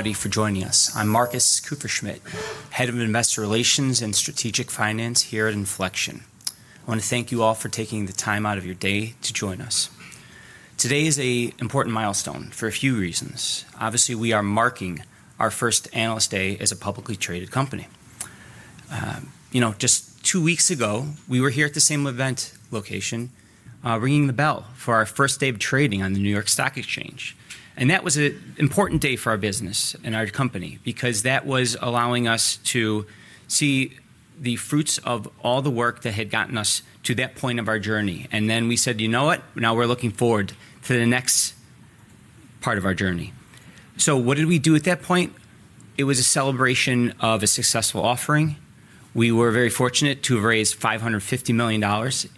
Thank you everybody for joining us. I'm Marcus Kupferschmidt, Head of Investor Relations and Strategic Finance here at Infleqtion. I wanna thank you all for taking the time out of your day to join us. Today is an important milestone for a few reasons. Obviously, we are marking our first Analyst Day as a publicly traded company. You know, just two weeks ago, we were here at the same event location, ringing the bell for our first day of trading on the New York Stock Exchange. That was an important day for our business and our company because that was allowing us to see the fruits of all the work that had gotten us to that point of our journey. We said, "You know what? Now we're looking forward to the next part of our journey." What did we do at that point? It was a celebration of a successful offering. We were very fortunate to have raised $550 million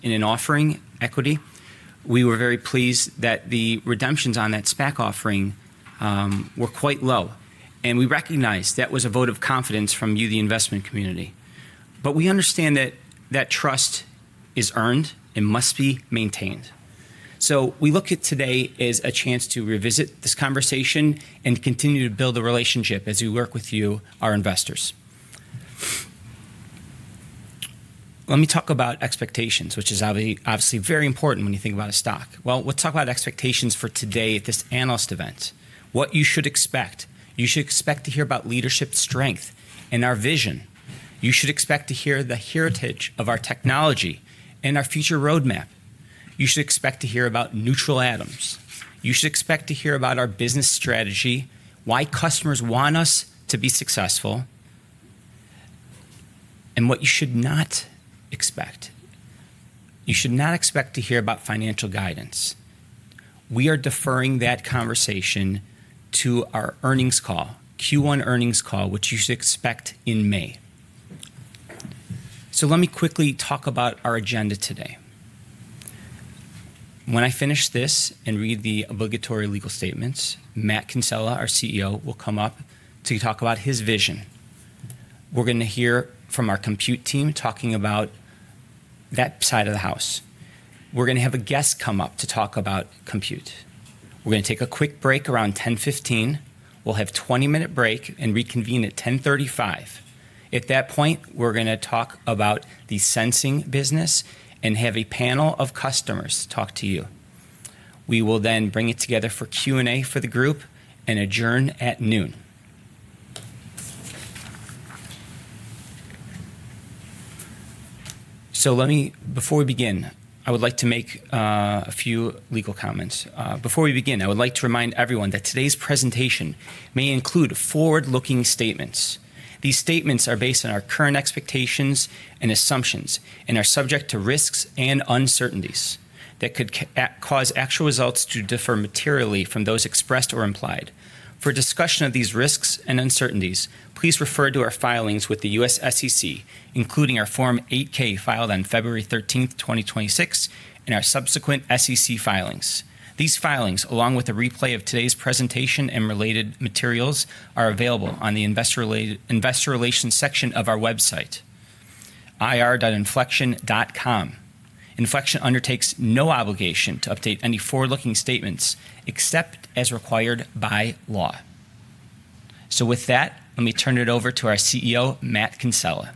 in an equity offering. We were very pleased that the redemptions on that SPAC offering were quite low, and we recognized that was a vote of confidence from you, the investment community. We understand that that trust is earned and must be maintained. We look at today as a chance to revisit this conversation and continue to build the relationship as we work with you, our investors. Let me talk about expectations, which is obviously very important when you think about a stock. Well, we'll talk about expectations for today at this analyst event. What you should expect. You should expect to hear about leadership strength and our vision. You should expect to hear the heritage of our technology and our future roadmap. You should expect to hear about neutral atoms. You should expect to hear about our business strategy, why customers want us to be successful, and what you should not expect. You should not expect to hear about financial guidance. We are deferring that conversation to our earnings call, Q1 earnings call, which you should expect in May. Let me quickly talk about our agenda today. When I finish this and read the obligatory legal statements, Matt Kinsella, our CEO, will come up to talk about his vision. We're gonna hear from our compute team talking about that side of the house. We're gonna have a guest come up to talk about compute. We're gonna take a quick break around 10:15AM. We'll have 20-minute break and reconvene at 10:35AM. At that point, we're gonna talk about the sensing business and have a panel of customers talk to you. We will then bring it together for Q&A for the group and adjourn at noon. Before we begin, I would like to make a few legal comments. Before we begin, I would like to remind everyone that today's presentation may include forward-looking statements. These statements are based on our current expectations and assumptions and are subject to risks and uncertainties that could cause actual results to differ materially from those expressed or implied. For a discussion of these risks and uncertainties, please refer to our filings with the U.S. SEC, including our Form 8-K filed on February 13th, 2026, and our subsequent SEC filings. These filings, along with a replay of today's presentation and related materials, are available on the investor relations section of our website, ir.infleqtion.com. Infleqtion undertakes no obligation to update any forward-looking statements except as required by law. With that, let me turn it over to our CEO, Matt Kinsella.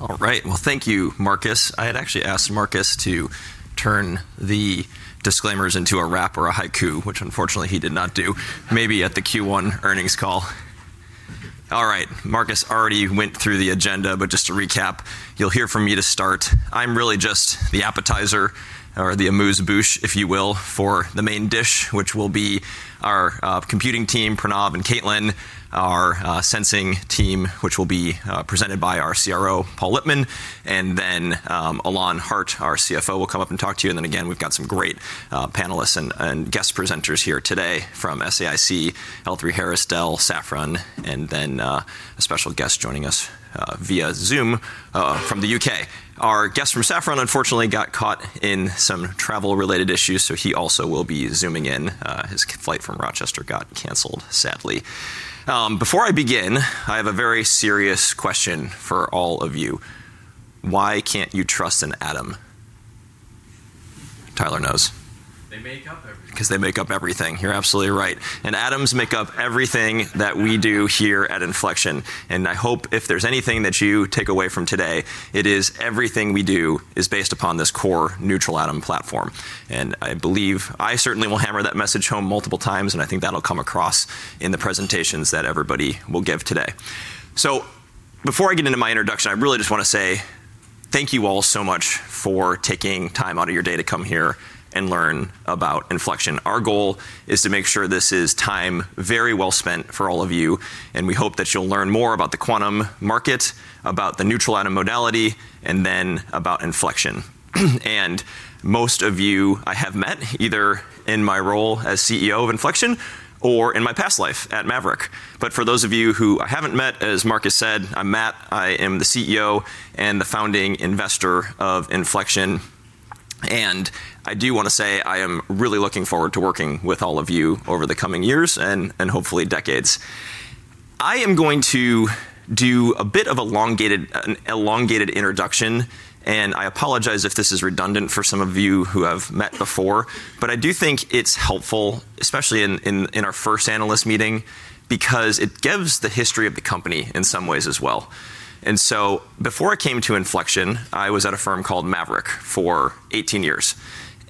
All right. Well, thank you, Marcus. I had actually asked Marcus to turn the disclaimers into a rap or a haiku, which unfortunately he did not do. Maybe at the Q1 earnings call. All right. Marcus already went through the agenda, but just to recap, you'll hear from me to start. I'm really just the appetizer or the amuse-bouche, if you will, for the main dish, which will be our computing team, Pranav and Caitlin, our sensing team, which will be presented by our CRO, Paul Lipman, and then Ilan Hart, our CFO, will come up and talk to you. We've got some great panelists and guest presenters here today from SAIC, L3Harris, Dell, Safran, and then a special guest joining us via Zoom from the U.K. Our guest from Safran unfortunately got caught in some travel-related issues, so he also will be Zooming in. His flight from Rochester got canceled, sadly. Before I begin, I have a very serious question for all of you. Why can't you trust an atom? Tyler knows. They make up everything. 'Cause they make up everything. You're absolutely right. Atoms make up everything that we do here at Infleqtion. I hope if there's anything that you take away from today, it is everything we do is based upon this core neutral atom platform. I believe I certainly will hammer that message home multiple times, and I think that'll come across in the presentations that everybody will give today. Before I get into my introduction, I really just wanna say thank you all so much for taking time out of your day to come here and learn about Infleqtion. Our goal is to make sure this is time very well spent for all of you, and we hope that you'll learn more about the quantum market, about the neutral atom modality, and then about Infleqtion. Most of you I have met either in my role as CEO of Infleqtion or in my past life at Maverick. For those of you who I haven't met, as Marcus said, I'm Matt. I am the CEO and the founding investor of Infleqtion. I do wanna say I am really looking forward to working with all of you over the coming years and hopefully decades. I am going to do a bit of an elongated introduction, and I apologize if this is redundant for some of you who I've met before, but I do think it's helpful, especially in our first analyst meeting because it gives the history of the company in some ways as well. Before I came to Infleqtion, I was at a firm called Maverick for 18 years,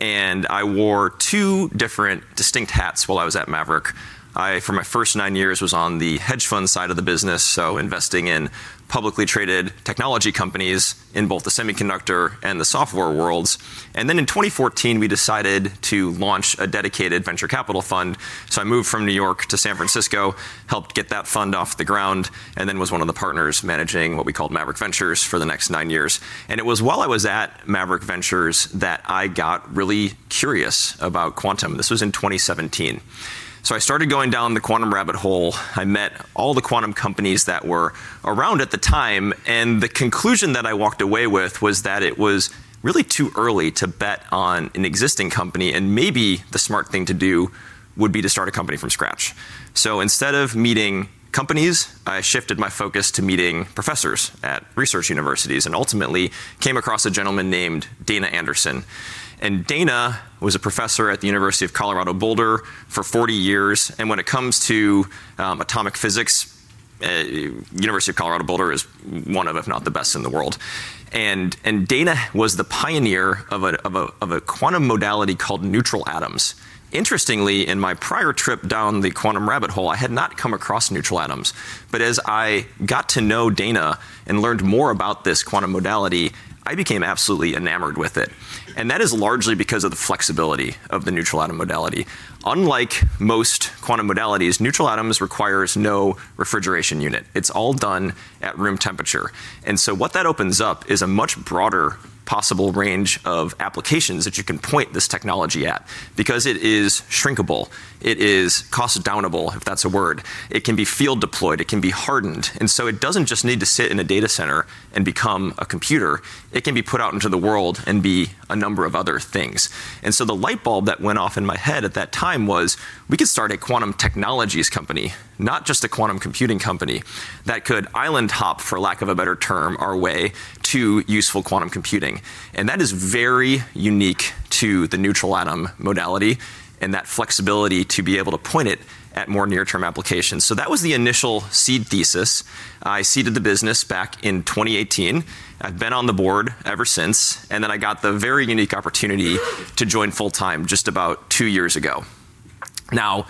and I wore two different distinct hats while I was at Maverick. I, for my first nine years, was on the hedge fund side of the business, so investing in publicly traded technology companies in both the semiconductor and the software worlds. In 2014, we decided to launch a dedicated venture capital fund. I moved from New York to San Francisco, helped get that fund off the ground, and then was one of the partners managing what we called Maverick Ventures for the next nine years. It was while I was at Maverick Ventures that I got really curious about quantum. This was in 2017. I started going down the quantum rabbit hole. I met all the quantum companies that were around at the time, and the conclusion that I walked away with was that it was really too early to bet on an existing company, and maybe the smart thing to do would be to start a company from scratch. Instead of meeting companies, I shifted my focus to meeting professors at research universities and ultimately came across a gentleman named Dana Anderson. Dana was a professor at the University of Colorado Boulder for 40 years. When it comes to atomic physics, University of Colorado Boulder is one of, if not the best in the world. Dana was the pioneer of a quantum modality called neutral atoms. Interestingly, in my prior trip down the quantum rabbit hole, I had not come across neutral atoms, but as I got to know Dana and learned more about this quantum modality, I became absolutely enamored with it. That is largely because of the flexibility of the neutral atom modality. Unlike most quantum modalities, neutral atoms requires no refrigeration unit. It's all done at room temperature. What that opens up is a much broader possible range of applications that you can point this technology at because it is shrinkable, it is cost downable, if that's a word. It can be field deployed, it can be hardened. It doesn't just need to sit in a data center and become a computer, it can be put out into the world and be a number of other things. The light bulb that went off in my head at that time was we could start a quantum technologies company, not just a quantum computing company, that could island hop, for lack of a better term, our way to useful quantum computing. And that is very unique to the neutral atom modality and that flexibility to be able to point it at more near-term applications. That was the initial seed thesis. I seeded the business back in 2018. I've been on the board ever since, and then I got the very unique opportunity to join full-time just about two years ago. Now,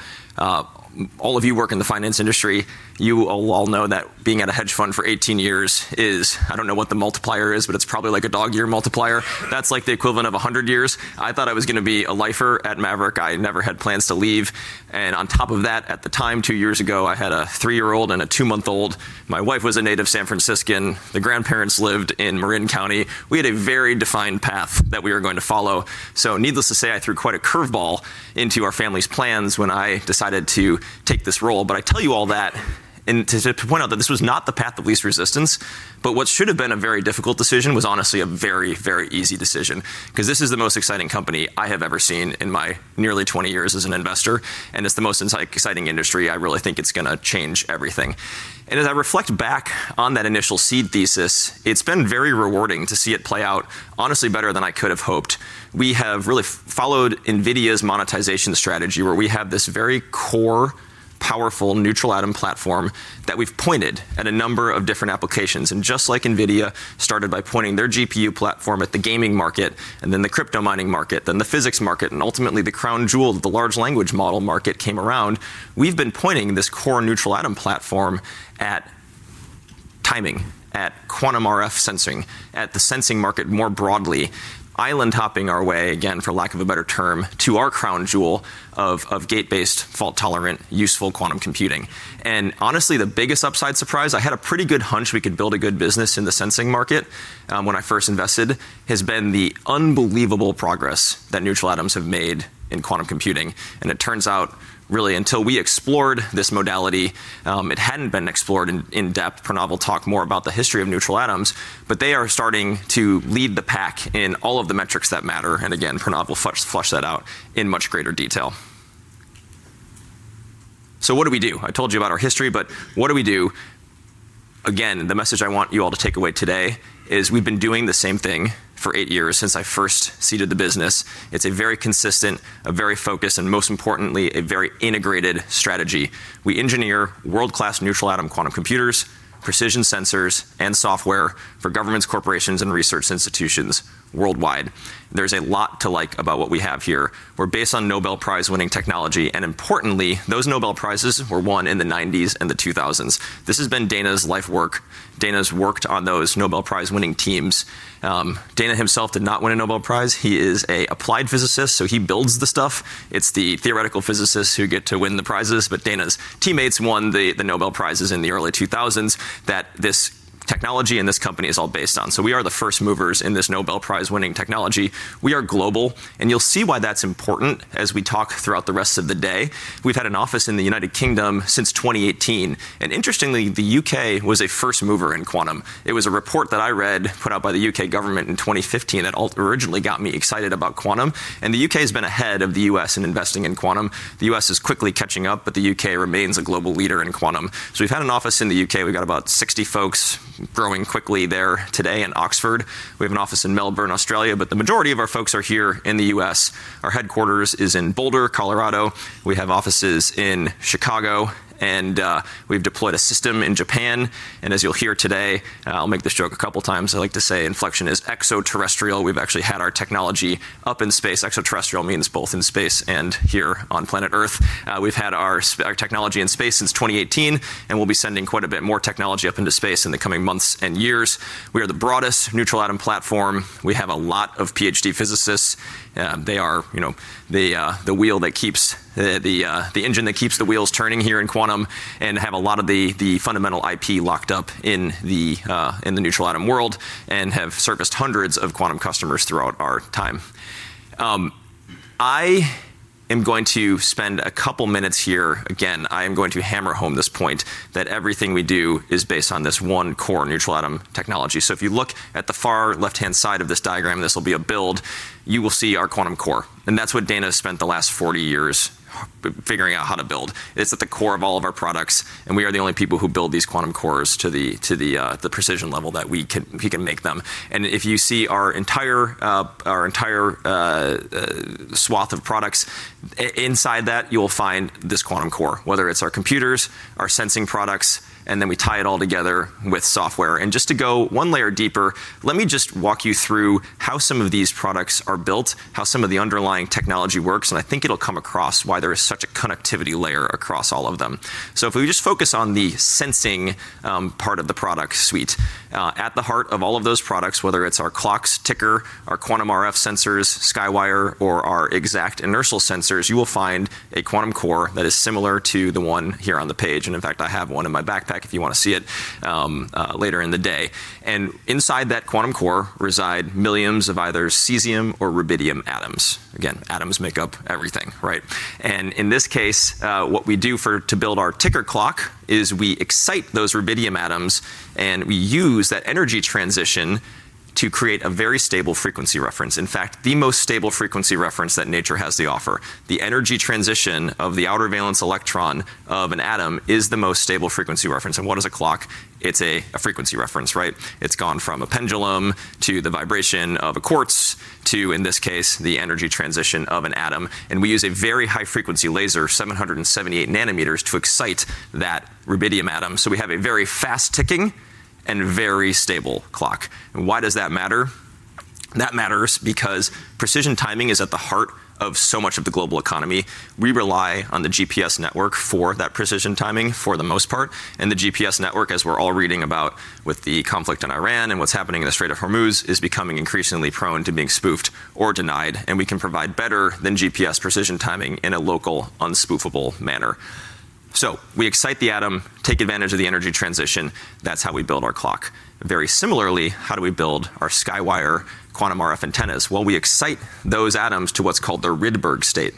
all of you work in the finance industry. You all know that being at a hedge fund for 18-years is. I don't know what the multiplier is, but it's probably like a dog year multiplier. That's like the equivalent of 100 years. I thought I was gonna be a lifer at Maverick. I never had plans to leave. On top of that, at the time, two years ago, I had a three-year-old and a two-month-old. My wife was a native San Franciscan. The grandparents lived in Marin County. We had a very defined path that we were going to follow. Needless to say, I threw quite a curveball into our family's plans when I decided to take this role. I tell you all that and to point out that this was not the path of least resistance, but what should have been a very difficult decision was honestly a very easy decision because this is the most exciting company I have ever seen in my nearly 20 years as an investor, and it's the most exciting industry. I really think it's gonna change everything. As I reflect back on that initial seed thesis, it's been very rewarding to see it play out honestly better than I could have hoped. We have really followed NVIDIA's monetization strategy, where we have this very core powerful neutral atom platform that we've pointed at a number of different applications. Just like NVIDIA started by pointing their GPU platform at the gaming market and then the crypto mining market, then the physics market, and ultimately the crown jewel of the large language model market came around, we've been pointing this core neutral atom platform at timing, at quantum RF sensing, at the sensing market more broadly, island hopping our way, again, for lack of a better term, to our crown jewel of gate-based, fault-tolerant, useful quantum computing. Honestly, the biggest upside surprise, I had a pretty good hunch we could build a good business in the sensing market, when I first invested, has been the unbelievable progress that neutral atoms have made in quantum computing. It turns out really until we explored this modality, it hadn't been explored in depth. Pranav will talk more about the history of neutral atoms, but they are starting to lead the pack in all of the metrics that matter. Again, Pranav will flesh that out in much greater detail. What do we do? I told you about our history, but what do we do? Again, the message I want you all to take away today is we've been doing the same thing for eight years since I first seeded the business. It's a very consistent, very focused, and most importantly, a very integrated strategy. We engineer world-class neutral atom quantum computers, precision sensors, and software for governments, corporations, and research institutions worldwide. There's a lot to like about what we have here. We're based on Nobel Prize-winning technology, and importantly, those Nobel Prizes were won in the 1990s and the 2000s. This has been Dana's life work. Dana's worked on those Nobel Prize-winning teams. Dana himself did not win a Nobel Prize. He is an applied physicist, so he builds the stuff. It's the theoretical physicists who get to win the prizes, but Dana's teammates won the Nobel Prizes in the early 2000s that this technology and this company is all based on. We are the first movers in this Nobel Prize-winning technology. We are global, and you'll see why that's important as we talk throughout the rest of the day. We've had an office in the United Kingdom since 2018, and interestingly, the U.K. Was a first mover in quantum. It was a report that I read put out by the U.K. government in 2015 that originally got me excited about quantum, and the U.K. has been ahead of the U.S. in investing in quantum. The U.S. is quickly catching up, but the U.K. remains a global leader in quantum. We've had an office in the U.K. We've got about 60 folks growing quickly there today in Oxford. We have an office in Melbourne, Australia, but the majority of our folks are here in the U.S. Our headquarters is in Boulder, Colorado. We have offices in Chicago, and we've deployed a system in Japan. As you'll hear today, I'll make this joke a couple times, I like to say Infleqtion is extraterrestrial. We've actually had our technology up in space. Extraterrestrial means both in space and here on planet Earth. We've had our technology in space since 2018, and we'll be sending quite a bit more technology up into space in the coming months and years. We are the broadest neutral atom platform. We have a lot of PhD physicists. They are, you know, the engine that keeps the wheels turning here in quantum and have a lot of the fundamental IP locked up in the neutral atom world and have serviced hundreds of quantum customers throughout our time. I am going to spend a couple minutes here. Again, I am going to hammer home this point that everything we do is based on this one core neutral atom technology. If you look at the far left-hand side of this diagram, this will be a build, you will see our quantum core, and that's what Dana has spent the last 40 years figuring out how to build. It's at the core of all of our products, and we are the only people who build these quantum cores to the precision level that we can make them. If you see our entire swath of products, inside that, you will find this quantum core, whether it's our computers, our sensing products, and then we tie it all together with software. Just to go one layer deeper, let me just walk you through how some of these products are built, how some of the underlying technology works, and I think it'll come across why there is such a connectivity layer across all of them. If we just focus on the sensing part of the product suite, at the heart of all of those products, whether it's our clock Tiqker, our quantum RF sensors, SQUYRE, or our eXaqt inertial sensors, you will find a quantum core that is similar to the one here on the page. In fact, I have one in my backpack if you wanna see it later in the day. Inside that quantum core reside millions of either cesium or rubidium atoms. Again, atoms make up everything, right? In this case, what we do to build our Tiqker clock is we excite those rubidium atoms, and we use that energy transition to create a very stable frequency reference, in fact, the most stable frequency reference that nature has to offer. The energy transition of the outer valence electron of an atom is the most stable frequency reference. What is a clock? It's a frequency reference, right? It's gone from a pendulum to the vibration of a quartz to, in this case, the energy transition of an atom. We use a very high-frequency laser, 778 nanometers, to excite that rubidium atom, so we have a very fast ticking and very stable clock. Why does that matter? That matters because precision timing is at the heart of so much of the global economy. We rely on the GPS network for that precision timing for the most part. The GPS network, as we're all reading about with the conflict in Iran and what's happening in the Strait of Hormuz, is becoming increasingly prone to being spoofed or denied, and we can provide better than GPS precision timing in a local, unspoofable manner. We excite the atom, take advantage of the energy transition. That's how we build our clock. Very similarly, how do we build our SQUYRE quantum RF antennas? Well, we excite those atoms to what's called the Rydberg state.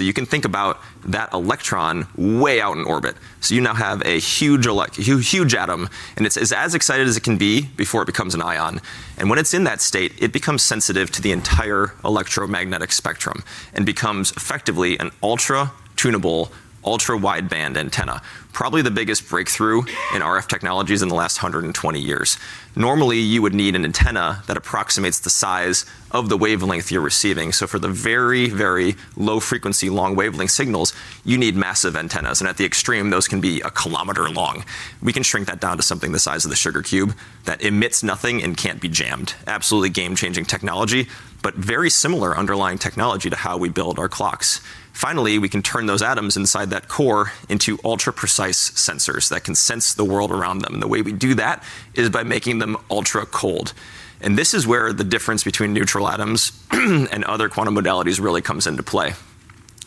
You can think about that electron way out in orbit. You now have a huge atom, and it's as excited as it can be before it becomes an ion. When it's in that state, it becomes sensitive to the entire electromagnetic spectrum and becomes effectively an ultra-tunable, ultra-wideband antenna, probably the biggest breakthrough in RF technologies in the last 120 years. Normally, you would need an antenna that approximates the size of the wavelength you're receiving. For thevery low frequency, long wavelength signals, you need massive antennas, and at the extreme, those can be a kilometer long. We can shrink that down to something the size of the sugar cube that emits nothing and can't be jammed. Absolutely game-changing technology, but very similar underlying technology to how we build our clocks. Finally, we can turn those atoms inside that core into ultra-precise sensors that can sense the world around them, and the way we do that is by making them ultra-cold. This is where the difference between neutral atoms and other quantum modalities really comes into play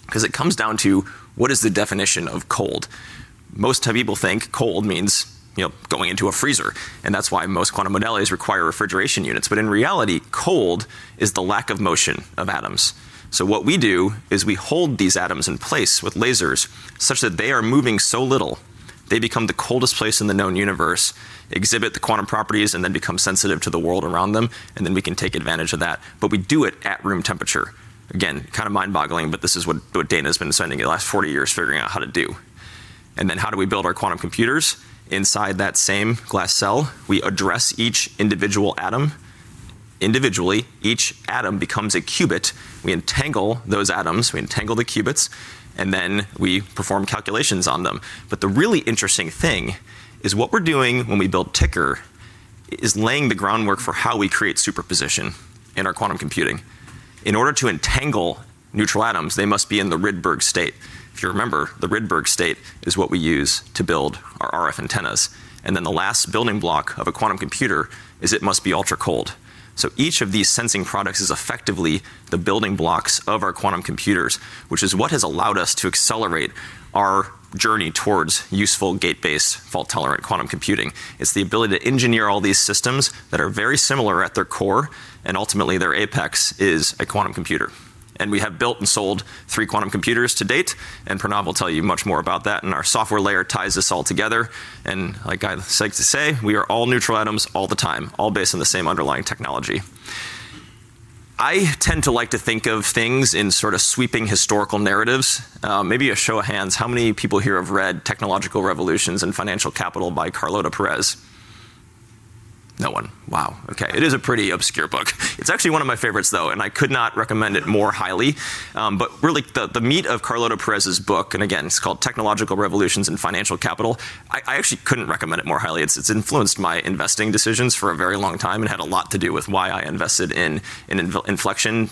because it comes down to what is the definition of cold. Most people think cold means, you know, going into a freezer, and that's why most quantum modalities require refrigeration units. In reality, cold is the lack of motion of atoms. What we do is we hold these atoms in place with lasers such that they are moving so little they become the coldest place in the known universe, exhibit the quantum properties, and then become sensitive to the world around them, and then we can take advantage of that. We do it at room temperature. Again, kind of mind-boggling, but this is what Dana's been spending the last 40-years figuring out how to do. Then how do we build our quantum computers? Inside that same glass cell, we address each individual atom. Individually, each atom becomes a qubit. We entangle those atoms, we entangle the qubits, and then we perform calculations on them. The really interesting thing is what we're doing when we build Tiqker is laying the groundwork for how we create superposition in our quantum computing. In order to entangle neutral atoms, they must be in the Rydberg state. If you remember, the Rydberg state is what we use to build our RF antennas. The last building block of a quantum computer is it must be ultra-cold. Each of these sensing products is effectively the building blocks of our quantum computers, which is what has allowed us to accelerate our journey towards useful gate-based fault-tolerant quantum computing. It's the ability to engineer all these systems that are very similar at their core, and ultimately their apex is a quantum computer. We have built and sold three quantum computers to date, and Pranav will tell you much more about that, and our software layer ties this all together. Like I like to say, we are all neutral atoms all the time, all based on the same underlying technology. I tend to like to think of things in sort of sweeping historical narratives. Maybe a show of hands, how many people here have read Technological Revolutions and Financial Capital by Carlota Perez? No one. Wow, okay. It is a pretty obscure book. It's actually one of my favorites though, and I could not recommend it more highly. Really the meat of Carlota Perez's book, and again, it's called Technological Revolutions and Financial Capital. I actually couldn't recommend it more highly. It's influenced my investing decisions for a very long time and had a lot to do with why I invested in Infleqtion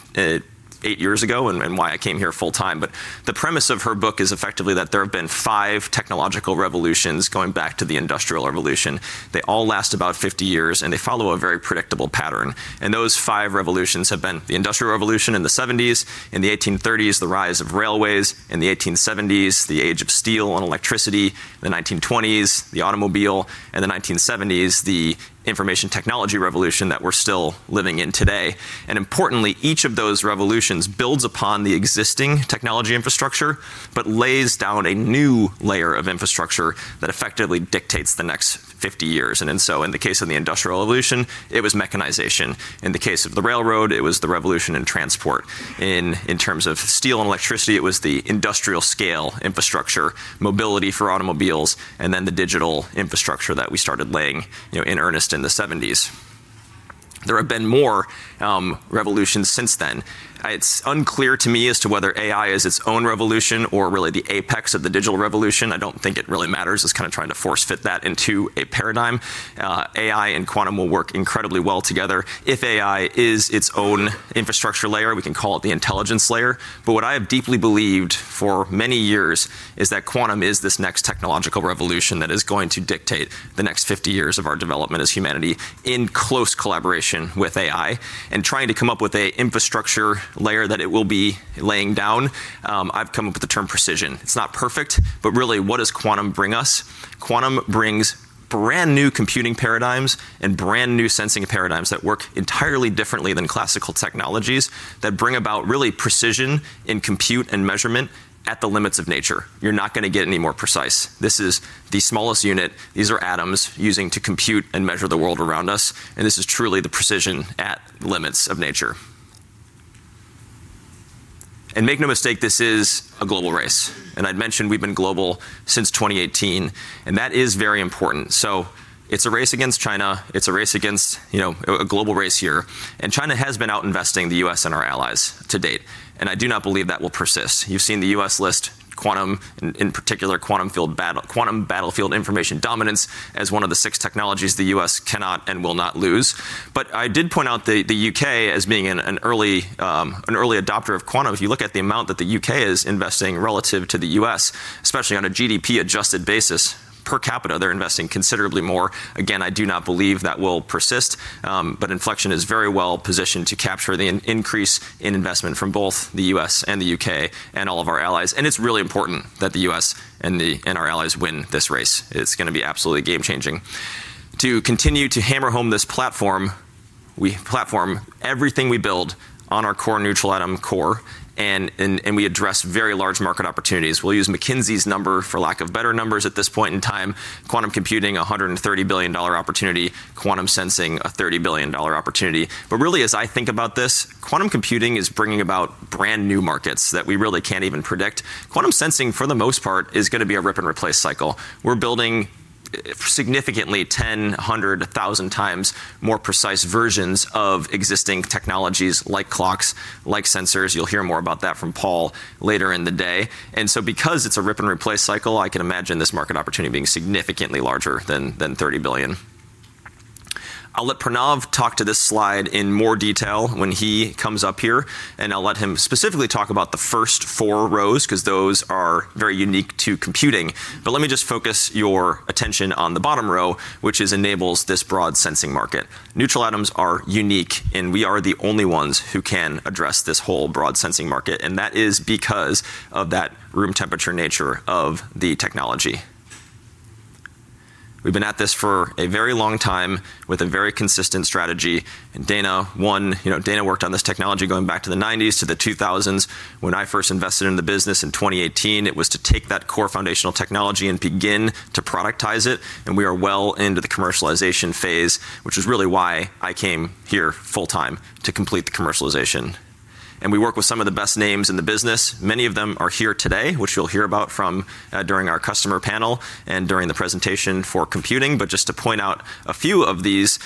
eight years ago and why I came here full-time. The premise of her book is effectively that there have been 5 technological revolutions going back to the Industrial Revolution. They all last about 50 years, and they follow a very predictable pattern. Those five revolutions have been the Industrial Revolution in the 1770s, in the 1830s, the rise of railways, in the 1870s, the age of steel and electricity, the 1920s, the automobile, and the 1970s, the information technology revolution that we're still living in today. Importantly, each of those revolutions builds upon the existing technology infrastructure but lays down a new layer of infrastructure that effectively dictates the next 50 years. In the case of the Industrial Revolution, it was mechanization. In the case of the railroad, it was the revolution in transport. In terms of steel and electricity, it was the industrial scale infrastructure, mobility for automobiles, and then the digital infrastructure that we started laying, you know, in earnest in the 1970s. There have been more revolutions since then. It's unclear to me as to whether AI is its own revolution or really the apex of the digital revolution. I don't think it really matters. It's kinda trying to force fit that into a paradigm. AI and quantum will work incredibly well together. If AI is its own infrastructure layer, we can call it the intelligence layer. What I have deeply believed for many years is that quantum is this next technological revolution that is going to dictate the next 50 years of our development as humanity in close collaboration with AI. Trying to come up with a infrastructure layer that it will be laying down, I've come up with the term precision. It's not perfect, but really, what does quantum bring us? Quantum brings brand-new computing paradigms and brand-new sensing paradigms that work entirely differently than classical technologies that bring about really precision in compute and measurement at the limits of nature. You're not gonna get any more precise. This is the smallest unit. These are atoms using to compute and measure the world around us, and this is truly the precision at limits of nature. Make no mistake, this is a global race. I'd mentioned we've been global since 2018, and that is very important. It's a race against China. It's a race against, you know, a global race here. China has been out investing the U.S. and our allies to date, and I do not believe that will persist. You've seen the U.S. list quantum, in particular, quantum battlefield information dominance as one of the six technologies the U.S. cannot and will not lose. I did point out the U.K. as being an early adopter of quantum. If you look at the amount that the U.K. is investing relative to the U.S., especially on a GDP-adjusted basis per capita, they're investing considerably more. Again, I do not believe that will persist, but Infleqtion is very well positioned to capture the increase in investment from both the U.S. and the U.K. and all of our allies. It's really important that the U.S. and our allies win this race. It's gonna be absolutely game-changing. To continue to hammer home this platform, we platform everything we build on our core neutral atom core and we address very large market opportunities. We'll use McKinsey's number for lack of better numbers at this point in time, quantum computing, a $130 billion opportunity, quantum sensing, a $30 billion opportunity. But really, as I think about this, quantum computing is bringing about brand-new markets that we really can't even predict. Quantum sensing, for the most part, is gonna be a rip-and-replace cycle. We're building significantly 10, 100, 1,000 times more precise versions of existing technologies like clocks, like sensors. You'll hear more about that from Paul later in the day. Because it's a rip-and-replace cycle, I can imagine this market opportunity being significantly larger than $30 billion. I'll let Pranav talk to this slide in more detail when he comes up here, and I'll let him specifically talk about the first four rows because those are very unique to computing. Let me just focus your attention on the bottom row, which enables this broad sensing market. Neutral atoms are unique, and we are the only ones who can address this whole broad sensing market, and that is because of that room temperature nature of the technology. We've been at this for a very long time with a very consistent strategy. Dana, you know, Dana worked on this technology going back to the 1990s, to the 2000s. When I first invested in the business in 2018, it was to take that core foundational technology and begin to productize it, and we are well into the commercialization phase, which is really why I came here full-time, to complete the commercialization. We work with some of the best names in the business. Many of them are here today, which you'll hear about from, during our customer panel and during the presentation for computing. Just to point out a few of these,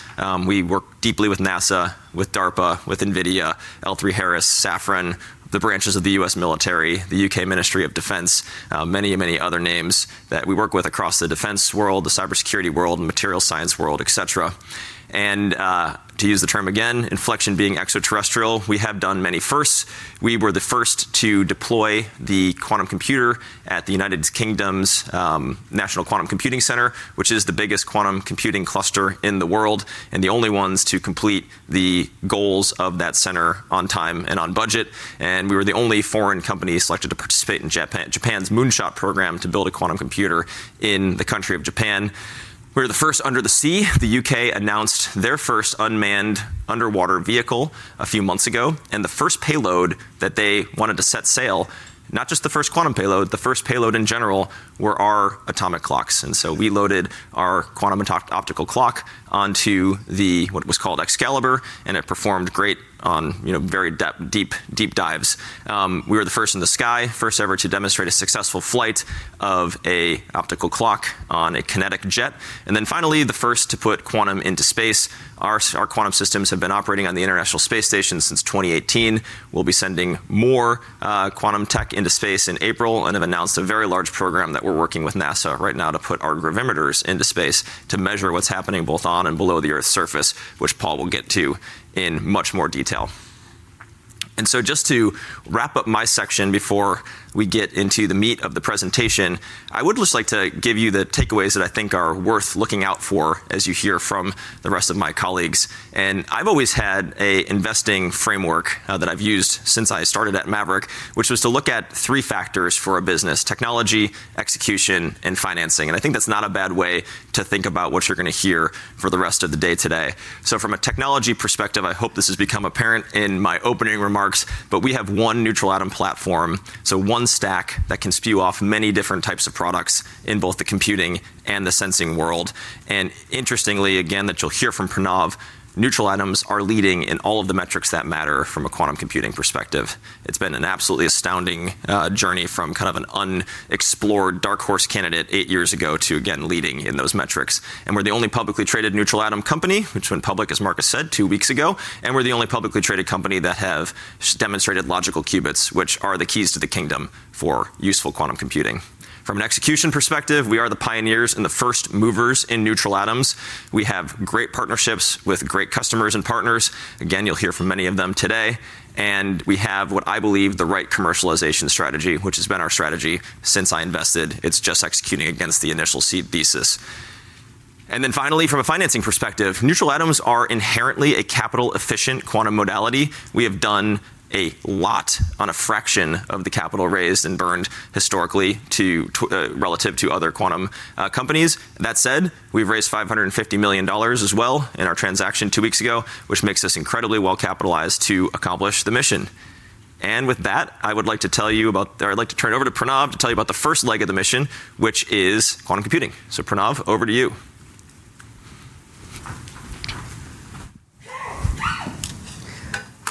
we work deeply with NASA, with DARPA, with NVIDIA, L3Harris, Safran, the branches of the U.S. military, the U.K. Ministry of Defence, many other names that we work with across the defense world, the cybersecurity world, material science world, et cetera. To use the term again, Infleqtion being extraterrestrial, we have done many firsts. We were the first to deploy the quantum computer at the United Kingdom's National Quantum Computing Centre, which is the biggest quantum computing cluster in the world, and the only ones to complete the goals of that centre on time and on budget. We were the only foreign company selected to participate in Japan's moonshot program to build a quantum computer in the country of Japan. We were the first under the sea. The U.K. Announced their first unmanned underwater vehicle a few months ago, and the first payload that they wanted to set sail, not just the first quantum payload, the first payload in general, were our atomic clocks. We loaded our quantum optical clock onto the, what was called Excalibur, and it performed great on, you know, deep dives. We were the first in the sky, first ever to demonstrate a successful flight of a optical clock on a kinetic jet. Finally, the first to put quantum into space. Our quantum systems have been operating on the International Space Station since 2018. We'll be sending more quantum tech into space in April and have announced a very large program that we're working with NASA right now to put our gravimeters into space to measure what's happening both on and below the Earth's surface, which Paul will get to in much more detail. Just to wrap up my section before we get into the meat of the presentation, I would just like to give you the takeaways that I think are worth looking out for as you hear from the rest of my colleagues. I've always had an investment framework that I've used since I started at Maverick, which was to look at three factors for a business: technology, execution, and financing. I think that's not a bad way to think about what you're gonna hear for the rest of the day today. From a technology perspective, I hope this has become apparent in my opening remarks, but we have one neutral atom platform, so one stack that can spin off many different types of products in both the computing and the sensing world. Interestingly, again, that you'll hear from Pranav, neutral atoms are leading in all of the metrics that matter from a quantum computing perspective. It's been an absolutely astounding journey from kind of an unexplored dark horse candidate eight years ago to, again, leading in those metrics. We're the only publicly traded neutral atom company, which went public, as Marcus said, two weeks ago, and we're the only publicly traded company that have demonstrated logical qubits, which are the keys to the kingdom for useful quantum computing. From an execution perspective, we are the pioneers and the first movers in neutral atoms. We have great partnerships with great customers and partners. Again, you'll hear from many of them today. We have what I believe the right commercialization strategy, which has been our strategy since I invested. It's just executing against the initial seed thesis. Finally, from a financing perspective, neutral atoms are inherently a capital-efficient quantum modality. We have done a lot on a fraction of the capital raised and burned historically, too, relative to other quantum companies. That said, we've raised $550 million as well in our transaction two weeks ago, which makes us incredibly well capitalized to accomplish the mission. With that, I would like to tell you about, or I'd like to turn it over to Pranav to tell you about the first leg of the mission, which is quantum computing. Pranav, over to you.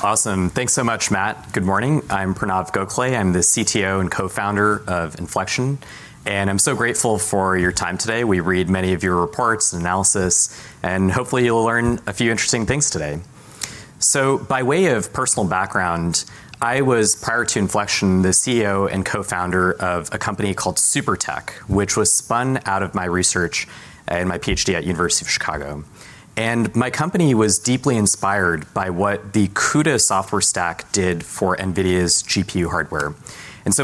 Awesome. Thanks so much, Matt. Good morning. I'm Pranav Gokhale. I'm the CTO and co-founder of Infleqtion, and I'm so grateful for your time today. We read many of your reports and analysis, and hopefully, you'll learn a few interesting things today. By way of personal background, I was, prior to Infleqtion, the CEO and co-founder of a company called Super.tech, which was spun out of my research and my PhD at University of Chicago. My company was deeply inspired by what the CUDA software stack did for NVIDIA's GPU hardware.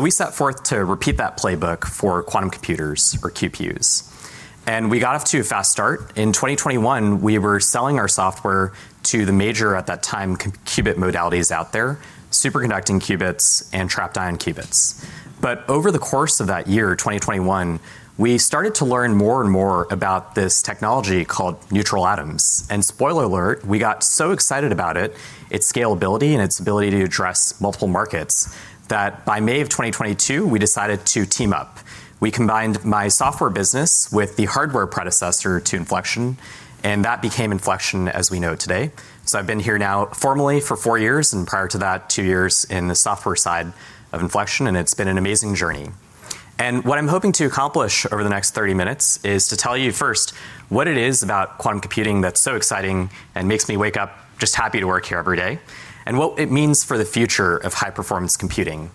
We set forth to repeat that playbook for quantum computers or QPUs. We got off to a fast start. In 2021, we were selling our software to the major, at that time, qubit modalities out there, superconducting qubits and trapped ion qubits. Over the course of that year, 2021, we started to learn more and more about this technology called neutral atoms. Spoiler alert, we got so excited about it, its scalability, and its ability to address multiple markets that by May of 2022, we decided to team up. We combined my software business with the hardware predecessor to Infleqtion, and that became Infleqtion as we know it today. I've been here now formally for four years, and prior to that, two years in the software side of Infleqtion, and it's been an amazing journey. What I'm hoping to accomplish over the next 30 minutes is to tell you first what it is about quantum computing that's so exciting and makes me wake up just happy to work here every day, and what it means for the future of high-performance computing.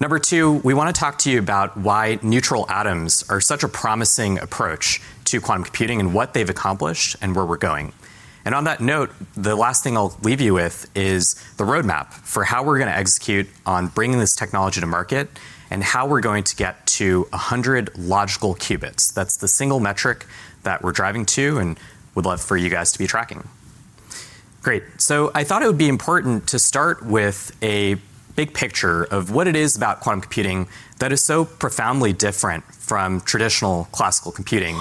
Number two, we wanna talk to you about why neutral atoms are such a promising approach to quantum computing and what they've accomplished and where we're going. On that note, the last thing I'll leave you with is the roadmap for how we're gonna execute on bringing this technology to market and how we're going to get to 100 logical qubits. That's the single metric that we're driving to and would love for you guys to be tracking. Great. I thought it would be important to start with a big picture of what it is about quantum computing that is so profoundly different from traditional classical computing.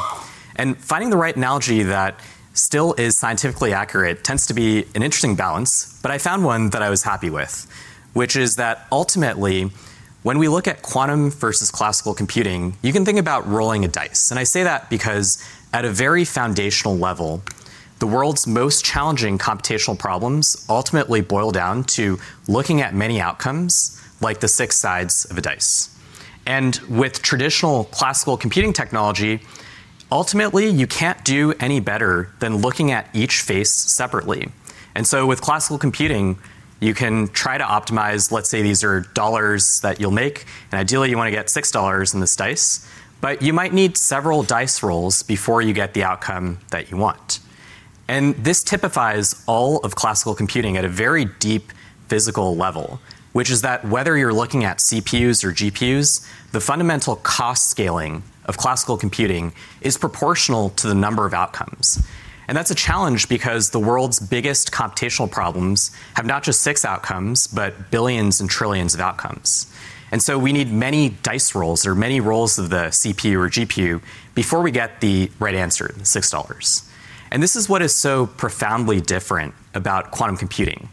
Finding the right analogy that still is scientifically accurate tends to be an interesting balance, but I found one that I was happy with, which is that ultimately, when we look at quantum versus classical computing, you can think about rolling a dice. I say that because at a very foundational level, the world's most challenging computational problems ultimately boil down to looking at many outcomes, like the six sides of a dice. With traditional classical computing technology, ultimately, you can't do any better than looking at each face separately. With classical computing, you can try to optimize, let's say these are dollars that you'll make, and ideally you wanna get $6 in this dice, but you might need several dice rolls before you get the outcome that you want. This typifies all of classical computing at a very deep physical level, which is that whether you're looking at CPUs or GPUs, the fundamental cost scaling of classical computing is proportional to the number of outcomes. That's a challenge because the world's biggest computational problems have not just six outcomes, but billions and trillions of outcomes. We need many dice rolls or many rolls of the CPU or GPU before we get the right answer, the $6. This is what is so profoundly different about quantum computing.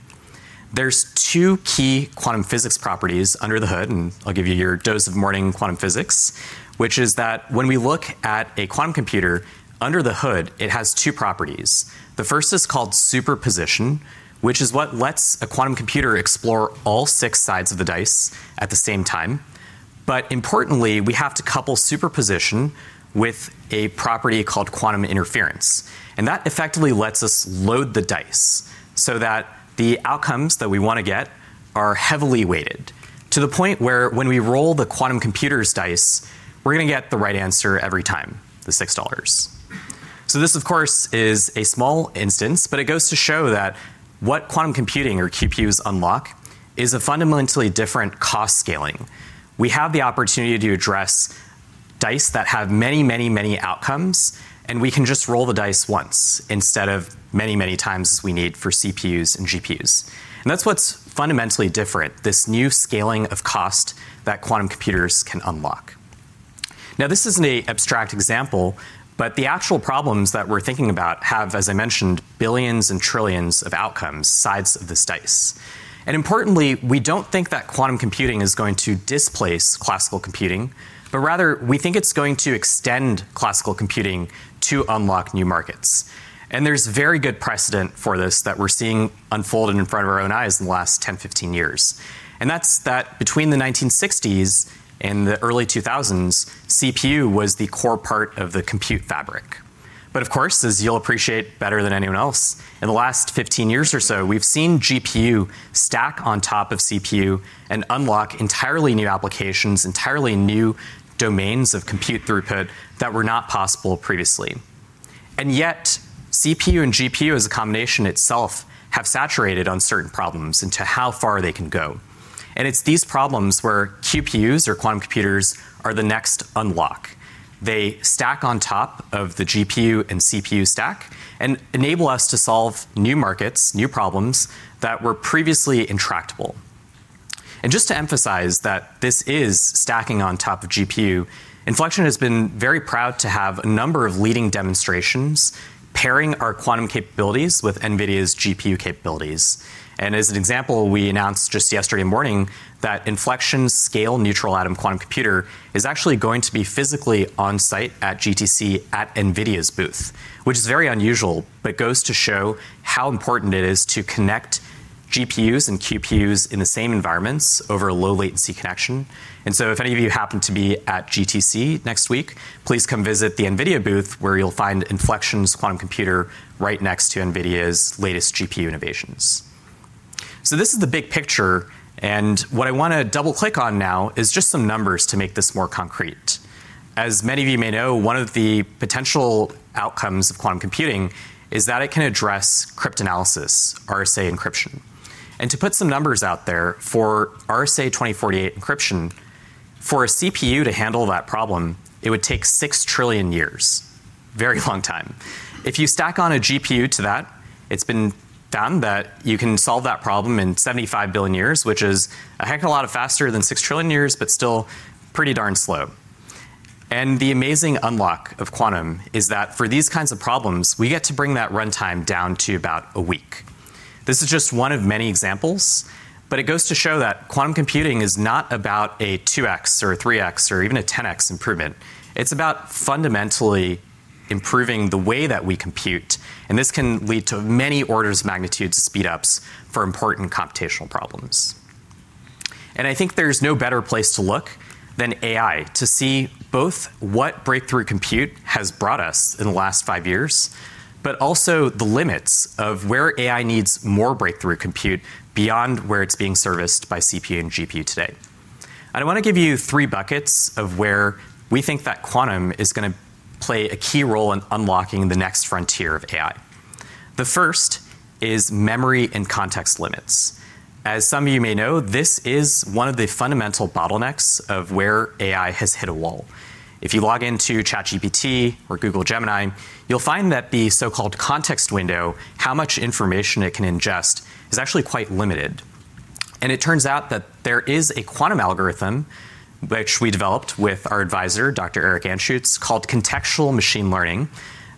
There's two key quantum physics properties under the hood, and I'll give you your dose of morning quantum physics, which is that when we look at a quantum computer, under the hood, it has two properties. The first is called superposition, which is what lets a quantum computer explore all six sides of the dice at the same time. Importantly, we have to couple superposition with a property called quantum interference. That effectively lets us load the dice so that the outcomes that we wanna get are heavily weighted to the point where when we roll the quantum computer's dice, we're gonna get the right answer every time, the six dollars. This, of course, is a small instance, but it goes to show that what quantum computing or QPUs unlock is a fundamentally different cost scaling. We have the opportunity to address dice that have many, many, many outcomes, and we can just roll the dice once instead of many, many times as we need for CPUs and GPUs. That's what's fundamentally different, this new scaling of cost that quantum computers can unlock. Now, this is an abstract example, but the actual problems that we're thinking about have, as I mentioned, billions and trillions of outcomes, sides of this dice. Importantly, we don't think that quantum computing is going to displace classical computing, but rather we think it's going to extend classical computing to unlock new markets. There's very good precedent for this that we're seeing unfolded in front of our own eyes in the last 10, 15 years. That's that between the 1960s and the early 2000s, CPU was the core part of the compute fabric. Of course, as you'll appreciate better than anyone else, in the last 15 years or so, we've seen GPU stack on top of CPU and unlock entirely new applications, entirely new domains of compute throughput that were not possible previously. Yet, CPU and GPU as a combination itself have saturated on certain problems into how far they can go. It's these problems where QPUs or quantum computers are the next unlock. They stack on top of the GPU and CPU stack and enable us to solve new markets, new problems that were previously intractable. Just to emphasize that this is stacking on top of GPU, Infleqtion has been very proud to have a number of leading demonstrations pairing our quantum capabilities with NVIDIA's GPU capabilities. As an example, we announced just yesterday morning that Infleqtion's Sqale neutral atom quantum computer is actually going to be physically on-site at GTC at NVIDIA's booth, which is very unusual, but goes to show how important it is to connect GPUs and QPUs in the same environments over a low latency connection. If any of you happen to be at GTC next week, please come visit the NVIDIA booth where you'll find Infleqtion's quantum computer right next to NVIDIA's latest GPU innovations. This is the big picture, and what I wanna double-click on now is just some numbers to make this more concrete. As many of you may know, one of the potential outcomes of quantum computing is that it can address cryptanalysis, RSA encryption. To put some numbers out there, for RSA-2048 encryption, for a CPU to handle that problem, it would take 6 trillion years. Very long time. If you stack on a GPU to that, it's been done that you can solve that problem in 75 billion years, which is a heck of a lot faster than 6 trillion years, but still pretty darn slow. The amazing unlock of quantum is that for these kinds of problems, we get to bring that runtime down to about a week. This is just one of many examples, but it goes to show that quantum computing is not about a 2x or a 3x or even a 10x improvement. It's about fundamentally improving the way that we compute, and this can lead to many orders of magnitude speed-ups for important computational problems. I think there's no better place to look than AI to see both what breakthrough compute has brought us in the last five years, but also the limits of where AI needs more breakthrough compute beyond where it's being serviced by CPU and GPU today. I wanna give you three buckets of where we think that quantum is gonna play a key role in unlocking the next frontier of AI. The first is memory and context limits. As some of you may know, this is one of the fundamental bottlenecks of where AI has hit a wall. If you log into ChatGPT or Google Gemini, you'll find that the so-called context window, how much information it can ingest, is actually quite limited. It turns out that there is a quantum algorithm which we developed with our advisor, Dr. Eric Anschuetz, called Contextual Machine Learning,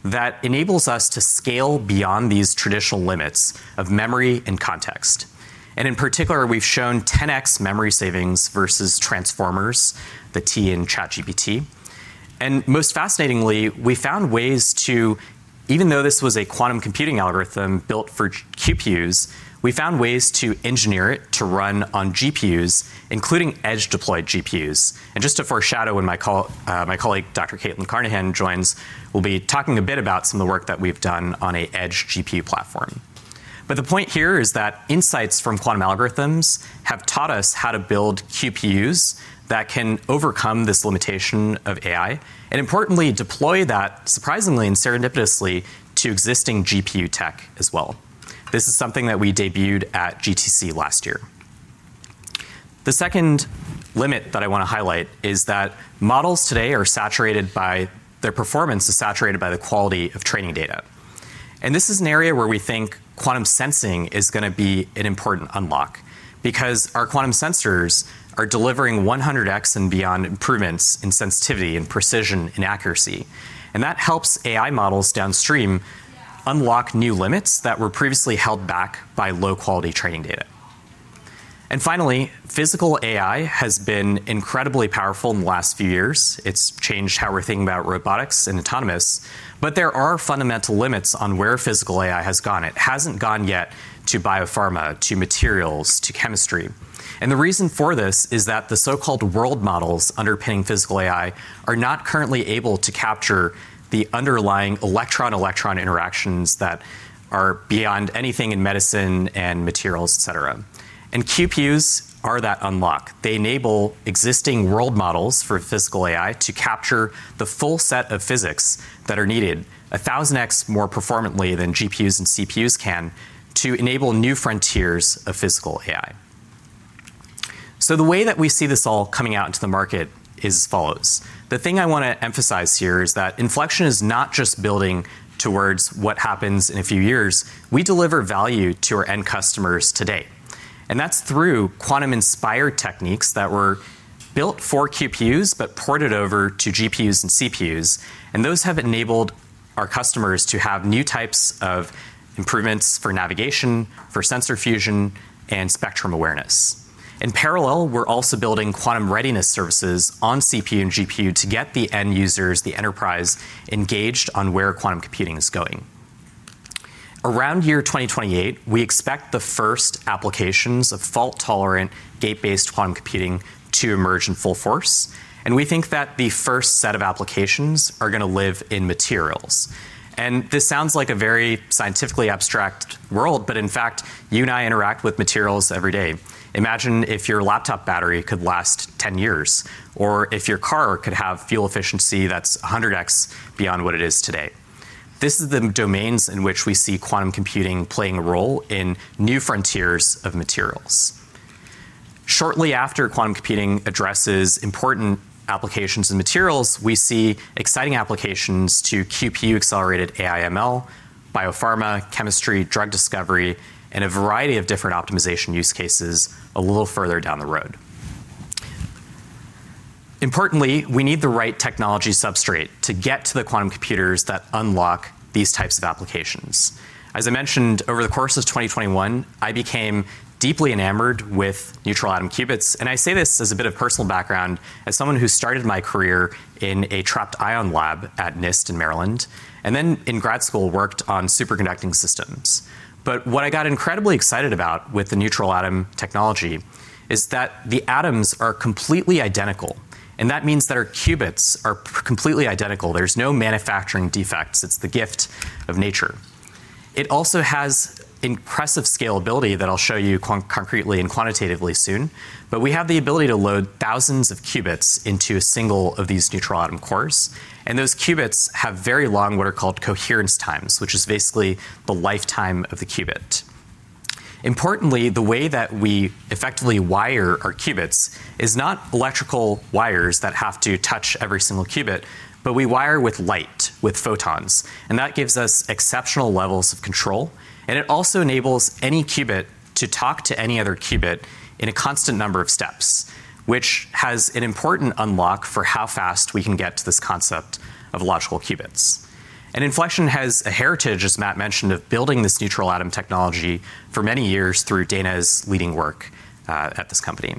that enables us to scale beyond these traditional limits of memory and context. In particular, we've shown 10x memory savings versus transformers, the T in ChatGPT. Most fascinatingly, we found ways to even though this was a quantum computing algorithm built for QPUs, we found ways to engineer it to run on GPUs, including edge deployed GPUs. Just to foreshadow when my colleague, Dr. Caitlin Carnahan, joins, we'll be talking a bit about some of the work that we've done on an edge GPU platform. The point here is that insights from quantum algorithms have taught us how to build QPUs that can overcome this limitation of AI and importantly, deploy that surprisingly and serendipitously to existing GPU tech as well. This is something that we debuted at GTC last year. The second limit that I wanna highlight is that models today are saturated by their performance is saturated by the quality of training data. This is an area where we think quantum sensing is gonna be an important unlock because our quantum sensors are delivering 100x and beyond improvements in sensitivity, in precision, in accuracy. That helps AI models downstream unlock new limits that were previously held back by low quality training data. Finally, physical AI has been incredibly powerful in the last few years. It's changed how we're thinking about robotics and autonomous, but there are fundamental limits on where physical AI has gone. It hasn't gone yet to biopharma, to materials, to chemistry. The reason for this is that the so-called world models underpinning physical AI are not currently able to capture the underlying electron-electron interactions that are beyond anything in medicine and materials, et cetera. QPUs are that unlock. They enable existing world models for physical AI to capture the full set of physics that are needed, 1000x more performantly than GPUs and CPUs can to enable new frontiers of physical AI. The way that we see this all coming out into the market is as follows. The thing I wanna emphasize here is that Infleqtion is not just building towards what happens in a few years. We deliver value to our end customers today, and that's through quantum-inspired techniques that were built for QPUs but ported over to GPUs and CPUs. Those have enabled our customers to have new types of improvements for navigation, for sensor fusion and spectrum awareness. In parallel, we're also building quantum readiness services on CPU and GPU to get the end users, the enterprise, engaged on where quantum computing is going. Around year 2028, we expect the first applications of fault-tolerant gate-based quantum computing to emerge in full force, and we think that the first set of applications are gonna live in materials. This sounds like a very scientifically abstract world, but in fact, you and I interact with materials every day. Imagine if your laptop battery could last 10 years or if your car could have fuel efficiency that's 100x beyond what it is today. This is the domains in which we see quantum computing playing a role in new frontiers of materials. Shortly after quantum computing addresses important applications in materials, we see exciting applications to QPU accelerated AI ML, biopharma, chemistry, drug discovery, and a variety of different optimization use cases a little further down the road. Importantly, we need the right technology substrate to get to the quantum computers that unlock these types of applications. As I mentioned, over the course of 2021, I became deeply enamored with neutral atom qubits. I say this as a bit of personal background as someone who started my career in a trapped ion lab at NIST in Maryland, and then in grad school, worked on superconducting systems. What I got incredibly excited about with the neutral atom technology is that the atoms are completely identical, and that means that our qubits are completely identical. There's no manufacturing defects. It's the gift of nature. It also has impressive scalability that I'll show you concretely and quantitatively soon. We have the ability to load thousands of qubits into a single of these neutral atom cores, and those qubits have very long, what are called coherence times, which is basically the lifetime of the qubit. Importantly, the way that we effectively wire our qubits is not electrical wires that have to touch every single qubit, but we wire with light, with photons, and that gives us exceptional levels of control. It also enables any qubit to talk to any other qubit in a constant number of steps, which has an important unlock for how fast we can get to this concept of logical qubits. Infleqtion has a heritage, as Matt mentioned, of building this neutral atom technology for many years through Dana's leading work at this company.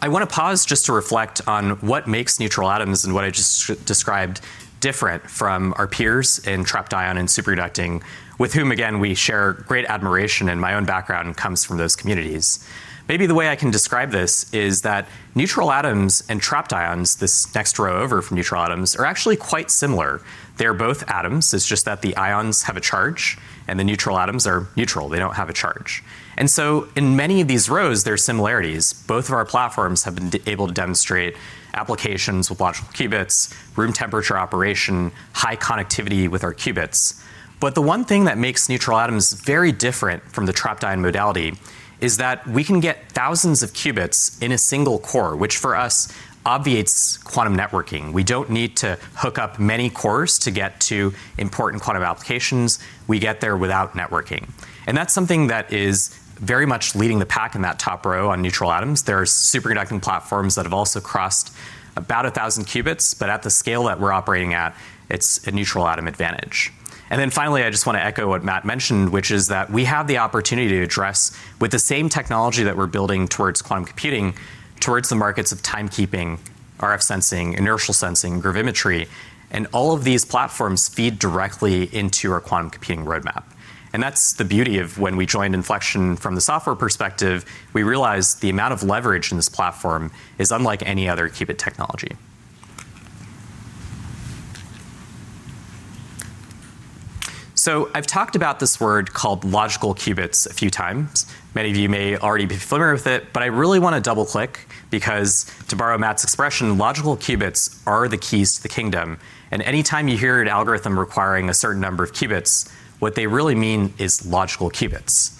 I wanna pause just to reflect on what makes neutral atoms and what I just described different from our peers in trapped ion and superconducting with whom again, we share great admiration, and my own background comes from those communities. Maybe the way I can describe this is that neutral atoms and trapped ions, this next row over from neutral atoms, are actually quite similar. They're both atoms, it's just that the ions have a charge and the neutral atoms are neutral. They don't have a charge. In many of these rows, there are similarities. Both of our platforms have been able to demonstrate applications with logical qubits, room temperature operation, high connectivity with our qubits. The one thing that makes neutral atoms very different from the trapped ion modality is that we can get thousands of qubits in a single core, which for us obviates quantum networking. We don't need to hook up many cores to get to important quantum applications. We get there without networking, and that's something that is very much leading the pack in that top row on neutral atoms. There are superconducting platforms that have also crossed about a thousand qubits, but at the scale that we're operating at, it's a neutral atom advantage. Finally, I just wanna echo what Matt mentioned, which is that we have the opportunity to address with the same technology that we're building towards quantum computing, towards the markets of timekeeping, RF sensing, inertial sensing, gravimetry, and all of these platforms feed directly into our quantum computing roadmap. That's the beauty of when we joined Infleqtion from the software perspective, we realized the amount of leverage in this platform is unlike any other qubit technology. I've talked about this word called logical qubits a few times. Many of you may already be familiar with it, but I really wanna double-click because to borrow Matt's expression, logical qubits are the keys to the kingdom, and any time you hear an algorithm requiring a certain number of qubits, what they really mean is logical qubits.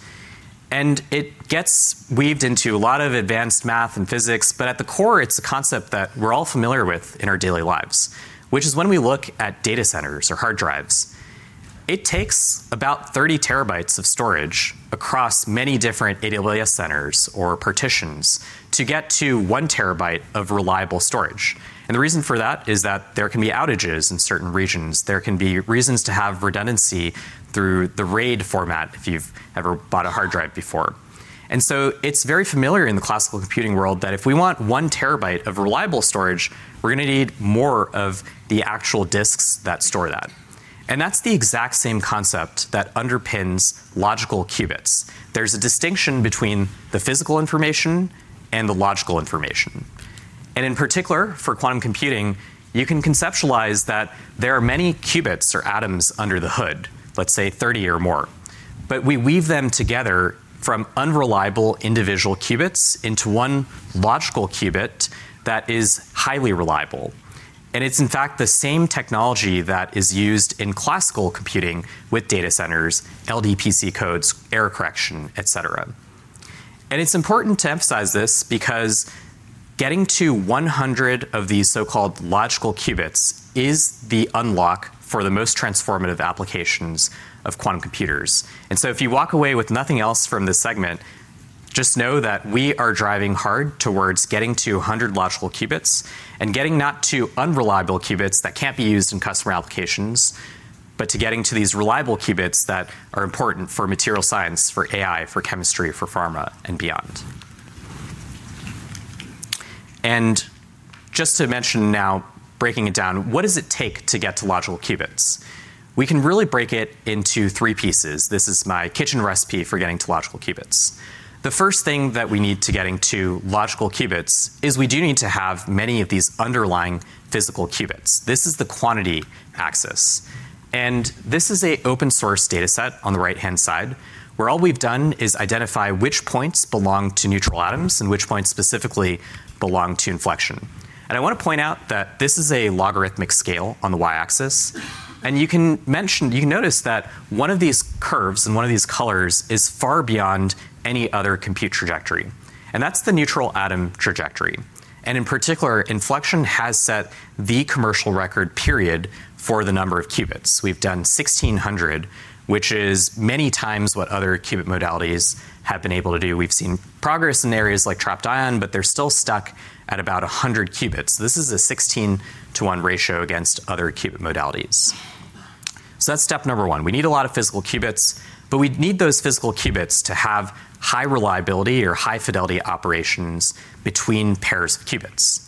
It gets weaved into a lot of advanced math and physics, but at the core, it's a concept that we're all familiar with in our daily lives, which is when we look at data centers or hard drives. It takes about 30 TB of storage across many different data centers or partitions to get to 1 TB of reliable storage. The reason for that is that there can be outages in certain regions. There can be reasons to have redundancy through the RAID format if you've ever bought a hard drive before. It's very familiar in the classical computing world that if we want 1 terabyte of reliable storage, we're gonna need more of the actual disks that store that. That's the eXaqt same concept that underpins logical qubits. There's a distinction between the physical information and the logical information. In particular, for quantum computing, you can conceptualize that there are many qubits or atoms under the hood, let's say 30 or more. We weave them together from unreliable individual qubits into one logical qubit that is highly reliable. It's in fact the same technology that is used in classical computing with data centers, LDPC codes, error correction, et cetera. It's important to emphasize this because getting to 100 of these so-called logical qubits is the unlock for the most transformative applications of quantum computers. If you walk away with nothing else from this segment, just know that we are driving hard towards getting to 100 logical qubits and getting not to unreliable qubits that can't be used in customer applications, but to getting to these reliable qubits that are important for material science, for AI, for chemistry, for pharma, and beyond. Just to mention now, breaking it down, what does it take to get to logical qubits? We can really break it into three pieces. This is my kitchen recipe for getting to logical qubits. The first thing that we need to getting to logical qubits is we do need to have many of these underlying physical qubits. This is the quantity axis. This is an open source data set on the right-hand side, where all we've done is identify which points belong to neutral atoms and which points specifically belong to Infleqtion. I wanna point out that this is a logarithmic scale on the Y-axis, and you can notice that one of these curves and one of these colors is far beyond any other compute trajectory, and that's the neutral atom trajectory. In particular, Infleqtion has set the commercial record period for the number of qubits. We've done 1,600, which is many times what other qubit modalities have been able to do. We've seen progress in areas like trapped ion, but they're still stuck at about 100 qubits. This is a 16-to-1 ratio against other qubit modalities. That's step number one. We need a lot of physical qubits, but we need those physical qubits to have high reliability or high fidelity operations between pairs of qubits.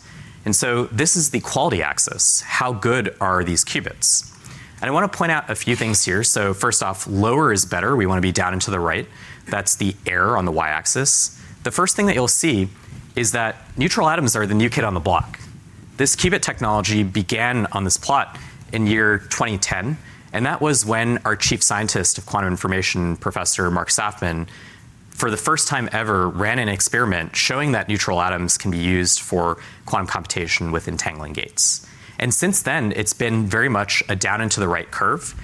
This is the quality axis. How good are these qubits? I wanna point out a few things here. First off, lower is better. We wanna be down and to the right. That's the error on the Y-axis. The first thing that you'll see is that neutral atoms are the new kid on the block. This qubit technology began on this plot in year 2010, and that was when our chief scientist of quantum information, Professor Mark Saffman, for the first time ever, ran an experiment showing that neutral atoms can be used for quantum computation with entangling gates. Since then, it's been very much a down and to the right curve.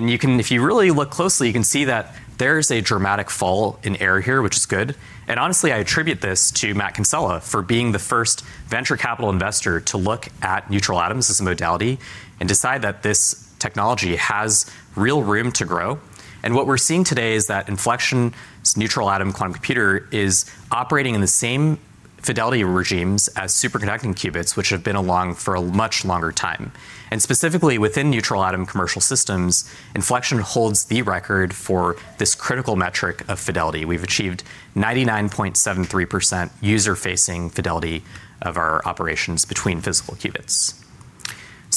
You can. If you really look closely, you can see that there's a dramatic fall in error here, which is good. Honestly, I attribute this to Matt Kinsella for being the first venture capital investor to look at neutral atoms as a modality and decide that this technology has real room to grow. What we're seeing today is that Infleqtion's neutral atom quantum computer is operating in the same fidelity regimes as superconducting qubits, which have been along for a much longer time. Specifically within neutral atom commercial systems, Infleqtion holds the record for this critical metric of fidelity. We've achieved 99.73% user-facing fidelity of our operations between physical qubits.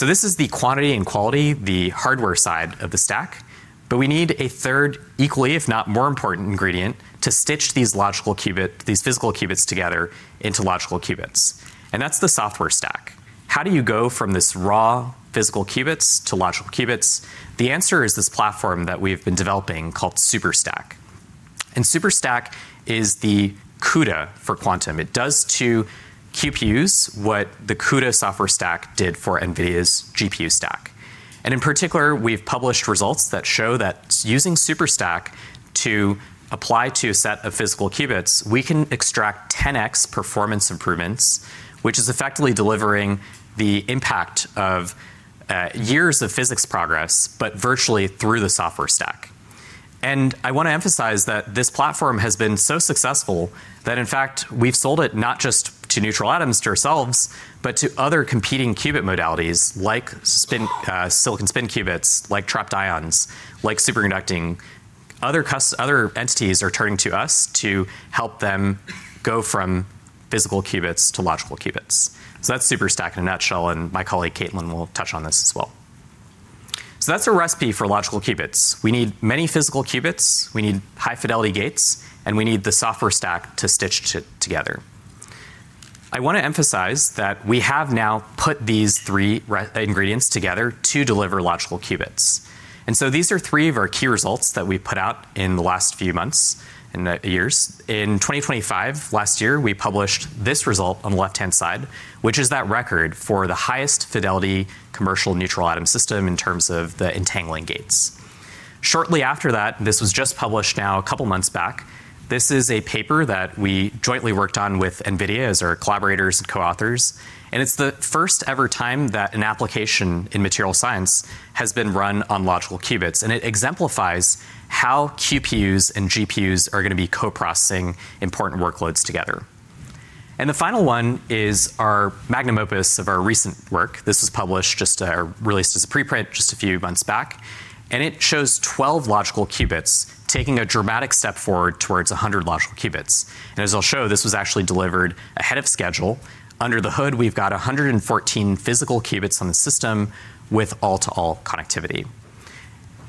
This is the quantity and quality, the hardware side of the stack, but we need a third equally, if not more important ingredient to stitch these physical qubits together into logical qubits. That's the software stack. How do you go from this raw physical qubits to logical qubits? The answer is this platform that we've been developing called SuperstaQ. SuperstaQ is the CUDA for quantum. It does to QPUs what the CUDA software stack did for NVIDIA's GPU stack. In particular, we've published results that show that using SuperstaQ to apply to a set of physical qubits, we can extract 10x performance improvements, which is effectively delivering the impact of years of physics progress, but virtually through the software stack. I wanna emphasize that this platform has been so successful that in fact, we've sold it not just to neutral atoms, to ourselves, but to other competing qubit modalities like spin, silicon spin qubits, like trapped ions, like superconducting. Other entities are turning to us to help them go from physical qubits to logical qubits. That's SuperstaQ in a nutshell, and my colleague Caitlin will touch on this as well. That's a recipe for logical qubits. We need many physical qubits, we need high fidelity gates, and we need the software stack to stitch together. I want to emphasize that we have now put these three ingredients together to deliver logical qubits. These are three of our key results that we put out in the last few months, in the years. In 2025, last year, we published this result on the left-hand side, which is that record for the highest fidelity commercial neutral atom system in terms of the entangling gates. Shortly after that, this was just published now a couple months back, this is a paper that we jointly worked on with NVIDIA as our collaborators and co-authors, and it's the first ever time that an application in material science has been run on logical qubits, and it exemplifies how QPUs and GPUs are gonna be co-processing important workloads together. The final one is our magnum opus of our recent work. This was published or released as a preprint just a few months back, and it shows 12 logical qubits taking a dramatic step forward towards 100 logical qubits. As I'll show, this was actually delivered ahead of schedule. Under the hood, we've got 114 physical qubits on the system with all-to-all connectivity.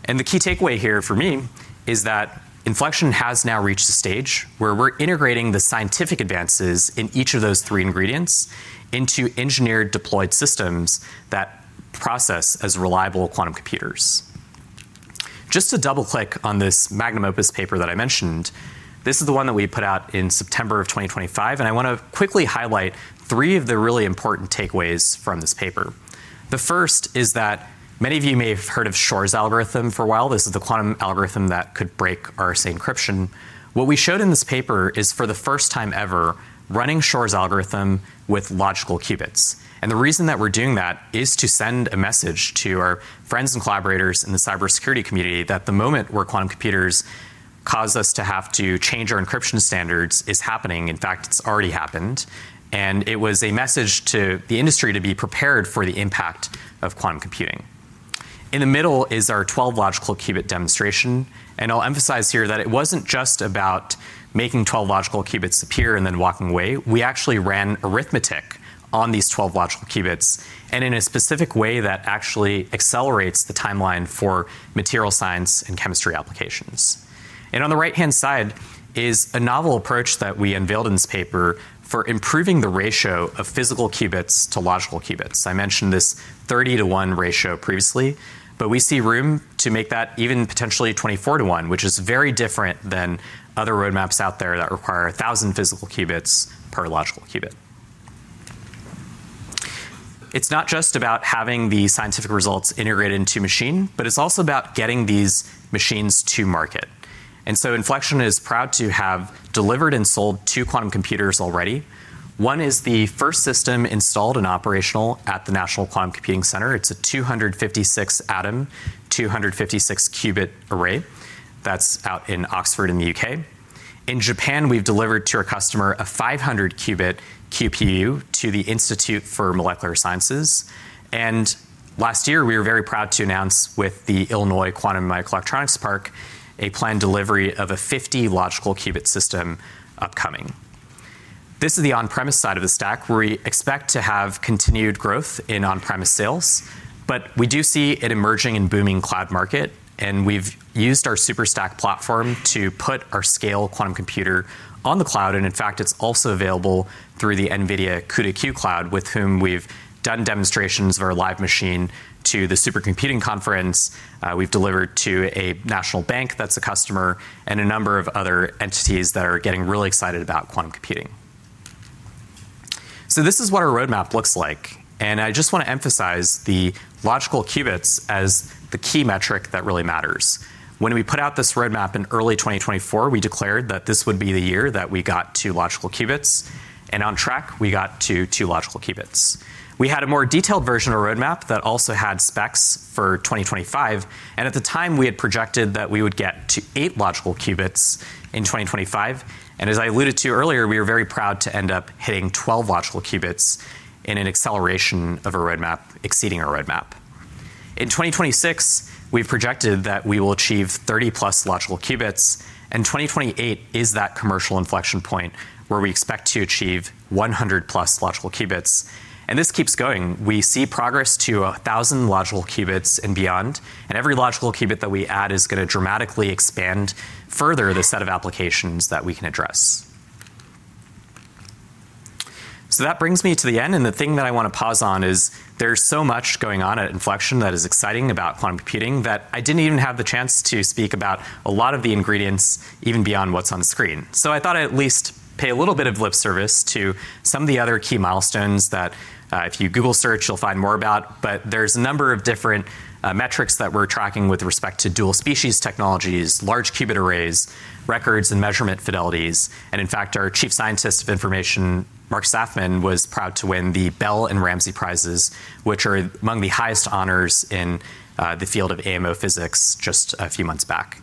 The key takeaway here for me is that Infleqtion has now reached a stage where we're integrating the scientific advances in each of those three ingredients into engineered deployed systems that process as reliable quantum computers. Just to double-click on this magnum opus paper that I mentioned, this is the one that we put out in September 2025, and I wanna quickly highlight three of the really important takeaways from this paper. The first is that many of you may have heard of Shor's algorithm for a while. This is the quantum algorithm that could break RSA encryption. What we showed in this paper is, for the first time ever, running Shor's algorithm with logical qubits. The reason that we're doing that is to send a message to our friends and collaborators in the cybersecurity community that the moment where quantum computers cause us to have to change our encryption standards is happening. In fact, it's already happened, and it was a message to the industry to be prepared for the impact of quantum computing. In the middle is our 12 logical qubit demonstration, and I'll emphasize here that it wasn't just about making 12 logical qubits appear and then walking away. We actually ran arithmetic on these 12 logical qubits, and in a specific way that actually accelerates the timeline for material science and chemistry applications. On the right-hand side is a novel approach that we unveiled in this paper for improving the ratio of physical qubits to logical qubits. I mentioned this 30-to-1 ratio previously, but we see room to make that even potentially 24-to-1, which is very different than other roadmaps out there that require 1,000 physical qubits per logical qubit. It's not just about having the scientific results integrated into a machine, but it's also about getting these machines to market. Infleqtion is proud to have delivered and sold two quantum computers already. One is the first system installed and operational at the National Quantum Computing Centre. It's a 256-atom, 256-qubit array that's out in Oxford in the U.K. In Japan, we've delivered to our customer a 500-qubit QPU to the Institute for Molecular Science. Last year, we were very proud to announce with the Illinois Quantum and Microelectronics Park, a planned delivery of a 50-logical-qubit system upcoming. This is the on-premise side of the stack where we expect to have continued growth in on-premise sales, but we do see an emerging and booming cloud market, and we've used our SuperstaQ platform to put our Sqale quantum computer on the cloud, and in fact, it's also available through the NVIDIA CUDA-Q, with whom we've done demonstrations of our live machine to the Supercomputing Conference. We've delivered to a national bank that's a customer, and a number of other entities that are getting really excited about quantum computing. This is what our roadmap looks like, and I just wanna emphasize the logical qubits as the key metric that really matters. When we put out this roadmap in early 2024, we declared that this would be the year that we got to logical qubits, and on track, we got to two logical qubits. We had a more detailed version of the roadmap that also had specs for 2025, and at the time, we had projected that we would get to 8 logical qubits in 2025, and as I alluded to earlier, we were very proud to end up hitting 12 logical qubits in an acceleration of our roadmap, exceeding our roadmap. In 2026, we've projected that we will achieve 30+ logical qubits, and 2028 is that commercial inflection point where we expect to achieve 100+ logical qubits. This keeps going. We see progress to 1,000 logical qubits and beyond, and every logical qubit that we add is gonna dramatically expand further the set of applications that we can address. That brings me to the end, and the thing that I wanna pause on is there's so much going on at Infleqtion that is exciting about quantum computing that I didn't even have the chance to speak about a lot of the ingredients even beyond what's on the screen. I thought I'd at least pay a little bit of lip service to some of the other key milestones that, if you Google search, you'll find more about. There's a number of different metrics that we're tracking with respect to dual species technologies, large qubit arrays, records and measurement fidelities, and in fact, our chief scientist of information, Mark Saffman, was proud to win the Bell and Ramsey prizes, which are among the highest honors in the field of AMO physics just a few months back.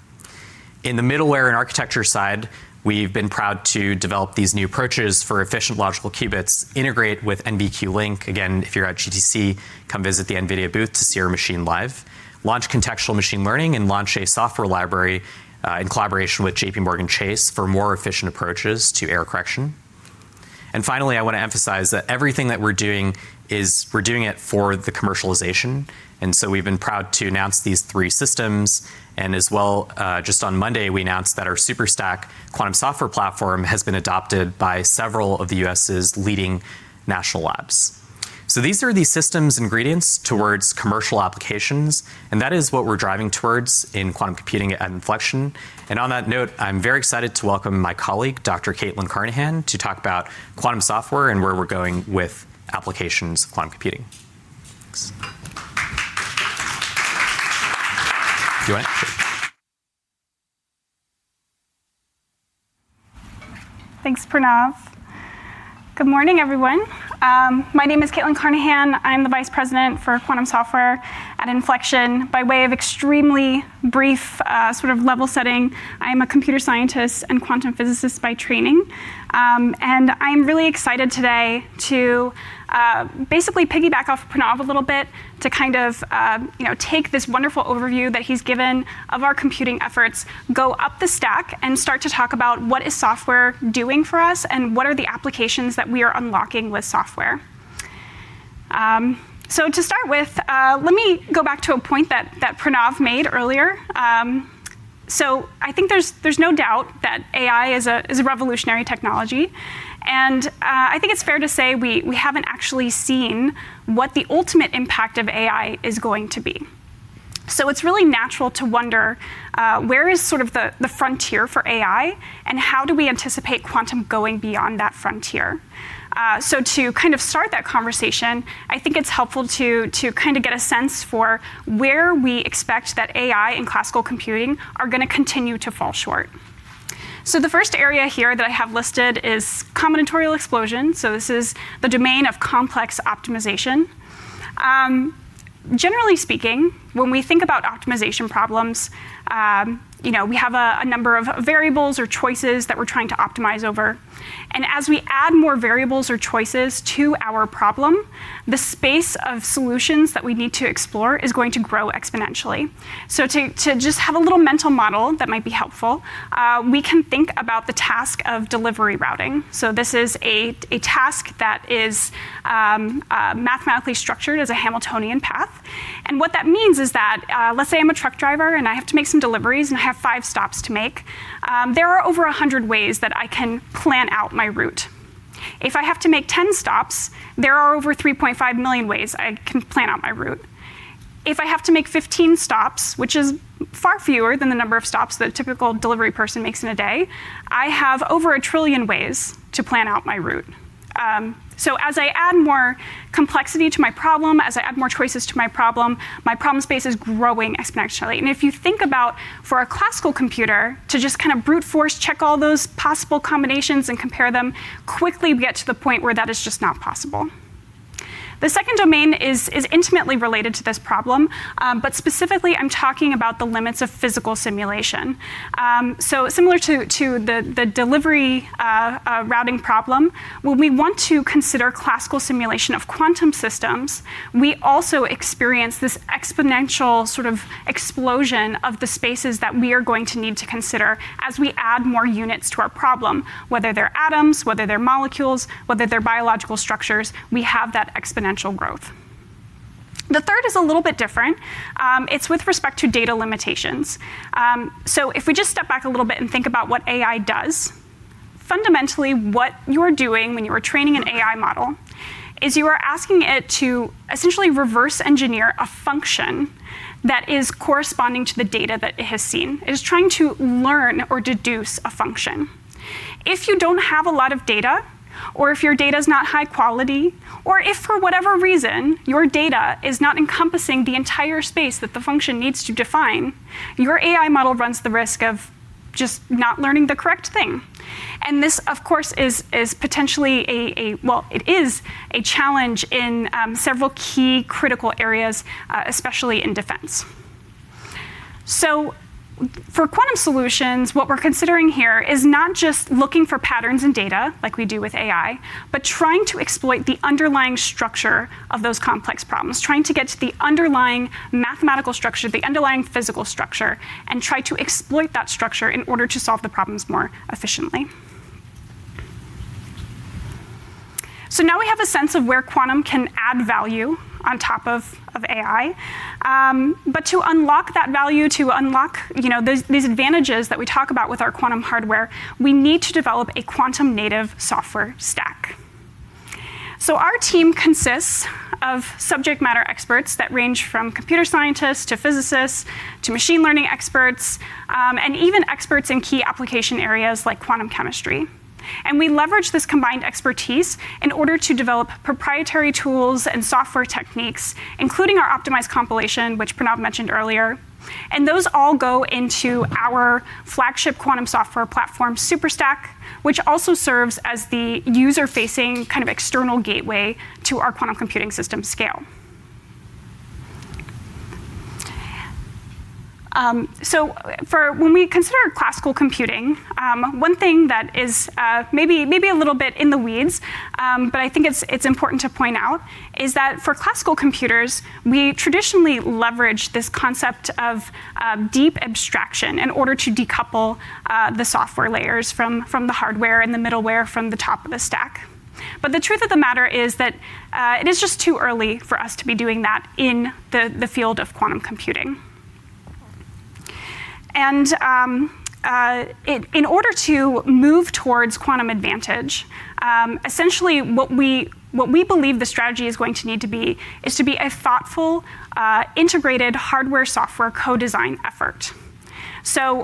In the middleware and architecture side, we've been proud to develop these new approaches for efficient logical qubits, integrate with NVLink. Again, if you're at GTC, come visit the NVIDIA booth to see our machine live. Launch contextual machine learning, and launch a software library in collaboration with JPMorgan Chase for more efficient approaches to error correction. Finally, I wanna emphasize that everything that we're doing is for the commercialization, and we've been proud to announce these three systems, and as well, just on Monday, we announced that our SuperstaQ quantum software platform has been adopted by several of the U.S.'s leading national labs. These are the systems ingredients towards commercial applications, and that is what we're driving towards in quantum computing at Infleqtion. On that note, I'm very excited to welcome my colleague, Dr. Caitlin Carnahan, to talk about quantum software and where we're going with applications of quantum computing. Thanks. You want it? Sure. Thanks, Pranav. Good morning, everyone. My name is Caitlin Carnahan. I'm the Vice President for Quantum Software at Infleqtion. By way of extremely brief sort of level setting, I am a computer scientist and quantum physicist by training. I'm really excited today to basically piggyback off Pranav a little bit to kind of you know take this wonderful overview that he's given of our computing efforts, go up the stack, and start to talk about what is software doing for us, and what are the applications that we are unlocking with software. To start with, let me go back to a point that Pranav made earlier. I think there's no doubt that AI is a revolutionary technology, and I think it's fair to say we haven't actually seen what the ultimate impact of AI is going to be. It's really natural to wonder where is sort of the frontier for AI, and how do we anticipate quantum going beyond that frontier. To kind of start that conversation, I think it's helpful to kind of get a sense for where we expect that AI and classical computing are gonna continue to fall short. The first area here that I have listed is combinatorial explosion, so this is the domain of complex optimization. Generally speaking, when we think about optimization problems, you know, we have a number of variables or choices that we're trying to optimize over, and as we add more variables or choices to our problem, the space of solutions that we need to explore is going to grow exponentially. To just have a little mental model that might be helpful, we can think about the task of delivery routing. This is a task that is mathematically structured as a Hamiltonian path, and what that means is that, let's say I'm a truck driver, and I have to make some deliveries, and I have five stops to make. There are over 100 ways that I can plan out my route. If I have to make 10 stops, there are over 3.5 million ways I can plan out my route. If I have to make 15 stops, which is far fewer than the number of stops that a typical delivery person makes in a day, I have over 1 trillion ways to plan out my route. As I add more complexity to my problem, as I add more choices to my problem, my problem space is growing exponentially. If you think about for a classical computer to just kind of brute force check all those possible combinations and compare them, quickly we get to the point where that is just not possible. The second domain is intimately related to this problem, but specifically I'm talking about the limits of physical simulation. Similar to the delivery routing problem, when we want to consider classical simulation of quantum systems, we also experience this exponential sort of explosion of the spaces that we are going to need to consider as we add more units to our problem, whether they're atoms, whether they're molecules, whether they're biological structures, we have that exponential growth. The third is a little bit different, it's with respect to data limitations. If we just step back a little bit and think about what AI does, fundamentally what you are doing when you are training an AI model is you are asking it to essentially reverse engineer a function that is corresponding to the data that it has seen. It is trying to learn or deduce a function. If you don't have a lot of data or if your data is not high quality or if, for whatever reason, your data is not encompassing the entire space that the function needs to define, your AI model runs the risk of just not learning the correct thing. This, of course, is potentially a well, it is a challenge in several key critical areas, especially in defense. For quantum solutions, what we're considering here is not just looking for patterns in data like we do with AI, but trying to exploit the underlying structure of those complex problems, trying to get to the underlying mathematical structure, the underlying physical structure, and try to exploit that structure in order to solve the problems more efficiently. Now we have a sense of where quantum can add value on top of AI, but to unlock that value, you know these advantages that we talk about with our quantum hardware, we need to develop a quantum native software stack. Our team consists of subject matter experts that range from computer scientists to physicists to machine learning experts, and even experts in key application areas like quantum chemistry. We leverage this combined expertise in order to develop proprietary tools and software techniques, including our optimized compilation, which Pranav mentioned earlier, and those all go into our flagship quantum software platform, SuperstaQ, which also serves as the user-facing kind of external gateway to our quantum computing system, Sqale. When we consider classical computing, one thing that is maybe a little bit in the weeds, but I think it's important to point out, is that for classical computers, we traditionally leverage this concept of deep abstraction in order to decouple the software layers from the hardware and the middleware from the top of the stack. The truth of the matter is that it is just too early for us to be doing that in the field of quantum computing. In order to move towards quantum advantage, essentially what we believe the strategy is going to need to be is to be a thoughtful integrated hardware software co-design effort.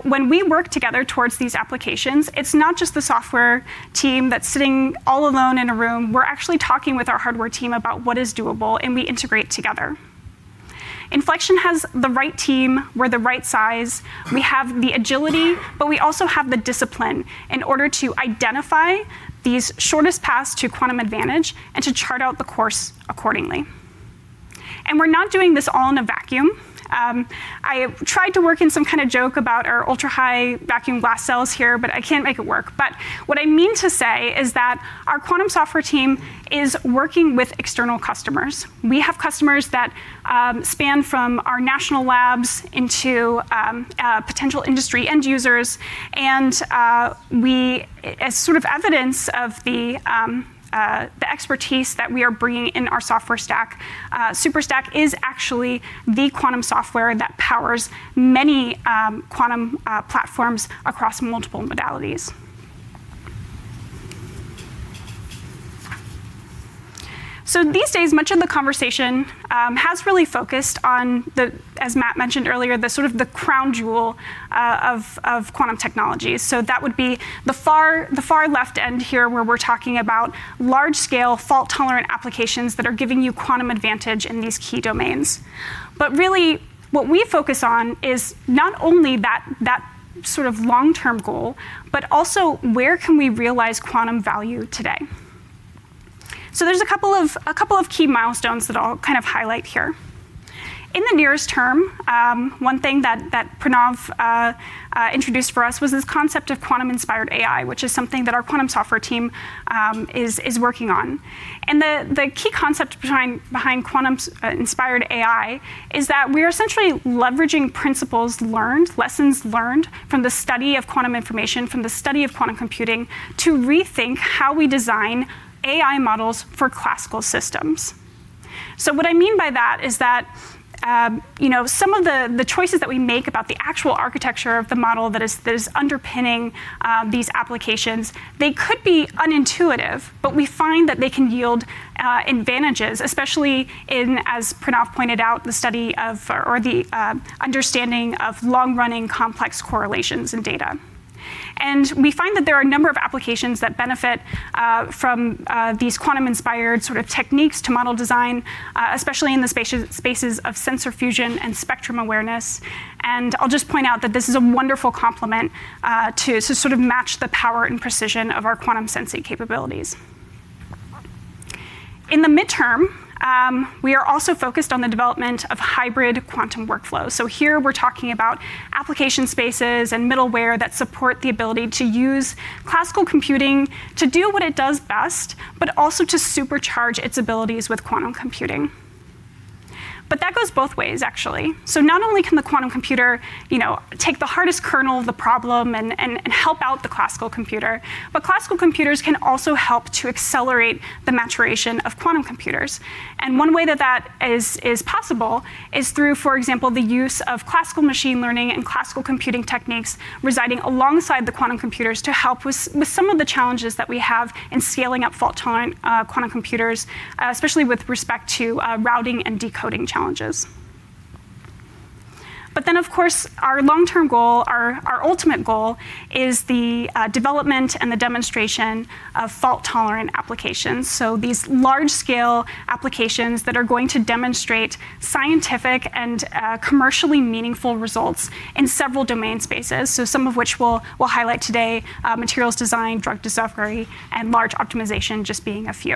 When we work together towards these applications, it's not just the software team that's sitting all alone in a room. We're actually talking with our hardware team about what is doable, and we integrate together. Infleqtion has the right team, we're the right size, we have the agility, but we also have the discipline in order to identify these shortest paths to quantum advantage and to chart out the course accordingly. We're not doing this all in a vacuum. I tried to work in some kind of joke about our ultra-high vacuum glass cells here, but I can't make it work. What I mean to say is that our quantum software team is working with external customers. We have customers that span from our national labs into potential industry end users, and as sort of evidence of the expertise that we are bringing in our software stack, SuperstaQ is actually the quantum software that powers many quantum platforms across multiple modalities. These days, much of the conversation has really focused on the, as Matt mentioned earlier, the sort of crown jewel of quantum technology. That would be the far left end here, where we're talking about large scale fault tolerant applications that are giving you quantum advantage in these key domains. Really what we focus on is not only that sort of long-term goal, but also where can we realize quantum value today? There's a couple of key milestones that I'll kind of highlight here. In the nearest term, one thing that Pranav introduced for us was this concept of quantum-inspired AI, which is something that our quantum software team is working on. The key concept behind quantum-inspired AI is that we are essentially leveraging principles learned, lessons learned from the study of quantum information, from the study of quantum computing to rethink how we design AI models for classical systems. What I mean by that is that, you know, some of the choices that we make about the actual architecture of the model that is underpinning these applications, they could be unintuitive, but we find that they can yield advantages, especially in, as Pranav pointed out, the study of, or the understanding of long-running complex correlations in data. We find that there are a number of applications that benefit from these quantum-inspired sort of techniques to model design, especially in the spatial spaces of sensor fusion and spectrum awareness. I'll just point out that this is a wonderful complement to sort of match the power and precision of our quantum sensing capabilities. In the midterm, we are also focused on the development of hybrid quantum workflows. Here we're talking about application spaces and middleware that support the ability to use classical computing to do what it does best, but also to supercharge its abilities with quantum computing. That goes both ways, actually. Not only can the quantum computer, you know, take the hardest kernel of the problem and help out the classical computer, but classical computers can also help to accelerate the maturation of quantum computers. One way that is possible is through, for example, the use of classical machine learning and classical computing techniques residing alongside the quantum computers to help with some of the challenges that we have in scaling up fault-tolerant quantum computers, especially with respect to routing and decoding challenges. Of course, our long-term goal, our ultimate goal is the development and the demonstration of fault-tolerant applications. These large scale applications that are going to demonstrate scientific and commercially meaningful results in several domain spaces. Some of which we'll highlight today, materials design, drug discovery, and large optimization just being a few.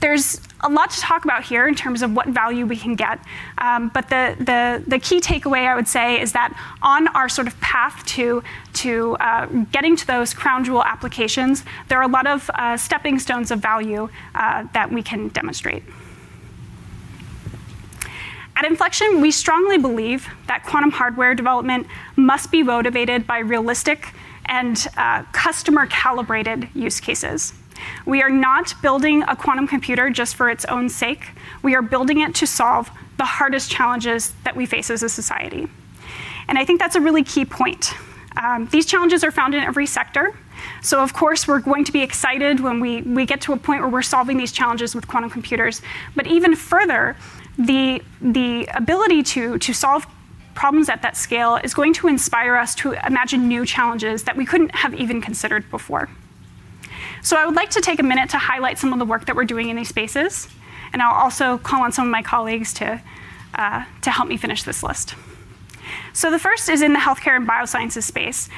There's a lot to talk about here in terms of what value we can get. The key takeaway I would say is that on our sort of path to getting to those crown jewel applications, there are a lot of stepping stones of value that we can demonstrate. At Infleqtion, we strongly believe that quantum hardware development must be motivated by realistic and customer calibrated use cases. We are not building a quantum computer just for its own sake. We are building it to solve the hardest challenges that we face as a society, and I think that's a really key point. These challenges are found in every sector, so of course, we're going to be excited when we get to a point where we're solving these challenges with quantum computers. Even further, the ability to solve problems at that scale is going to inspire us to imagine new challenges that we couldn't have even considered before. I would like to take a minute to highlight some of the work that we're doing in these spaces, and I'll also call on some of my colleagues to help me finish this list. The first is in the healthcare and biosciences space.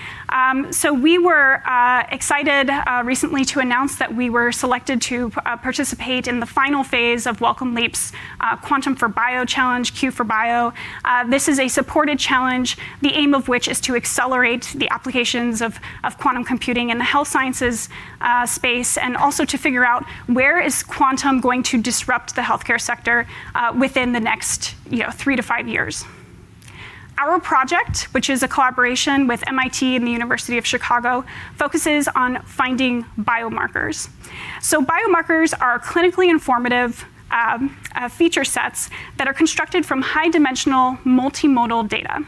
We were excited recently to announce that we were selected to participate in the final phase of Wellcome Leap's Quantum for Bio challenge, Q for Bio. This is a supported challenge, the aim of which is to accelerate the applications of quantum computing in the health sciences space, and also to figure out where is quantum going to disrupt the healthcare sector within the next, you know, three to five years. Our project, which is a collaboration with MIT and the University of Chicago, focuses on finding biomarkers. Biomarkers are clinically informative feature sets that are constructed from high-dimensional multimodal data.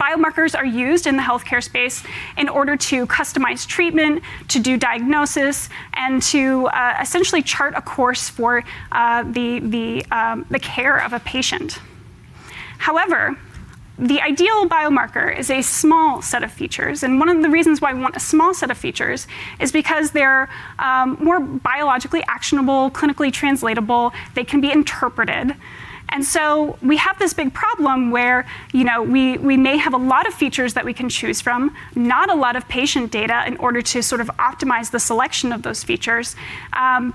Biomarkers are used in the healthcare space in order to customize treatment, to do diagnosis, and to essentially chart a course for the care of a patient. However, the ideal biomarker is a small set of features, and one of the reasons why we want a small set of features is because they're more biologically actionable, clinically translatable, they can be interpreted. We have this big problem where, you know, we may have a lot of features that we can choose from, not a lot of patient data in order to sort of optimize the selection of those features,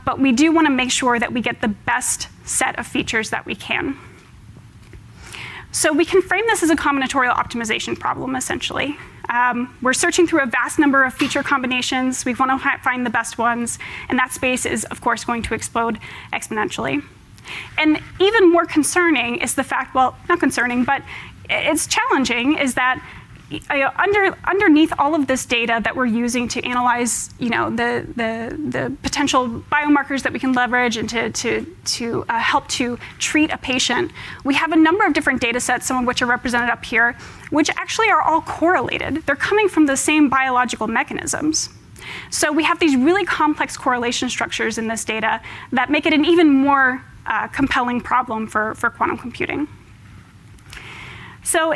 but we do wanna make sure that we get the best set of features that we can. We can frame this as a combinatorial optimization problem, essentially. We're searching through a vast number of feature combinations. We wanna find the best ones, and that space is, of course, going to explode exponentially. Even more concerning is the fact—well, not concerning, but it's challenging, is that, underneath all of this data that we're using to analyze, you know, the potential biomarkers that we can leverage and to help to treat a patient, we have a number of different datasets, some of which are represented up here, which actually are all correlated. They're coming from the same biological mechanisms. We have these really complex correlation structures in this data that make it an even more compelling problem for quantum computing.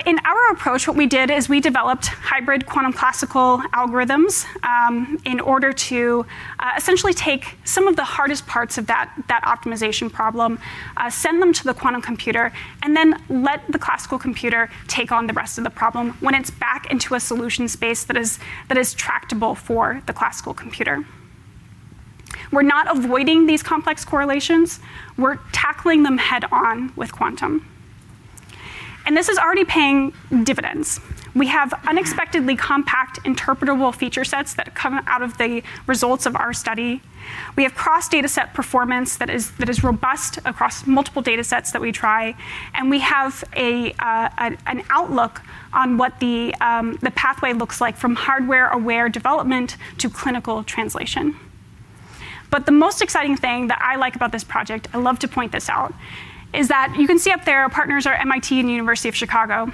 In our approach, what we did is we developed hybrid quantum classical algorithms in order to essentially take some of the hardest parts of that optimization problem, send them to the quantum computer, and then let the classical computer take on the rest of the problem when it's back into a solution space that is tractable for the classical computer. We're not avoiding these complex correlations, we're tackling them head-on with quantum. This is already paying dividends. We have unexpectedly compact interpretable feature sets that come out of the results of our study. We have cross-dataset performance that is robust across multiple datasets that we try. We have an outlook on what the pathway looks like from hardware-aware development to clinical translation. The most exciting thing that I like about this project, I love to point this out, is that you can see up there our partners are MIT and University of Chicago.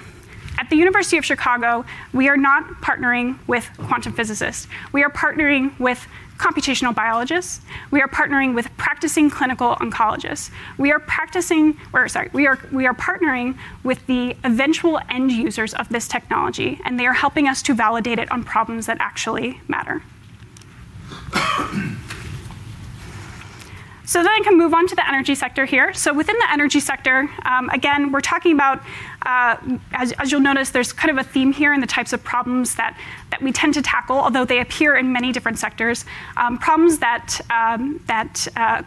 At the University of Chicago, we are not partnering with quantum physicists. We are partnering with computational biologists. We are partnering with practicing clinical oncologists. We are partnering with the eventual end users of this technology, and they are helping us to validate it on problems that actually matter. I can move on to the energy sector here. Within the energy sector, again, we're talking about, as you'll notice, there's kind of a theme here in the types of problems we tend to tackle, although they appear in many different sectors, problems that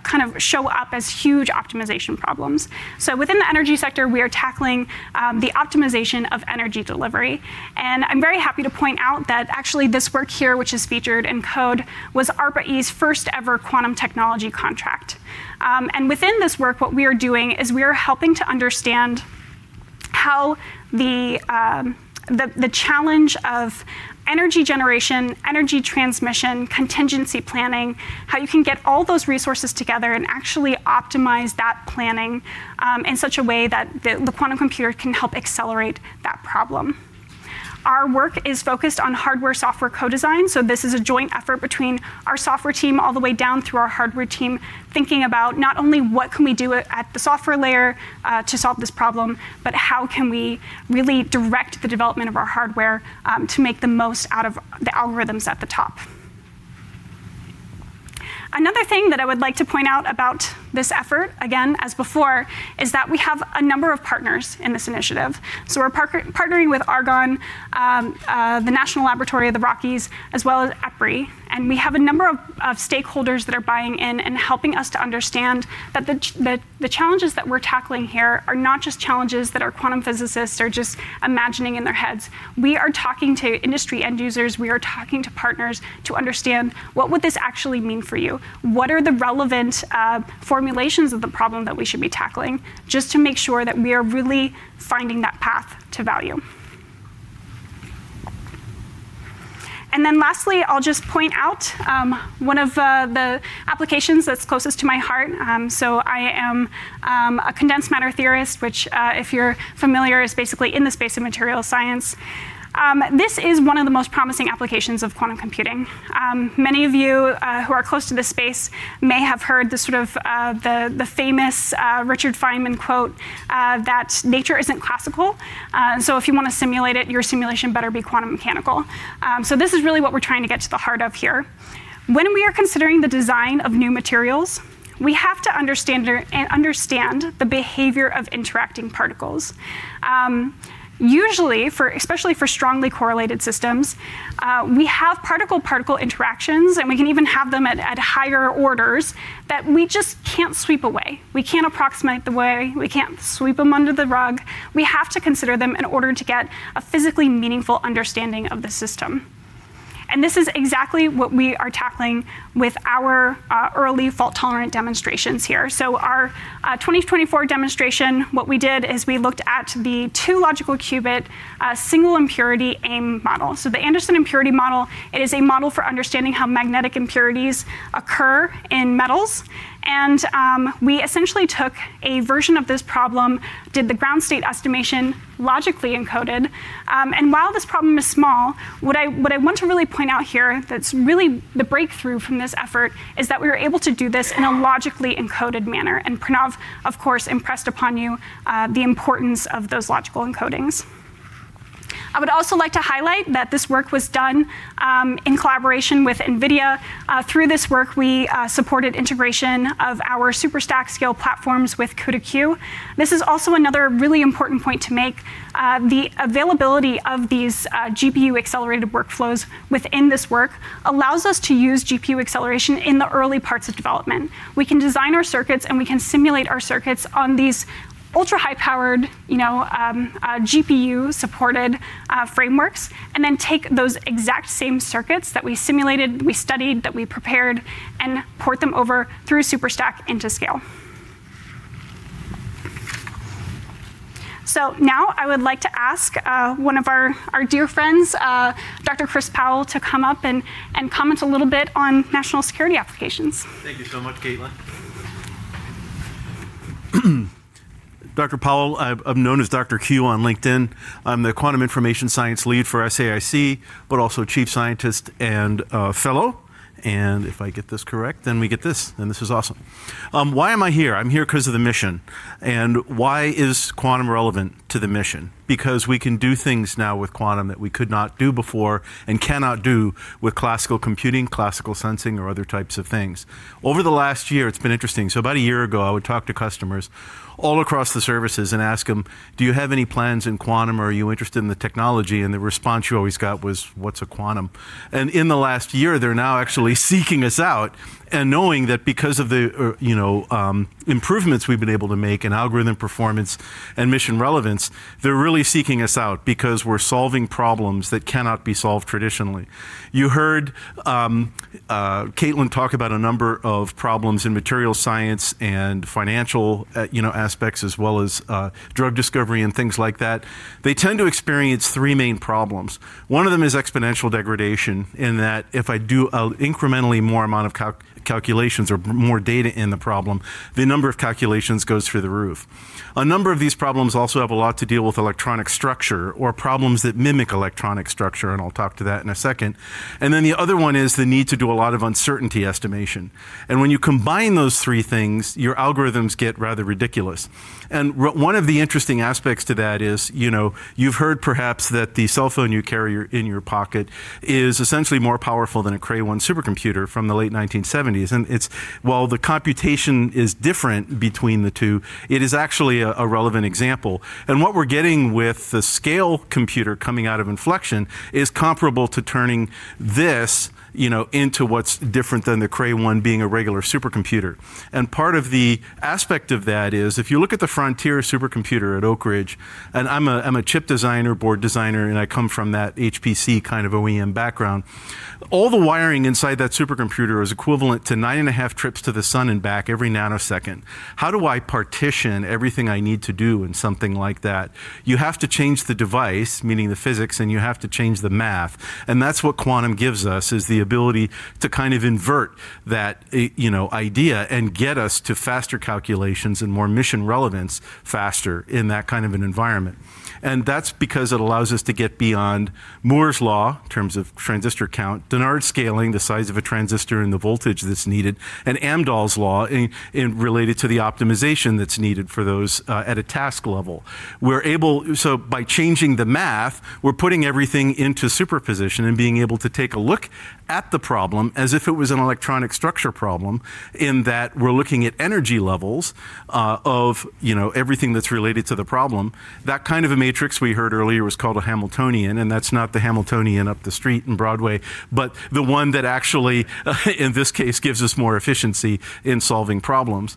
kind of show up as huge optimization problems. Within the energy sector, we are tackling the optimization of energy delivery. I'm very happy to point out that actually this work here, which is featured in ENCODE, was ARPA-E's first ever quantum technology contract. Within this work, what we are doing is we are helping to understand how the challenge of energy generation, energy transmission, contingency planning, how you can get all those resources together and actually optimize that planning in such a way that the quantum computer can help accelerate that problem. Our work is focused on hardware software co-design, so this is a joint effort between our software team all the way down through our hardware team, thinking about not only what can we do at the software layer to solve this problem, but how can we really direct the development of our hardware to make the most out of the algorithms at the top. Another thing that I would like to point out about this effort, again, as before, is that we have a number of partners in this initiative. We're partnering with Argonne, the National Renewable Energy Laboratory, as well as EPRI. We have a number of stakeholders that are buying in and helping us to understand that the challenges that we're tackling here are not just challenges that our quantum physicists are just imagining in their heads. We are talking to industry end users, we are talking to partners to understand what would this actually mean for you? What are the relevant formulations of the problem that we should be tackling? Just to make sure that we are really finding that path to value. Lastly, I'll just point out one of the applications that's closest to my heart. I am a condensed matter theorist, which if you're familiar is basically in the space of material science. This is one of the most promising applications of quantum computing. Many of you who are close to this space may have heard the sort of famous Richard Feynman quote that nature isn't classical, and so if you wanna simulate it, your simulation better be quantum mechanical. This is really what we're trying to get to the heart of here. When we are considering the design of new materials, we have to understand the behavior of interacting particles. Usually, especially for strongly correlated systems, we have particle-particle interactions, and we can even have them at higher orders that we just can't sweep away. We can't approximate them away. We can't sweep them under the rug. We have to consider them in order to get a physically meaningful understanding of the system. This is exactly what we are tackling with our early fault-tolerant demonstrations here. Our 2024 demonstration, what we did is we looked at the two logical qubit single impurity AIM model. The Anderson impurity model is a model for understanding how magnetic impurities occur in metals. We essentially took a version of this problem, did the ground state estimation logically encoded. While this problem is small, what I want to really point out here that's really the breakthrough from this effort is that we were able to do this in a logically encoded manner. Pranav, of course, impressed upon you the importance of those logical encodings. I would also like to highlight that this work was done in collaboration with NVIDIA. Through this work, we supported integration of our SuperstaQ-scale platforms with CUDA-Q. This is also another really important point to make. The availability of these GPU-accelerated workflows within this work allows us to use GPU acceleration in the early parts of development. We can design our circuits, and we can simulate our circuits on these ultra-high-powered, you know, GPU-supported frameworks and then take those eXaqt same circuits that we simulated, we studied, that we prepared and port them over through SuperstaQ into Sqale. Now I would like to ask one of our dear friends, Dr. Chris Powell to come up and comment a little bit on national security applications. Thank you so much, Caitlin. Dr. Powell. I'm known as Dr. Q on LinkedIn. I'm the quantum information science lead for SAIC, but also chief scientist and a fellow. If I get this correct, then we get this, then this is awesome. Why am I here? I'm here 'cause of the mission. Why is quantum relevant to the mission? Because we can do things now with quantum that we could not do before and cannot do with classical computing, classical sensing or other types of things. Over the last year, it's been interesting. About a year ago, I would talk to customers all across the services and ask them, "Do you have any plans in quantum? Are you interested in the technology?" The response you always got was, "What's a quantum?" In the last year, they're now actually seeking us out and knowing that because of the, you know, improvements we've been able to make in algorithm performance and mission relevance, they're really seeking us out because we're solving problems that cannot be solved traditionally. You heard Caitlin talk about a number of problems in material science and financial, you know, aspects as well as drug discovery and things like that. They tend to experience three main problems. One of them is exponential degradation in that if I do an incrementally more amount of calculations or more data in the problem, the number of calculations goes through the roof. A number of these problems also have a lot to deal with electronic structure or problems that mimic electronic structure, and I'll talk to that in a second. Then the other one is the need to do a lot of uncertainty estimation. When you combine those three things, your algorithms get rather ridiculous. One of the interesting aspects to that is, you know, you've heard perhaps that the cell phone you carry in your pocket is essentially more powerful than a Cray-1 supercomputer from the late 1970s. It's while the computation is different between the two, it is actually a relevant example. What we're getting with the Sqale computer coming out of Infleqtion is comparable to turning this, you know, into what's different than the Cray-1 being a regular supercomputer. Part of the aspect of that is, if you look at the Frontier supercomputer at Oak Ridge. I'm a chip designer, board designer, and I come from that HPC kind of OEM background. All the wiring inside that supercomputer is equivalent to 9.5 trips to the sun and back every nanosecond. How do I partition everything I need to do in something like that? You have to change the device, meaning the physics, and you have to change the math. That's what quantum gives us, is the ability to kind of invert that, you know, idea and get us to faster calculations and more mission relevance faster in that kind of an environment. That's because it allows us to get beyond Moore's law in terms of transistor count, Dennard scaling, the size of a transistor and the voltage that's needed, and Amdahl's law in related to the optimization that's needed for those at a task level. By changing the math, we're putting everything into superposition and being able to take a look at the problem as if it was an electronic structure problem in that we're looking at energy levels of you know everything that's related to the problem. That kind of a matrix we heard earlier was called a Hamiltonian, and that's not the Hamiltonian up the street in Broadway, but the one that actually in this case gives us more efficiency in solving problems.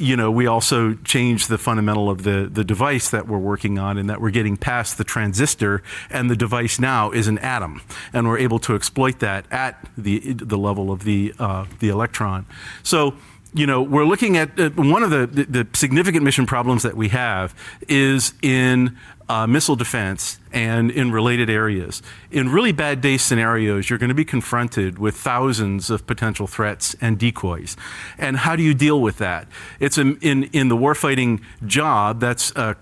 You know, we also change the fundamental of the device that we're working on in that we're getting past the transistor, and the device now is an atom, and we're able to exploit that at the level of the electron. So, you know, we're looking at one of the significant mission problems that we have is in missile defense and in related areas. In really bad day scenarios, you're gonna be confronted with thousands of potential threats and decoys. How do you deal with that? It's in the war fighting job, that's a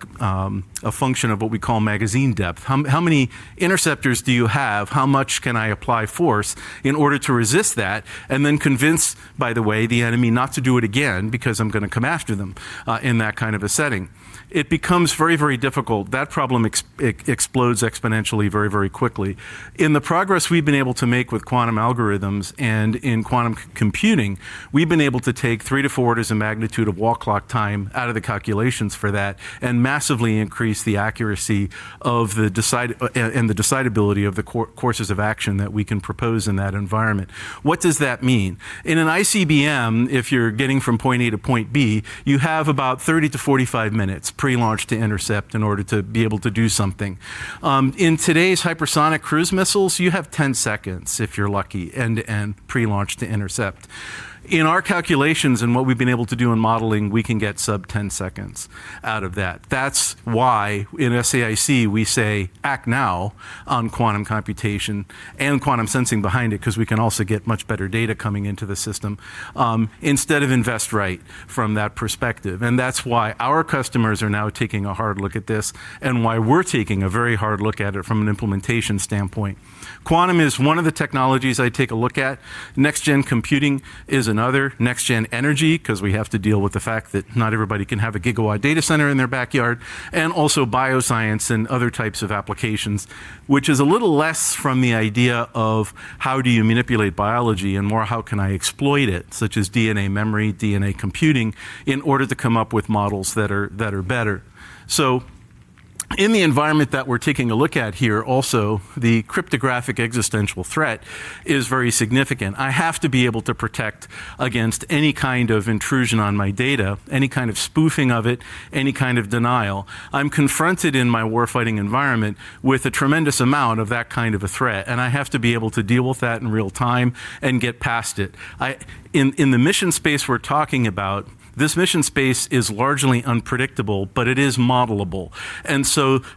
function of what we call magazine depth. How many interceptors do you have? How much can I apply force in order to resist that and then convince, by the way, the enemy not to do it again because I'm gonna come after them, in that kind of a setting? It becomes very, very difficult. That problem explodes exponentially very, very quickly. In the progress we've been able to make with quantum algorithms and in quantum computing, we've been able to take 3-4 orders of magnitude of wall clock time out of the calculations for that and massively increase the accuracy and the decidability of the courses of action that we can propose in that environment. What does that mean? In an ICBM, if you're getting from point A to point B, you have about 30 minutes-45 minutes pre-launch to intercept in order to be able to do something. In today's hypersonic cruise missiles, you have 10 seconds, if you're lucky and pre-launch to intercept. In our calculations and what we've been able to do in modeling, we can get sub-10 seconds out of that. That's why in SAIC we say act now on quantum computation and quantum sensing behind it, 'cause we can also get much better data coming into the system, instead of invest right from that perspective. That's why our customers are now taking a hard look at this and why we're taking a very hard look at it from an implementation standpoint. Quantum is one of the technologies I take a look at. Next-gen computing is another. Next gen energy, because we have to deal with the fact that not everybody can have a gigawatt data center in their backyard, and also bioscience and other types of applications, which is a little less from the idea of how do you manipulate biology and more how can I exploit it, such as DNA memory, DNA computing, in order to come up with models that are better. In the environment that we're taking a look at here also, the cryptographic existential threat is very significant. I have to be able to protect against any kind of intrusion on my data, any kind of spoofing of it, any kind of denial. I'm confronted in my warfighting environment with a tremendous amount of that kind of a threat, and I have to be able to deal with that in real-time and get past it. In the mission space we're talking about, this mission space is largely unpredictable, but it is modelable.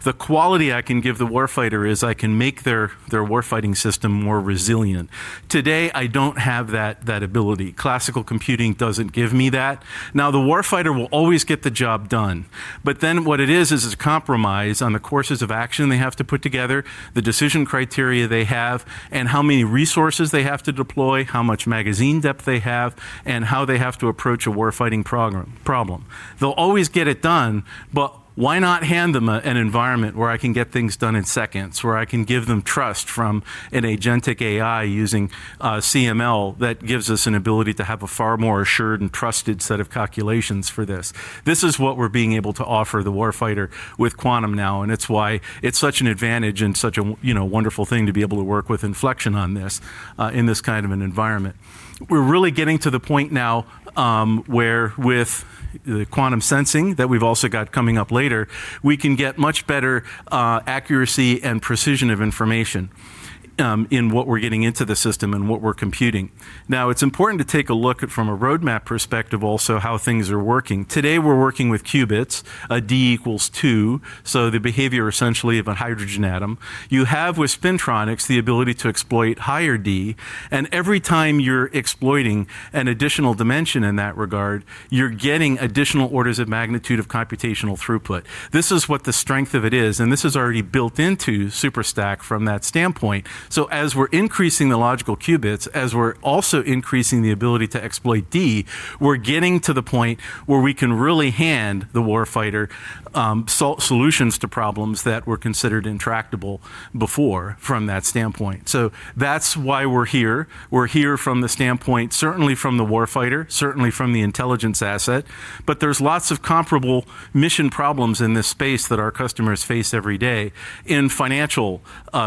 The quality I can give the warfighter is I can make their warfighting system more resilient. Today, I don't have that ability. Classical computing doesn't give me that. Now, the warfighter will always get the job done, but then what it is it's a compromise on the courses of action they have to put together, the decision criteria they have, and how many resources they have to deploy, how much magazine depth they have, and how they have to approach a warfighting problem. They'll always get it done, but why not hand them an environment where I can get things done in seconds, where I can give them trust from an agentic AI using CML that gives us an ability to have a far more assured and trusted set of calculations for this? This is what we're being able to offer the warfighter with quantum now, and it's why it's such an advantage and such a you know, wonderful thing to be able to work with Infleqtion on this, in this kind of an environment. We're really getting to the point now, where with the quantum sensing that we've also got coming up later, we can get much better, accuracy and precision of information, in what we're getting into the system and what we're computing. It's important to take a look at from a roadmap perspective also how things are working. Today, we're working with qubits, a d=2, so the behavior essentially of a hydrogen atom. You have with spintronics the ability to exploit higher d, and every time you're exploiting an additional dimension in that regard, you're getting additional orders of magnitude of computational throughput. This is what the strength of it is, and this is already built into SuperstaQ from that standpoint. As we're increasing the logical qubits, as we're also increasing the ability to exploit d, we're getting to the point where we can really hand the warfighter solutions to problems that were considered intractable before from that standpoint. That's why we're here. We're here from the standpoint, certainly from the warfighter, certainly from the intelligence asset, but there's lots of comparable mission problems in this space that our customers face every day in financial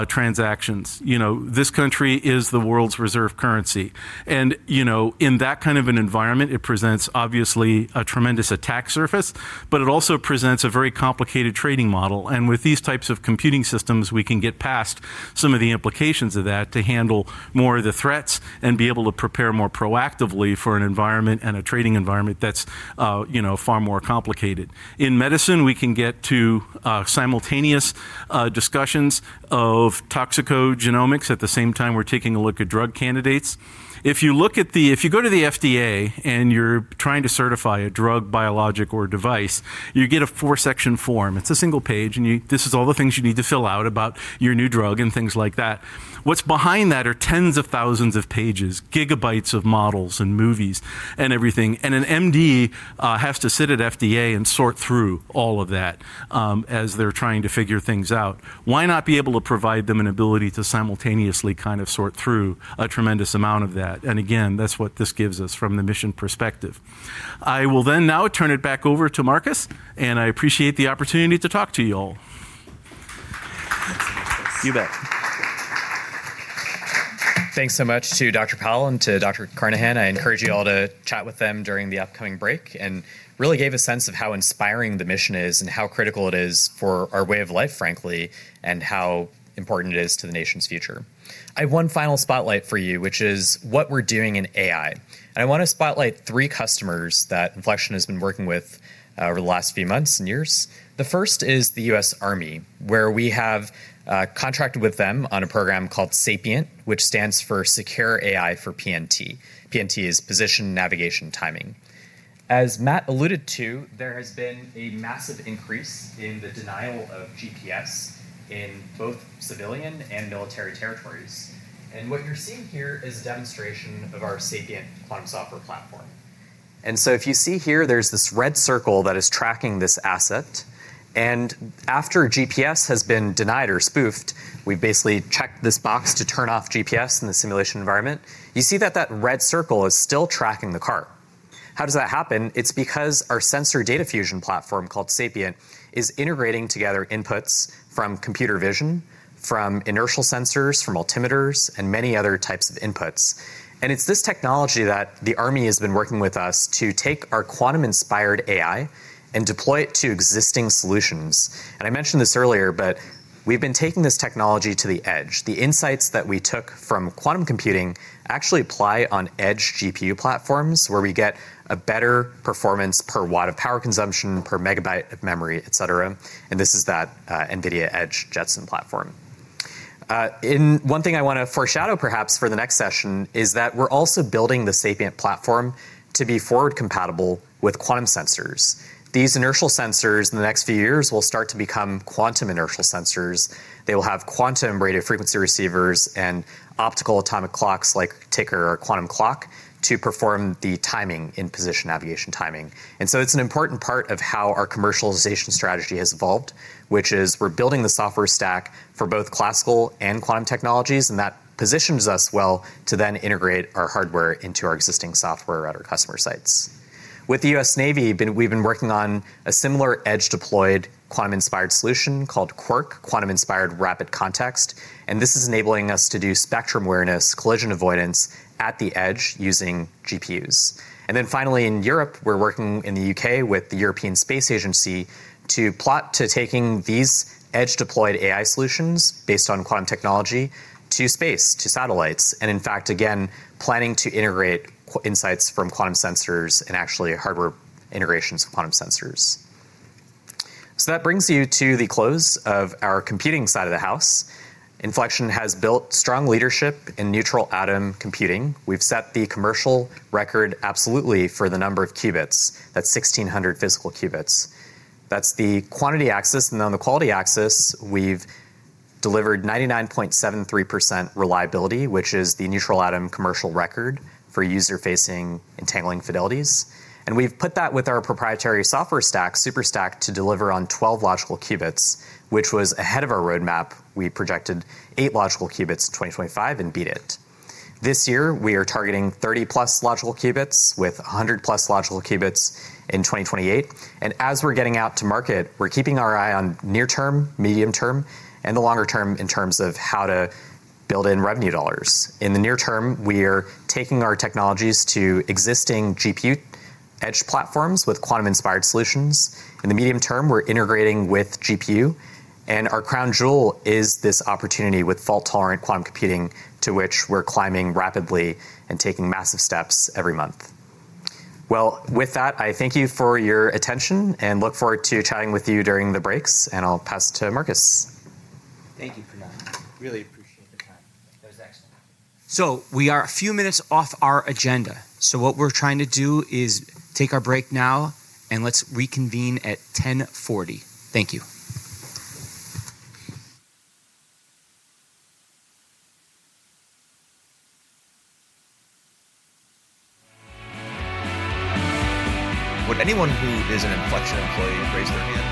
transactions. You know, this country is the world's reserve currency, and, you know, in that kind of an environment, it presents obviously a tremendous attack surface, but it also presents a very complicated trading model. With these types of computing systems, we can get past some of the implications of that to handle more of the threats and be able to prepare more proactively for an environment and a trading environment that's, you know, far more complicated. In medicine, we can get to simultaneous discussions of toxicogenomics at the same time we're taking a look at drug candidates. If you go to the FDA, and you're trying to certify a drug, biologic, or device, you get a four-section form. It's a single page, this is all the things you need to fill out about your new drug and things like that. What's behind that are tens of thousands of pages, gigabytes of models and movies and everything, and an MD has to sit at FDA and sort through all of that, as they're trying to figure things out. Why not be able to provide them an ability to simultaneously kind of sort through a tremendous amount of that? Again, that's what this gives us from the mission perspective. I will then now turn it back over to Marcus, and I appreciate the opportunity to talk to you all. Thanks so much, Chris. You bet. Thanks so much to Dr. Powell and to Dr. Carnahan. I encourage you all to chat with them during the upcoming break and really gave a sense of how inspiring the mission is and how critical it is for our way of life, frankly, and how important it is to the nation's future. I have one final spotlight for you, which is what we're doing in AI. I wanna spotlight three customers that Infleqtion has been working with over the last few months and years. The first is the U.S. Army, where we have contracted with them on a program called SAPIENT, which stands for Secured AI for PNT. PNT is position, navigation, timing. As Matt alluded to, there has been a massive increase in the denial of GPS in both civilian and military territories. What you're seeing here is a demonstration of our SAPIENT quantum software platform. If you see here, there's this red circle that is tracking this asset. After GPS has been denied or spoofed, we basically check this box to turn off GPS in the simulation environment. You see that red circle is still tracking the car. How does that happen? It's because our sensor data fusion platform called SAPIENT is integrating together inputs from computer vision, from inertial sensors, from altimeters, and many other types of inputs. It's this technology that the Army has been working with us to take our quantum-inspired AI and deploy it to existing solutions. I mentioned this earlier, but we've been taking this technology to the edge. The insights that we took from quantum computing actually apply on edge GPU platforms, where we get a better performance per watt of power consumption, per megabyte of memory, et cetera. This is that NVIDIA Jetson platform. One thing I wanna foreshadow perhaps for the next session is that we're also building the SAPIENT platform to be forward compatible with quantum sensors. These inertial sensors in the next few years will start to become quantum inertial sensors. They will have quantum radio frequency receivers and optical atomic clocks like Tiqker or quantum clock to perform the timing in position, navigation, and timing. It's an important part of how our commercialization strategy has evolved, which is we're building the software stack for both classical and quantum technologies, and that positions us well to then integrate our hardware into our existing software at our customer sites. With the U.S. Navy, we've been working on a similar edge-deployed quantum-inspired solution called QuIRC, Quantum Inspired Rapid Context, and this is enabling us to do spectrum awareness, collision avoidance at the edge using GPUs. Then finally, in Europe, we're working in the U.K. with the European Space Agency to plan to take these edge-deployed AI solutions based on quantum technology to space, to satellites, and in fact, again, planning to integrate quantum insights from quantum sensors and actually hardware integrations of quantum sensors. That brings you to the close of our computing side of the house. Infleqtion has built strong leadership in neutral atom computing. We've set the commercial record absolutely for the number of qubits. That's 1,600 physical qubits. That's the quantity axis, and on the quality axis, we've delivered 99.73% reliability, which is the neutral atom commercial record for user-facing entangling fidelities. We've put that with our proprietary software stack, SuperstaQ, to deliver on 12 logical qubits, which was ahead of our roadmap. We projected 8 logical qubits in 2025 and beat it. This year, we are targeting 30+ logical qubits with 100+ logical qubits in 2028. As we're getting out to market, we're keeping our eye on near term, medium term, and the longer term in terms of how to build in revenue dollars. In the near term, we're taking our technologies to existing GPU edge platforms with quantum inspired solutions. In the medium term, we're integrating with GPU, and our crown jewel is this opportunity with fault-tolerant quantum computing, to which we're climbing rapidly and taking massive steps every month. Well, with that, I thank you for your attention and look forward to chatting with you during the breaks, and I'll pass to Marcus. Thank you, Pranav. Really appreciate the time. That was excellent. We are a few minutes off our agenda, so what we're trying to do is take our break now, and let's reconvene at 10:40. Thank you. Would anyone who is an Infleqtion employee raise their hand?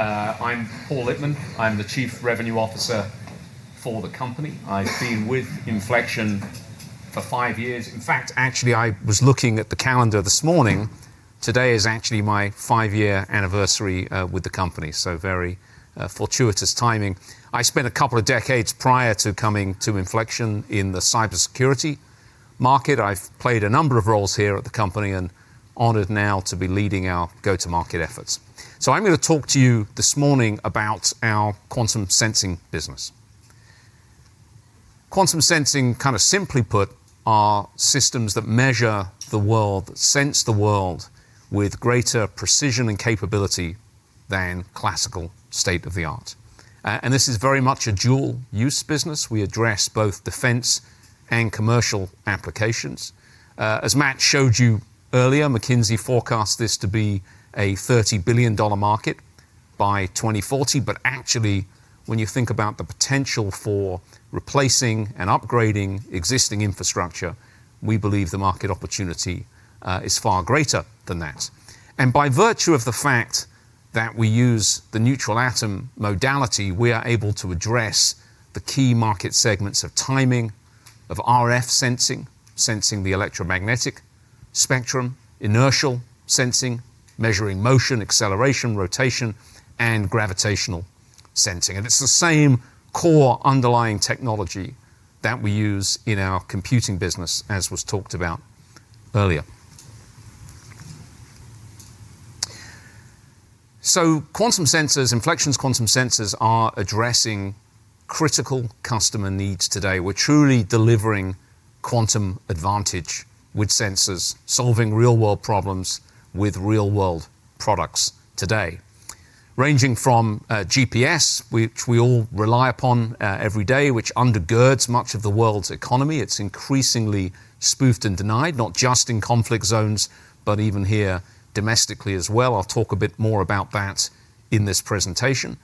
Okay. Well, welcome back from the break. I'm Paul Lipman. I'm the Chief Revenue Officer for the company. I've been with Infleqtion for five years. In fact, actually, I was looking at the calendar this morning. Today is actually my five-year anniversary with the company, so very fortuitous timing. I spent a couple of decades prior to coming to Infleqtion in the cybersecurity market. I've played a number of roles here at the company and honored now to be leading our go-to-market efforts. I'm gonna talk to you this morning about our quantum sensing business. Quantum sensing, kind of simply put, are systems that measure the world, sense the world with greater precision and capability than classical state-of-the-art. This is very much a dual use business. We address both defense and commercial applications. As Matt showed you earlier, McKinsey forecasts this to be a $30 billion market by 2040, but actually when you think about the potential for replacing and upgrading existing infrastructure, we believe the market opportunity is far greater than that. By virtue of the fact that we use the neutral atom modality, we are able to address the key market segments of timing, of RF sensing the electromagnetic spectrum, inertial sensing, measuring motion, acceleration, rotation, and gravitational sensing. It's the same core underlying technology that we use in our computing business, as was talked about earlier. Quantum sensors, Infleqtion's quantum sensors are addressing critical customer needs today. We're truly delivering quantum advantage with sensors, solving real-world problems with real-world products today. Ranging from GPS, which we all rely upon every day, which undergirds much of the world's economy. It's increasingly spoofed and denied, not just in conflict zones, but even here domestically as well. I'll talk a bit more about that in this presentation.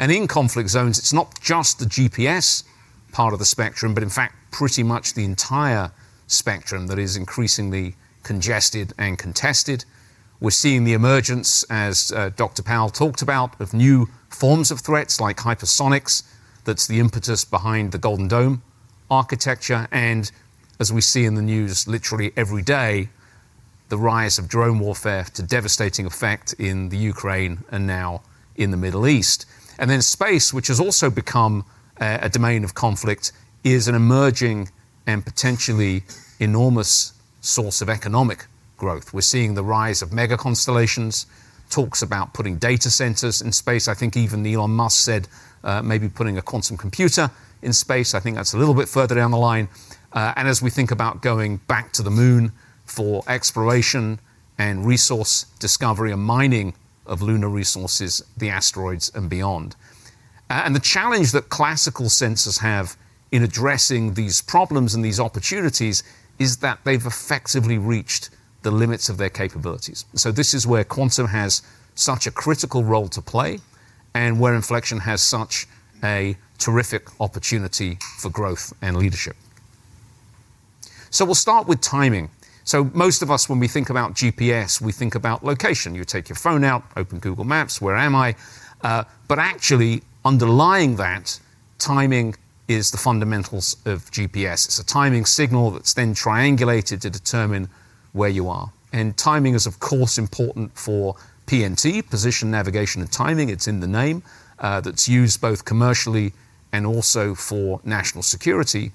In conflict zones, it's not just the GPS part of the spectrum, but in fact pretty much the entire spectrum that is increasingly congested and contested. We're seeing the emergence, as Dr. Powell talked about, of new forms of threats like hypersonics. That's the impetus behind the Golden Dome architecture, and as we see in the news literally every day, the rise of drone warfare to devastating effect in the Ukraine and now in the Middle East. Then space, which has also become a domain of conflict, is an emerging and potentially enormous source of economic growth. We're seeing the rise of mega constellations, talks about putting data centers in space. I think even Elon Musk said, maybe putting a quantum computer in space. I think that's a little bit further down the line. As we think about going back to the Moon for exploration and resource discovery and mining of lunar resources, the asteroids and beyond. The challenge that classical sensors have in addressing these problems and these opportunities is that they've effectively reached the limits of their capabilities. This is where quantum has such a critical role to play and where Infleqtion has such a terrific opportunity for growth and leadership. We'll start with timing. Most of us, when we think about GPS, we think about location. You take your phone out, open Google Maps, where am I? But actually underlying that timing is the fundamentals of GPS. It's a timing signal that's then triangulated to determine where you are. Timing is of course important for PNT, position, navigation and timing, it's in the name, that's used both commercially and also for national security.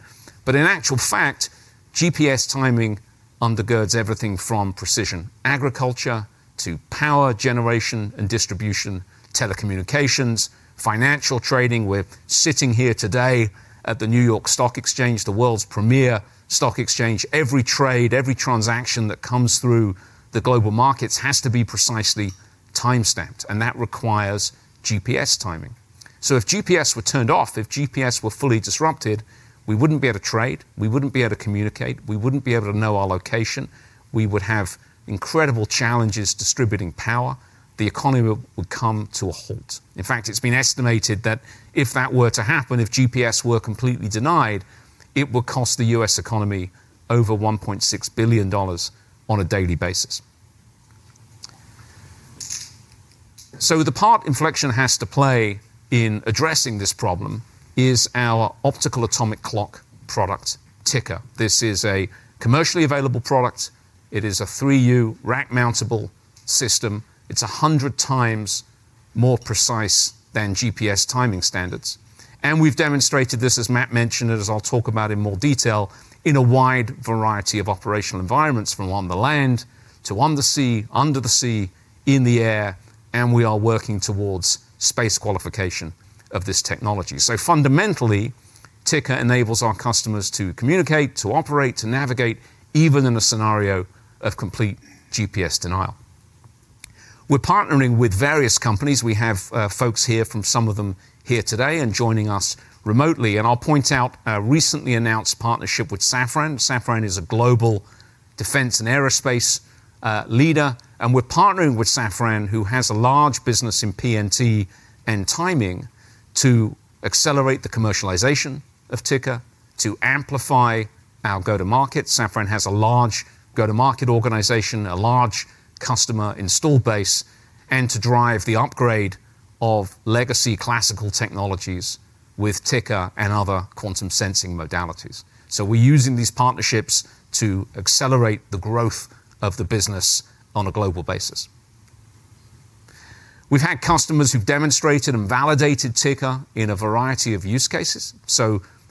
In actual fact, GPS timing undergirds everything from precision agriculture to power generation and distribution, telecommunications, financial trading. We're sitting here today at the New York Stock Exchange, the world's premier stock exchange. Every trade, every transaction that comes through the global markets has to be precisely timestamped, and that requires GPS timing. If GPS were turned off, if GPS were fully disrupted, we wouldn't be able to trade, we wouldn't be able to communicate, we wouldn't be able to know our location. We would have incredible challenges distributing power. The economy would come to a halt. In fact, it's been estimated that if that were to happen, if GPS were completely denied, it would cost the U.S. economy over $1.6 billion on a daily basis. The part Infleqtion has to play in addressing this problem is our optical atomic clock product, Tiqker. This is a commercially available product. It is a 3U rack-mountable system. It's 100 times more precise than GPS timing standards. We've demonstrated this, as Matt mentioned, and as I'll talk about in more detail, in a wide variety of operational environments from on the land to on the sea, under the sea, in the air, and we are working towards space qualification of this technology. Fundamentally, Tiqker enables our customers to communicate, to operate, to navigate even in a scenario of complete GPS denial. We're partnering with various companies. We have, folks here from some of them here today and joining us remotely. I'll point out a recently announced partnership with Safran. Safran is a global defense and aerospace leader, and we're partnering with Safran, who has a large business in PNT and timing to accelerate the commercialization of Tiqker to amplify our go-to-market. Safran has a large go-to-market organization, a large customer install base, and to drive the upgrade of legacy classical technologies with Tiqker and other quantum sensing modalities. We're using these partnerships to accelerate the growth of the business on a global basis. We've had customers who've demonstrated and validated Tiqker in a variety of use cases.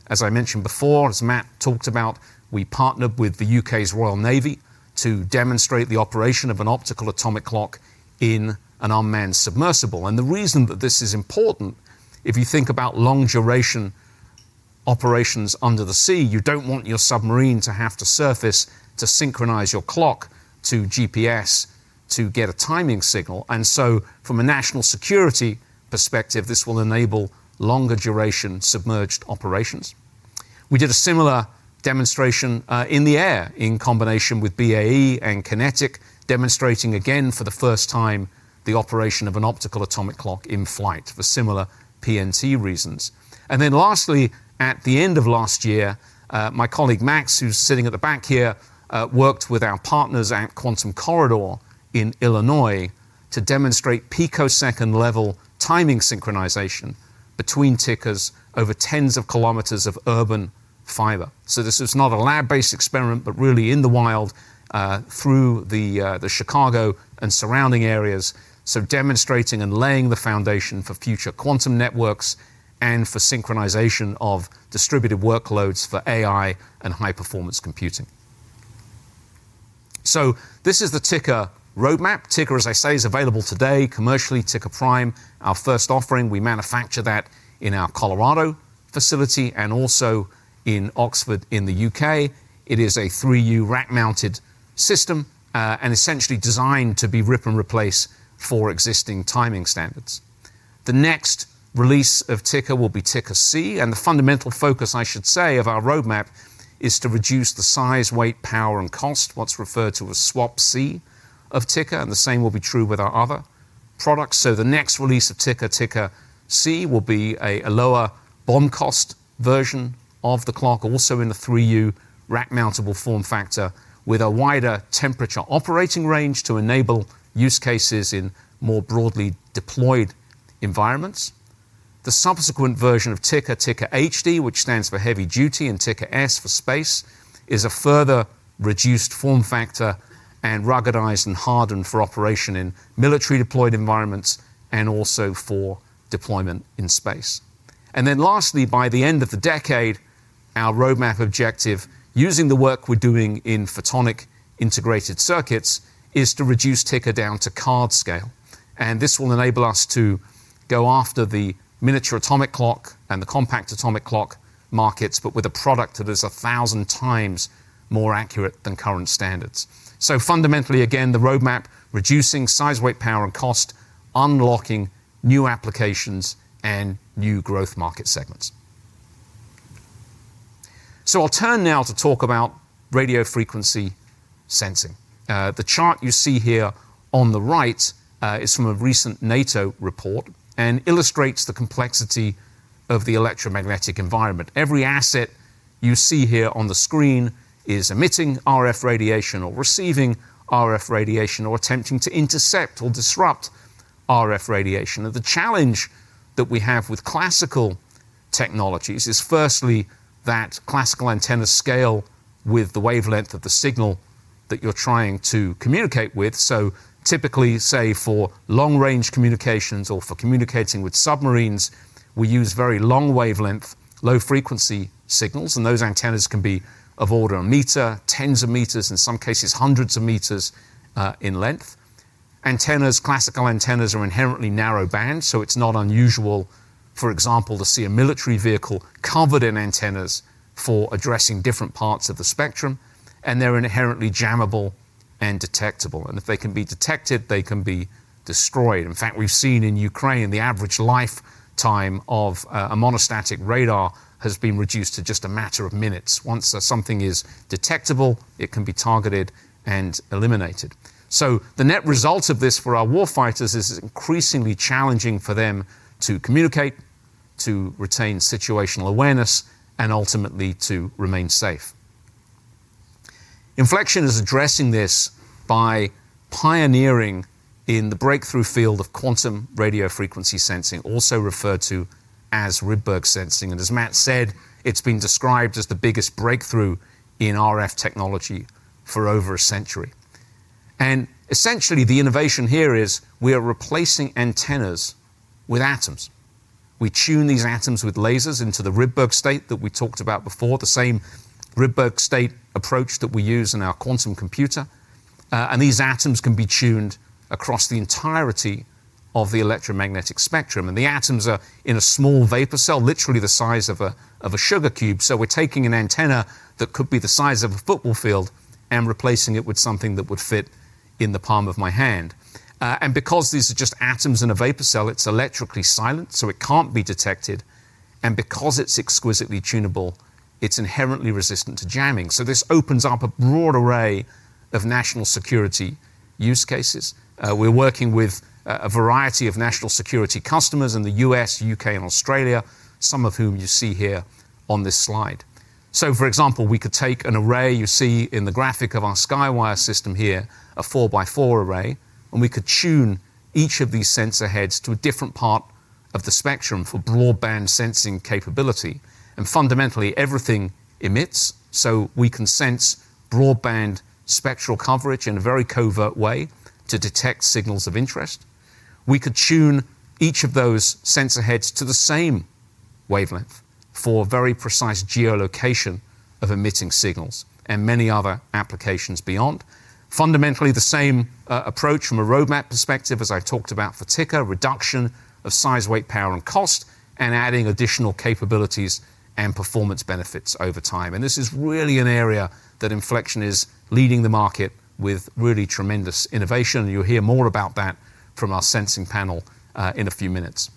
As I mentioned before, as Matt talked about, we partnered with the U.K.'s Royal Navy to demonstrate the operation of an optical atomic clock in an unmanned submersible. The reason that this is important, if you think about long-duration operations under the sea, you don't want your submarine to have to surface to synchronize your clock to GPS to get a timing signal. From a national security perspective, this will enable longer duration submerged operations. We did a similar demonstration in the air in combination with BAE and QinetiQ, demonstrating again for the first time the operation of an optical atomic clock in flight for similar PNT reasons. Lastly, at the end of last year, my colleague Max, who's sitting at the back here, worked with our partners at Quantum Corridor in Illinois to demonstrate picosecond-level timing synchronization between Tiqkers over tens of kilometers of urban fiber. This is not a lab-based experiment, but really in the wild through the Chicago and surrounding areas. Demonstrating and laying the foundation for future quantum networks and for synchronization of distributed workloads for AI and high-performance computing. This is the Tiqker roadmap. Tiqker, as I say, is available today commercially. Tiqker Prime, our first offering. We manufacture that in our Colorado facility and also in Oxford in the U.K. It is a 3U rack-mounted system, and essentially designed to be rip and replace for existing timing standards. The next release of Tiqker will be Tiqker C. The fundamental focus, I should say, of our roadmap is to reduce the size, weight, power, and cost, what's referred to as SWaP-C of Tiqker, and the same will be true with our other products. The next release of Tiqker C, will be a lower BOM cost version of the clock, also in the 3U rack-mountable form factor with a wider temperature operating range to enable use cases in more broadly deployed environments. The subsequent version of Tiqker HD, which stands for heavy duty, and Tiqker-S for space, is a further reduced form factor and ruggedized and hardened for operation in military deployed environments and also for deployment in space. By the end of the decade, our roadmap objective, using the work we're doing in photonic integrated circuits, is to reduce Tiqker down to card scale. This will enable us to go after the miniature atomic clock and the compact atomic clock markets, but with a product that is 1,000 times more accurate than current standards. Fundamentally, again, the roadmap, reducing size, weight, power and cost, unlocking new applications and new growth market segments. I'll turn now to talk about radio frequency sensing. The chart you see here on the right is from a recent NATO report and illustrates the complexity of the electromagnetic environment. Every asset you see here on the screen is emitting RF radiation or receiving RF radiation, or attempting to intercept or disrupt RF radiation. The challenge that we have with classical technologies is firstly that classical antennas scale with the wavelength of the signal that you're trying to communicate with. Typically, say for long-range communications or for communicating with submarines, we use very long wavelength, low frequency signals, and those antennas can be of order one meter, tens of meters, in some cases hundreds of meters, in length. Antennas, classical antennas, are inherently narrow band. It's not unusual, for example, to see a military vehicle covered in antennas for addressing different parts of the spectrum, and they're inherently jammable and detectable. If they can be detected, they can be destroyed. In fact, we've seen in Ukraine, the average lifetime of a monostatic radar has been reduced to just a matter of minutes. Once something is detectable, it can be targeted and eliminated. The net result of this for our war fighters is it's increasingly challenging for them to communicate, to retain situational awareness and ultimately to remain safe. Infleqtion is addressing this by pioneering in the breakthrough field of quantum radio frequency sensing, also referred to as Rydberg sensing. As Matt said, it's been described as the biggest breakthrough in RF technology for over a century. Essentially the innovation here is we are replacing antennas with atoms. We tune these atoms with lasers into the Rydberg state that we talked about before, the same Rydberg state approach that we use in our quantum computer. These atoms can be tuned across the entirety of the electromagnetic spectrum. The atoms are in a small vapor cell, literally the size of a sugar cube. We're taking an antenna that could be the size of a football field and replacing it with something that would fit in the palm of my hand. Because these are just atoms in a vapor cell, it's electrically silent, so it can't be detected. Because it's exquisitely tunable, it's inherently resistant to jamming. This opens up a broad array of national security use cases. We're working with a variety of national security customers in the U.S., U.K. and Australia, some of whom you see here on this slide. For example, we could take an array you see in the graphic of our SQUYRE system here, a 4-by-4 array, and we could tune each of these sensor heads to a different part of the spectrum for broadband sensing capability. Fundamentally, everything emits, so we can sense broadband spectral coverage in a very covert way to detect signals of interest. We could tune each of those sensor heads to the same wavelength for very precise geolocation of emitting signals and many other applications beyond. Fundamentally, the same approach from a roadmap perspective as I talked about for Tiqker, reduction of size, weight, power and cost, and adding additional capabilities and performance benefits over time. This is really an area that Infleqtion is leading the market with really tremendous innovation. You'll hear more about that from our sensing panel in a few minutes.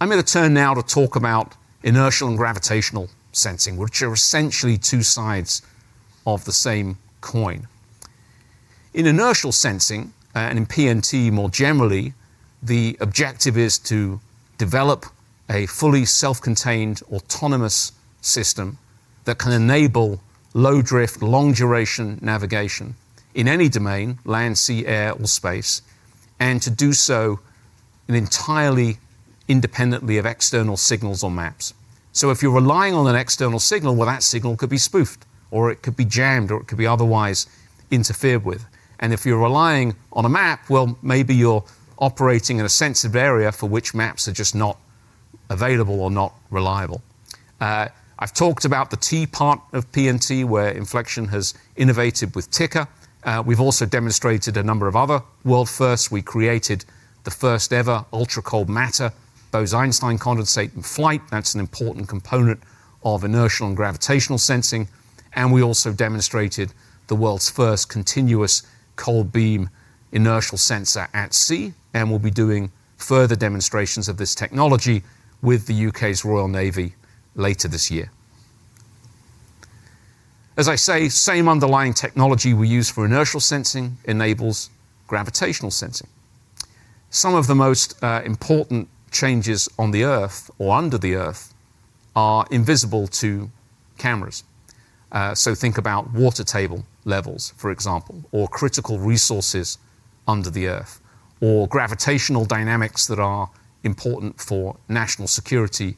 I'm gonna turn now to talk about inertial and gravitational sensing, which are essentially two sides of the same coin. In inertial sensing and in PNT more generally, the objective is to develop a fully self-contained autonomous system that can enable low drift, long duration navigation in any domain, land, sea, air or space, and to do so entirely independently of external signals or maps. If you're relying on an external signal, well, that signal could be spoofed or it could be jammed, or it could be otherwise interfered with. If you're relying on a map, well, maybe you're operating in a sensitive area for which maps are just not available or not reliable. I've talked about the T part of PNT where Infleqtion has innovated with Tiqker. We've also demonstrated a number of other world firsts. We created the first ever ultracold matter Bose-Einstein condensate in flight. That's an important component of inertial and gravitational sensing. We also demonstrated the world's first continuous cold beam inertial sensor at sea and will be doing further demonstrations of this technology with the U.K.'s Royal Navy later this year. As I say, same underlying technology we use for inertial sensing enables gravitational sensing. Some of the most important changes on the Earth or under the Earth are invisible to cameras. So think about water table levels, for example, or critical resources under the earth, or gravitational dynamics that are important for national security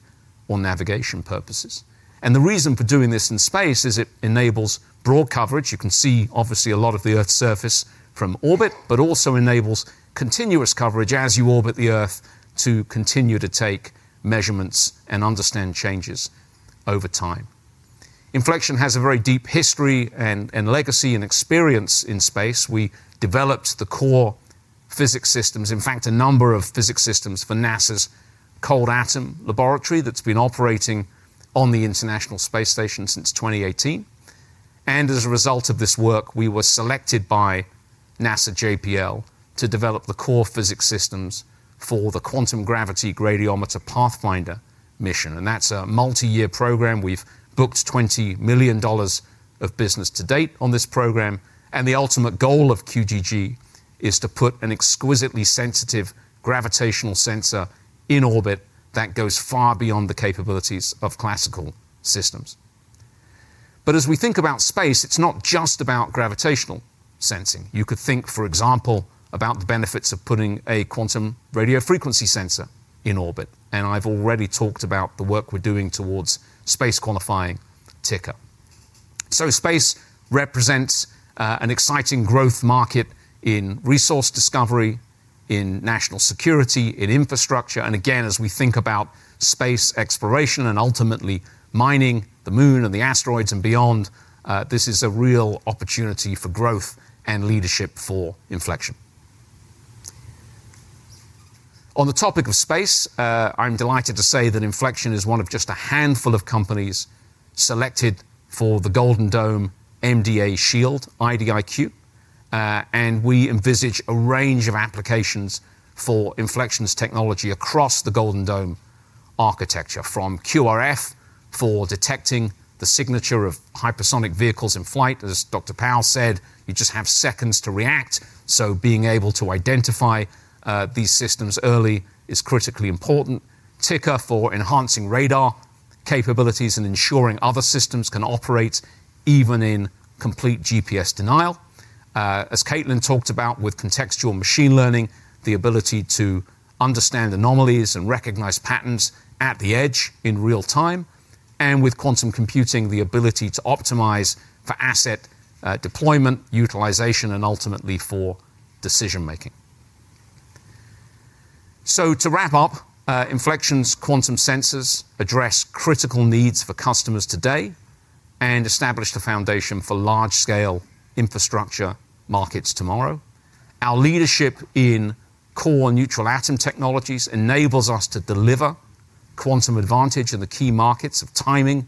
or navigation purposes. The reason for doing this in space is it enables broad coverage. You can see obviously a lot of the Earth's surface from orbit, but also enables continuous coverage as you orbit the Earth to continue to take measurements and understand changes over time. Infleqtion has a very deep history and legacy and experience in space. We developed the core physics systems, in fact a number of physics systems for NASA's Cold Atom Laboratory that's been operating on the International Space Station since 2018. As a result of this work, we were selected by NASA JPL to develop the core physics systems for the Quantum Gravity Gradiometer Pathfinder mission. That's a multi-year program. We've booked $20 million of business to date on this program. The ultimate goal of QGG is to put an exquisitely sensitive gravitational sensor in orbit that goes far beyond the capabilities of classical systems. As we think about space, it's not just about gravitational sensing. You could think, for example, about the benefits of putting a quantum radio frequency sensor in orbit. I've already talked about the work we're doing towards space qualifying Tiqker. Space represents an exciting growth market in resource discovery, in national security, in infrastructure. Again, as we think about space exploration and ultimately mining the moon and the asteroids and beyond, this is a real opportunity for growth and leadership for Infleqtion. On the topic of space, I'm delighted to say that Infleqtion is one of just a handful of companies selected for the Golden Dome SHIELD IDIQ. We envisage a range of applications for Infleqtion's technology across the Golden Dome architecture from QRF for detecting the signature of hypersonic vehicles in flight. As Dr. Powell said, you just have seconds to react, so being able to identify these systems early is critically important. Tiqker for enhancing radar capabilities and ensuring other systems can operate even in complete GPS denial. As Caitlin talked about with contextual machine learning, the ability to understand anomalies and recognize patterns at the edge in real-time. With quantum computing, the ability to optimize for asset deployment, utilization, and ultimately for decision-making. To wrap up, Infleqtion's quantum sensors address critical needs for customers today and establish the foundation for large-scale infrastructure markets tomorrow. Our leadership in core neutral atom technologies enables us to deliver quantum advantage in the key markets of timing,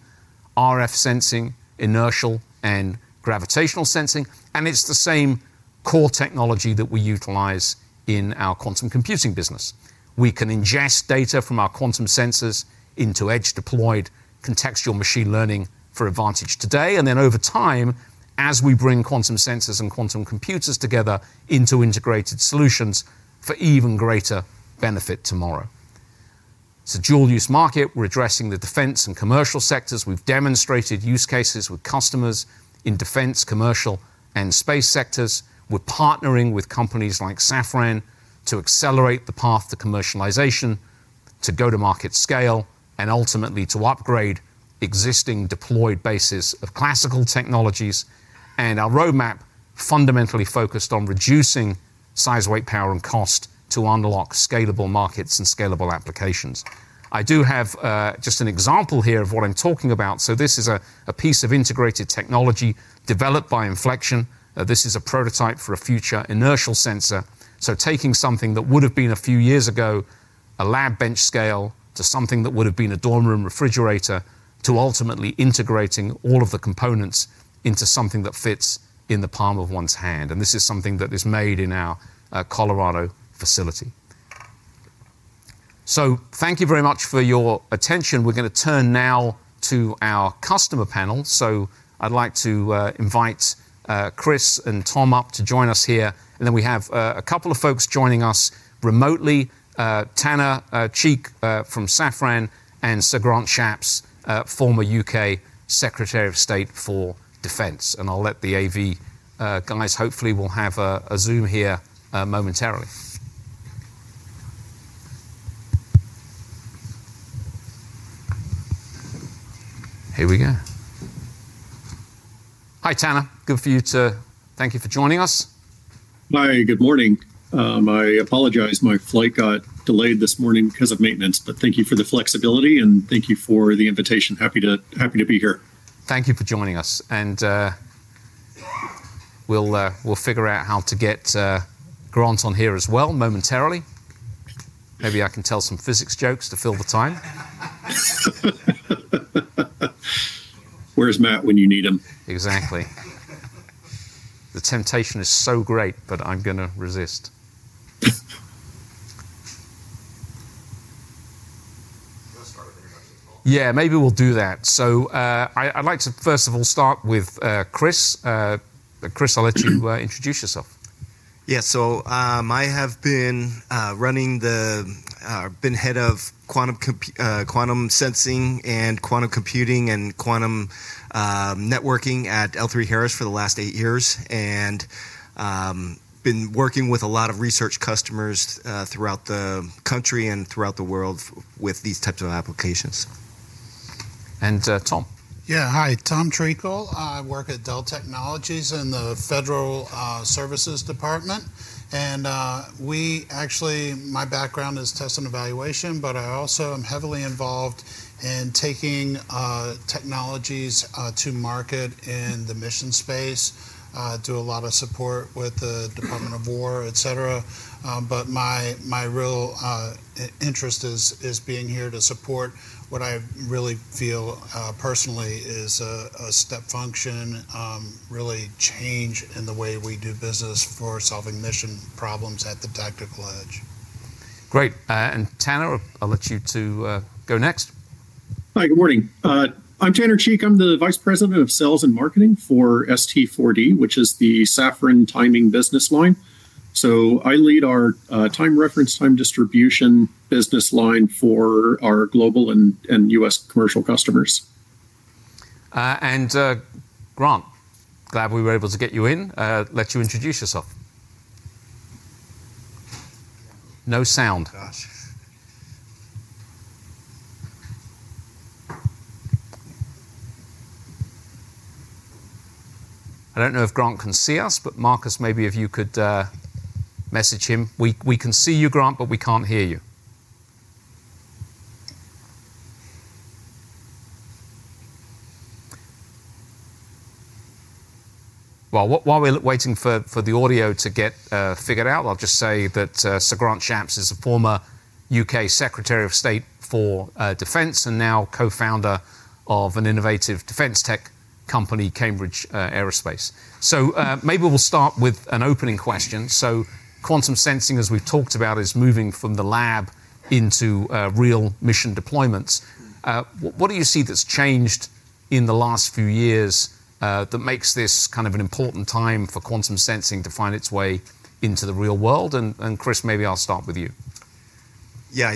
RF sensing, inertial, and gravitational sensing. It's the same core technology that we utilize in our quantum computing business. We can ingest data from our quantum sensors into edge deployed Contextual Machine Learning for advantage today, and then over time as we bring quantum sensors and quantum computers together into integrated solutions for even greater benefit tomorrow. It's a dual use market. We're addressing the defense and commercial sectors. We've demonstrated use cases with customers in defense, commercial, and space sectors. We're partnering with companies like Safran to accelerate the path to commercialization, to go-to-market scale, and ultimately to upgrade existing deployed bases of classical technologies. Our roadmap fundamentally focused on reducing size, weight, power, and cost to unlock scalable markets and scalable applications. I do have just an example here of what I'm talking about. This is a piece of integrated technology developed by Infleqtion. This is a prototype for a future inertial sensor. Taking something that would've been a few years ago, a lab bench scale, to something that would've been a dorm room refrigerator, to ultimately integrating all of the components into something that fits in the palm of one's hand. This is something that is made in our Colorado facility. Thank you very much for your attention. We're gonna turn now to our customer panel. I'd like to invite Chris and Tom up to join us here. Then we have a couple of folks joining us remotely, Tanner Cheek from Safran and Sir Grant Shapps, former U.K. Secretary of State for Defense. I'll let the AV guys. Hopefully, we'll have a Zoom here momentarily. Here we go. Hi, Tanner. Thank you for joining us. Hi. Good morning. I apologize my flight got delayed this morning because of maintenance. Thank you for the flexibility, and thank you for the invitation. Happy to be here. Thank you for joining us. We'll figure out how to get Grant on here as well momentarily. Maybe I can tell some physics jokes to fill the time. Where's Matt when you need him? Exactly. The temptation is so great, but I'm gonna resist. Let's start with introduction. Yeah. Maybe we'll do that. I'd like to first of all start with Chris. Chris, I'll let you introduce yourself. I have been head of quantum sensing and quantum computing and quantum networking at L3Harris for the last 8 years, and been working with a lot of research customers throughout the country and throughout the world with these types of applications. Tom. Yeah. Hi. Tom Treakle. I work at Dell Technologies in the federal services department. My background is test and evaluation, but I also am heavily involved in taking technologies to market in the mission space. I do a lot of support with the Department of Defense, et cetera. My real interest is being here to support what I really feel personally is a step function really change in the way we do business for solving mission problems at the tactical edge. Great. Tanner, I'll let you to go next. Hi. Good morning. I'm Tanner Cheek. I'm the vice president of sales and marketing for ST4D, which is the Safran Trusted 4D. I lead our time reference, time distribution business line for our global and U.S. commercial customers. Sir Grant Shapps, glad we were able to get you in. Let you introduce yourself. Gosh. I don't know if Grant can see us, but Marcus, maybe if you could message him. We can see you, Grant, but we can't hear you. Well, while we're waiting for the audio to get figured out, I'll just say that Sir Grant Shapps is a former U.K. Secretary of State for Defense and now co-founder of an innovative defense tech company, Cambridge Aerospace. Maybe we'll start with an opening question. Quantum sensing, as we've talked about, is moving from the lab into real mission deployments. What do you see that's changed in the last few years that makes this kind of an important time for quantum sensing to find its way into the real world? Chris, maybe I'll start with you. Yeah.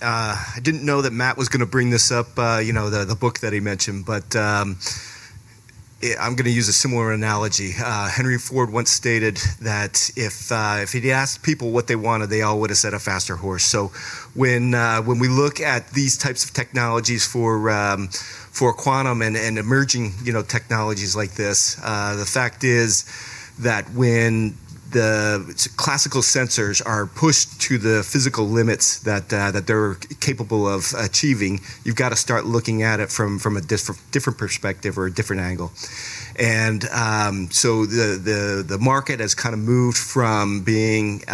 I didn't know that Matt was gonna bring this up, you know, the book that he mentioned, but yeah, I'm gonna use a similar analogy. Henry Ford once stated that if he'd asked people what they wanted, they all would have said a faster horse. When we look at these types of technologies for quantum and emerging, you know, technologies like this, the fact is that when the classical sensors are pushed to the physical limits that they're capable of achieving, you've got to start looking at it from a different perspective or a different angle. The market has kinda moved from being,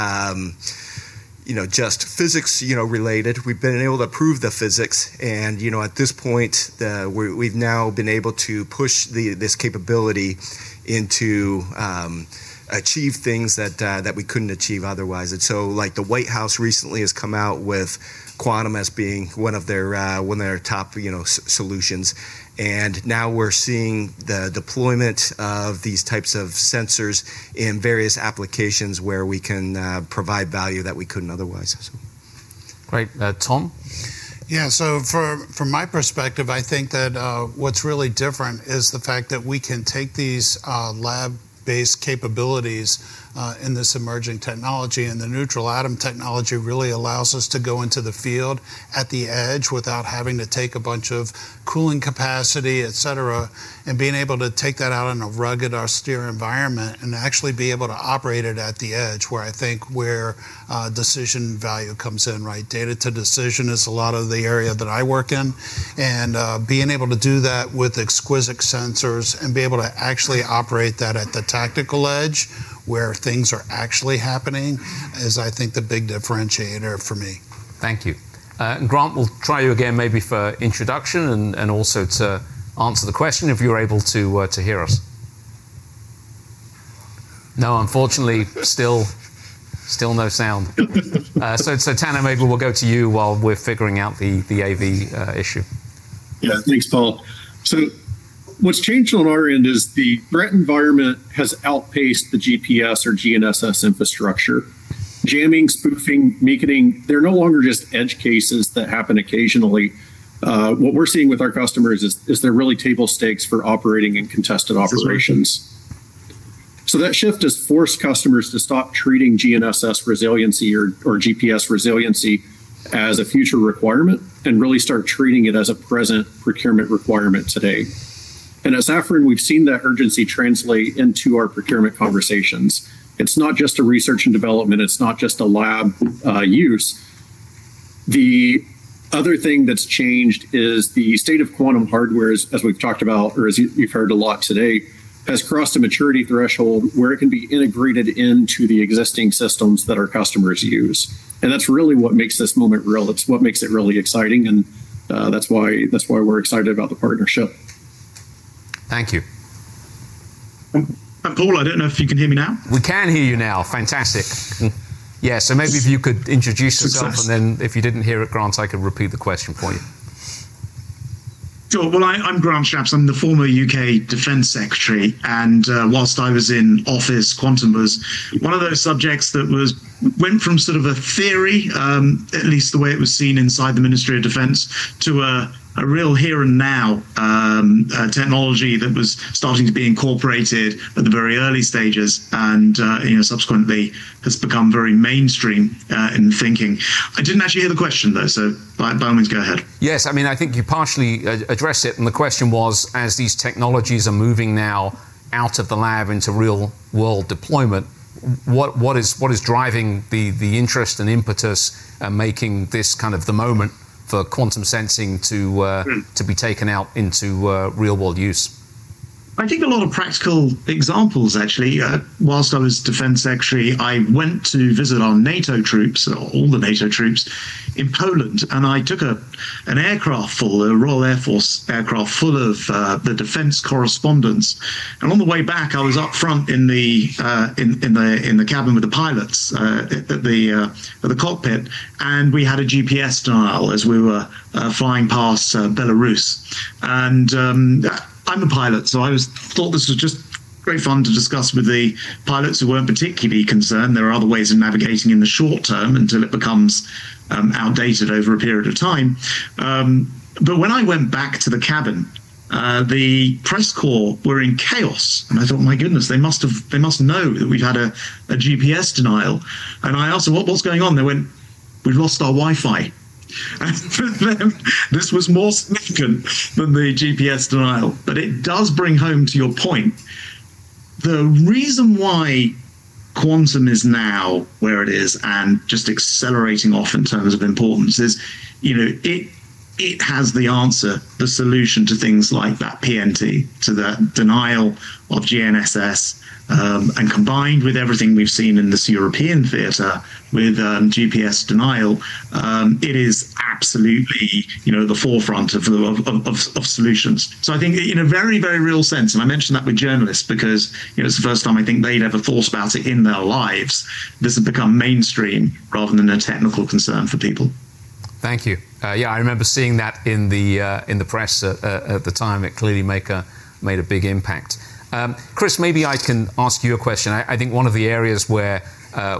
you know, just physics, you know, related. We've been able to prove the physics and, you know, at this point, we've now been able to push this capability into achieve things that we couldn't achieve otherwise. Like, the White House recently has come out with quantum as being one of their top, you know, solutions. Now we're seeing the deployment of these types of sensors in various applications where we can provide value that we couldn't otherwise. Great. Tom. Yeah. From my perspective, I think that what's really different is the fact that we can take these lab-based capabilities in this emerging technology, and the neutral atom technology really allows us to go into the field at the edge without having to take a bunch of cooling capacity, et cetera, and being able to take that out in a rugged, austere environment and actually be able to operate it at the edge where I think decision value comes in, right? Data to decision is a lot of the area that I work in, and being able to do that with exquisite sensors and be able to actually operate that at the tactical edge where things are actually happening is I think the big differentiator for me. Thank you. Grant, we'll try you again maybe for introduction and also to answer the question if you're able to hear us. No, unfortunately, still no sound. Tanner, maybe we'll go to you while we're figuring out the AV issue. Yeah. Thanks, Paul. What's changed on our end is the threat environment has outpaced the GPS or GNSS infrastructure. Jamming, spoofing, meaconing, they're no longer just edge cases that happen occasionally. What we're seeing with our customers is they're really table stakes for operating in contested operations. That shift has forced customers to stop treating GNSS resiliency or GPS resiliency as a future requirement and really start treating it as a present procurement requirement today. At Safran, we've seen that urgency translate into our procurement conversations. It's not just a research and development, it's not just a lab use. The other thing that's changed is the state of quantum hardware as we've talked about, or as you've heard a lot today, has crossed a maturity threshold where it can be integrated into the existing systems that our customers use. That's really what makes this moment real. It's what makes it really exciting, and that's why we're excited about the partnership. Thank you. Paul, I don't know if you can hear me now. We can hear you now. Fantastic. Yeah. Maybe if you could introduce yourself. Success. If you didn't hear it, Grant, I could repeat the question for you. Sure. Well, I'm Sir Grant Shapps. I'm the former UK Secretary of State for Defence, and while I was in office, quantum was one of those subjects that went from sort of a theory, at least the way it was seen inside the Ministry of Defence, to a real here-and-now technology that was starting to be incorporated at the very early stages and, you know, subsequently has become very mainstream in thinking. I didn't actually hear the question, though, so by all means, go ahead. Yes. I mean, I think you partially addressed it, and the question was, as these technologies are moving now out of the lab into real-world deployment, what is driving the interest and impetus and making this kind of the moment for quantum sensing to Mm. to be taken out into real-world use? I think a lot of practical examples, actually. While I was Defense Secretary, I went to visit our NATO troops, all the NATO troops in Poland, and I took a Royal Air Force aircraft full of the defense correspondents. On the way back, I was up front in the cabin with the pilots at the cockpit, and we had a GPS denial as we were flying past Belarus. I'm a pilot, so I thought this was just great fun to discuss with the pilots who weren't particularly concerned. There are other ways of navigating in the short term until it becomes outdated over a period of time. When I went back to the cabin, the press corps were in chaos, and I thought, "My goodness, they must know that we've had a GPS denial." I asked them, "What's going on?" They went, "We've lost our Wi-Fi." For them, this was more significant than the GPS denial. It does bring home to your point. The reason why quantum is now where it is and just accelerating off in terms of importance is, you know, it has the answer, the solution to things like that PNT, to the denial of GNSS. Combined with everything we've seen in this European theater with GPS denial, it is absolutely, you know, the forefront of solutions. I think in a very, very real sense, and I mention that with journalists because, you know, it's the first time I think they'd ever thought about it in their lives. This has become mainstream rather than a technical concern for people. Thank you. Yeah, I remember seeing that in the press at the time. It clearly made a big impact. Chris, maybe I can ask you a question. I think one of the areas where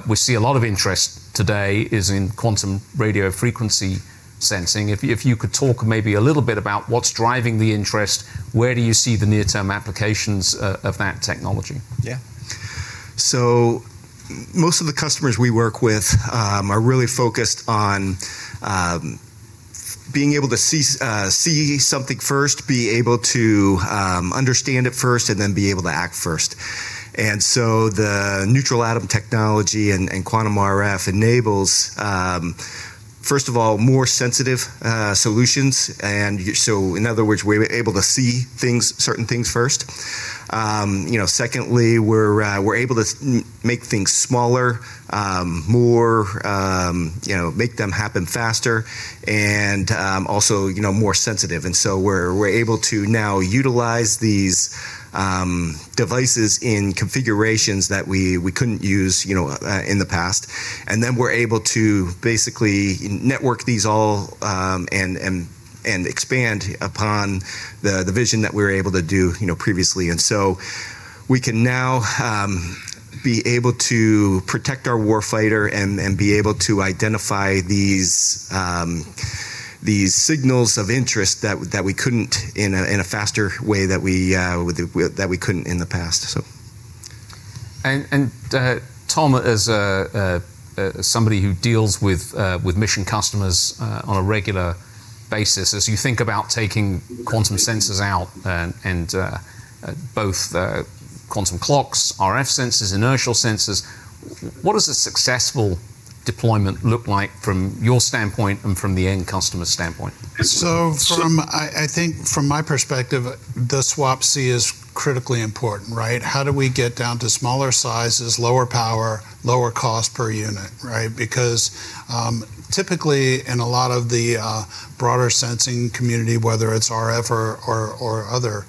we see a lot of interest today is in quantum radio frequency sensing. If you could talk maybe a little bit about what's driving the interest, where do you see the near-term applications of that technology? Yeah. Most of the customers we work with are really focused on being able to see something first, be able to understand it first, and then be able to act first. The neutral atom technology and quantum RF enables first of all, more sensitive solutions. In other words, we're able to see certain things first. You know, secondly, we're able to make things smaller, more, you know, make them happen faster and also, you know, more sensitive. We're able to now utilize these devices in configurations that we couldn't use, you know, in the past. We're able to basically network these all and expand upon the vision that we're able to do, you know, previously. We can now be able to protect our war fighter and be able to identify these signals of interest that we couldn't in a faster way that we couldn't in the past. Tom, as somebody who deals with mission customers on a regular basis, as you think about taking quantum sensors out and both quantum clocks, RF sensors, inertial sensors, what does a successful deployment look like from your standpoint and from the end customer standpoint? I think from my perspective, the SWaP-C is critically important, right? How do we get down to smaller sizes, lower power, lower cost per unit, right? Because typically, in a lot of the broader sensing community, whether it's RF or other,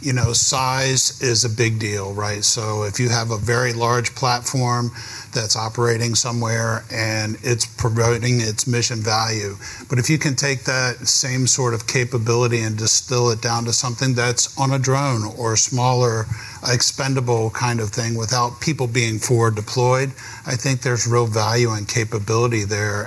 you know, size is a big deal, right? If you have a very large platform that's operating somewhere and it's promoting its mission value, but if you can take that same sort of capability and distill it down to something that's on a drone or a smaller expendable kind of thing without people being forward deployed, I think there's real value and capability there.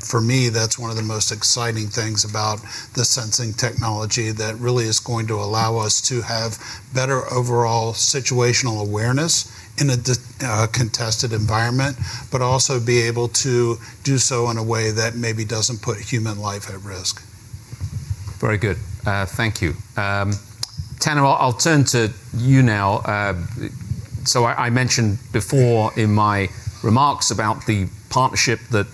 For me, that's one of the most exciting things about the sensing technology that really is going to allow us to have better overall situational awareness in a contested environment, but also be able to do so in a way that maybe doesn't put human life at risk. Very good. Thank you. Tanner, I'll turn to you now. I mentioned before in my remarks about the partnership that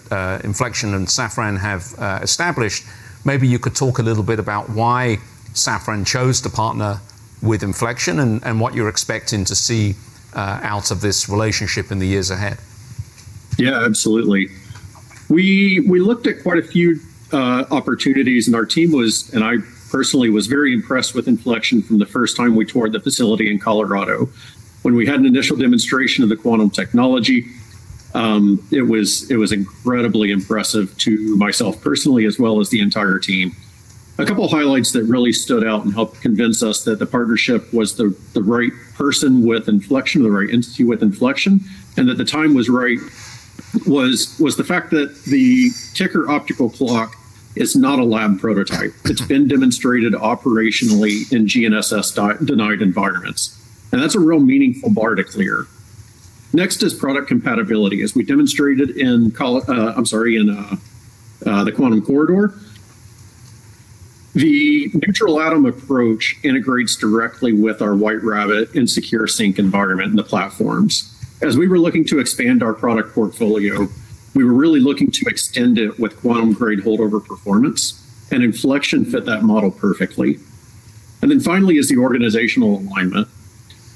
Infleqtion and Safran have established. Maybe you could talk a little bit about why Safran chose to partner with Infleqtion and what you're expecting to see out of this relationship in the years ahead. Yeah, absolutely. We looked at quite a few opportunities, and our team was, and I personally was very impressed with Infleqtion from the first time we toured the facility in Colorado. When we had an initial demonstration of the quantum technology, it was incredibly impressive to myself personally, as well as the entire team. A couple of highlights that really stood out and helped convince us that the partnership was the right partner with Infleqtion, or the right entity with Infleqtion, and that the time was right was the fact that the Tiqker optical clock is not a lab prototype. It's been demonstrated operationally in GNSS denied environments, and that's a real meaningful bar to clear. Next is product compatibility. We demonstrated in the Quantum Corridor, the neutral atom approach integrates directly with our White Rabbit and SecureSync environment in the platforms. We were looking to expand our product portfolio, we were really looking to extend it with quantum-grade holdover performance, and Infleqtion fit that model perfectly. Finally is the organizational alignment.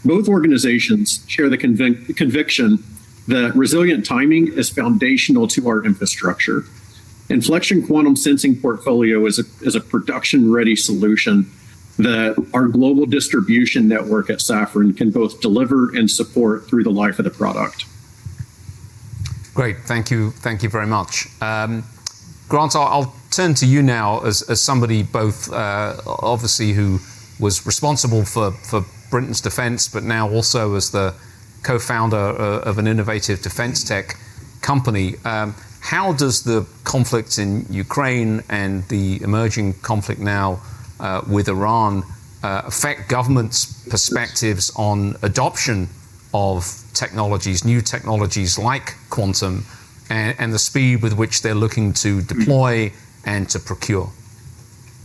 Both organizations share the conviction that resilient timing is foundational to our infrastructure. Infleqtion quantum sensing portfolio is a production-ready solution that our global distribution network at Safran can both deliver and support through the life of the product. Great. Thank you. Thank you very much. Grant, I'll turn to you now as somebody both obviously who was responsible for Britain's defense, but now also as the co-founder of an innovative defense tech company. How does the conflict in Ukraine and the emerging conflict now with Iran affect governments' perspectives on adoption of technologies, new technologies like quantum and the speed with which they're looking to deploy and to procure?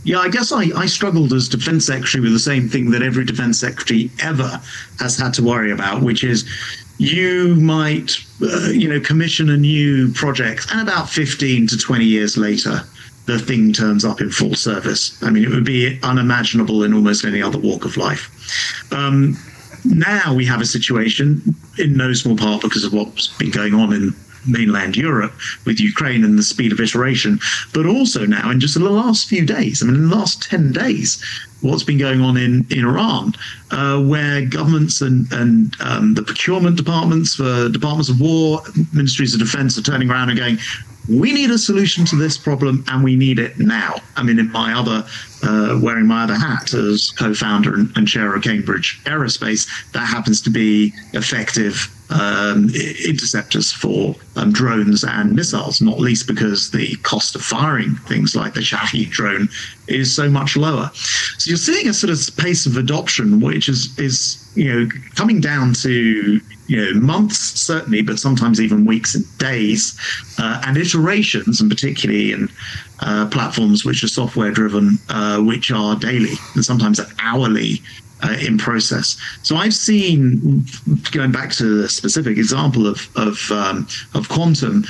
Yeah. I guess I struggled as Defense Secretary with the same thing that every Defense Secretary ever has had to worry about, which is you might, you know, commission a new project, and about 15-20 years later, the thing turns up in full service. I mean, it would be unimaginable in almost any other walk of life. Now we have a situation in no small part because of what's been going on in mainland Europe with Ukraine and the speed of iteration, but also now in just the last few days, I mean, in the last 10 days, what's been going on in Iran, where governments and the procurement departments for departments of war, ministries of defense are turning around and going, "We need a solution to this problem, and we need it now." I mean, in my other, wearing my other hat as co-founder and Chair of Cambridge Aerospace, that happens to be effective interceptors for drones and missiles, not least because the cost of firing things like the Shahed drone is so much lower. You're seeing a sort of pace of adoption, which is, you know, coming down to months certainly, but sometimes even weeks and days, and iterations, and particularly in platforms which are software driven, which are daily and sometimes hourly in process. I've seen, going back to the specific example of quantum,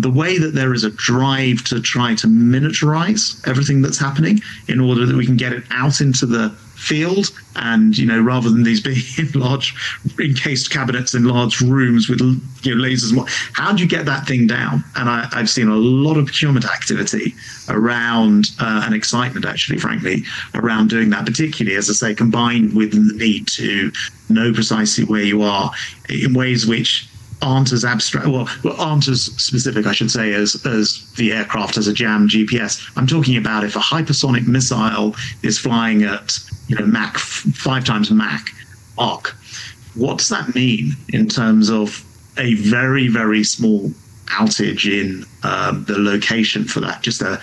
the way that there is a drive to try to miniaturize everything that's happening in order that we can get it out into the field and, you know, rather than these big, large encased cabinets in large rooms with lasers. How do you get that thing down? I've seen a lot of procurement activity around and excitement actually, frankly, around doing that, particularly, as I say, combined with the need to know precisely where you are in ways which aren't as abstract. Well, aren't as specific, I should say, as a jammed GPS. I'm talking about if a hypersonic missile is flying at, you know, Mach 5 times Mach 1, what does that mean in terms of a very, very small outage in the location for that? Just a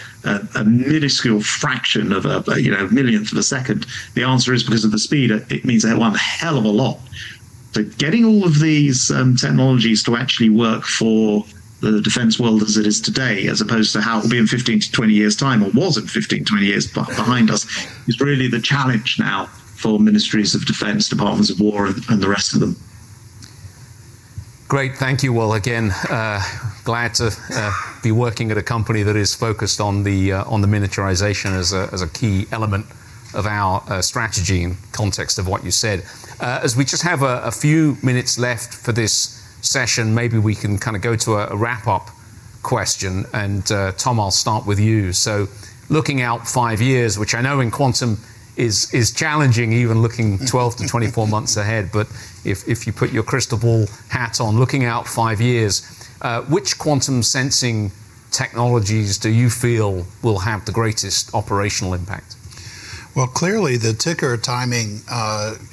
minuscule fraction of a millionth of a second. The answer is because of the speed, it means they have one hell of a lot. Getting all of these technologies to actually work for the defense world as it is today, as opposed to how it will be in 15-20 years' time, or 15-20 years behind us, is really the challenge now for Ministries of Defense, Departments of War, and the rest of them. Great. Thank you. Well, again, glad to be working at a company that is focused on the miniaturization as a key element of our strategy in context of what you said. As we just have a few minutes left for this session, maybe we can kinda go to a wrap-up question. Tom, I'll start with you. So looking out five years, which I know in quantum is challenging, even looking 12-24 months ahead. If you put your crystal ball hat on, looking out five years, which quantum sensing technologies do you feel will have the greatest operational impact? Well, clearly, the Tiqker timing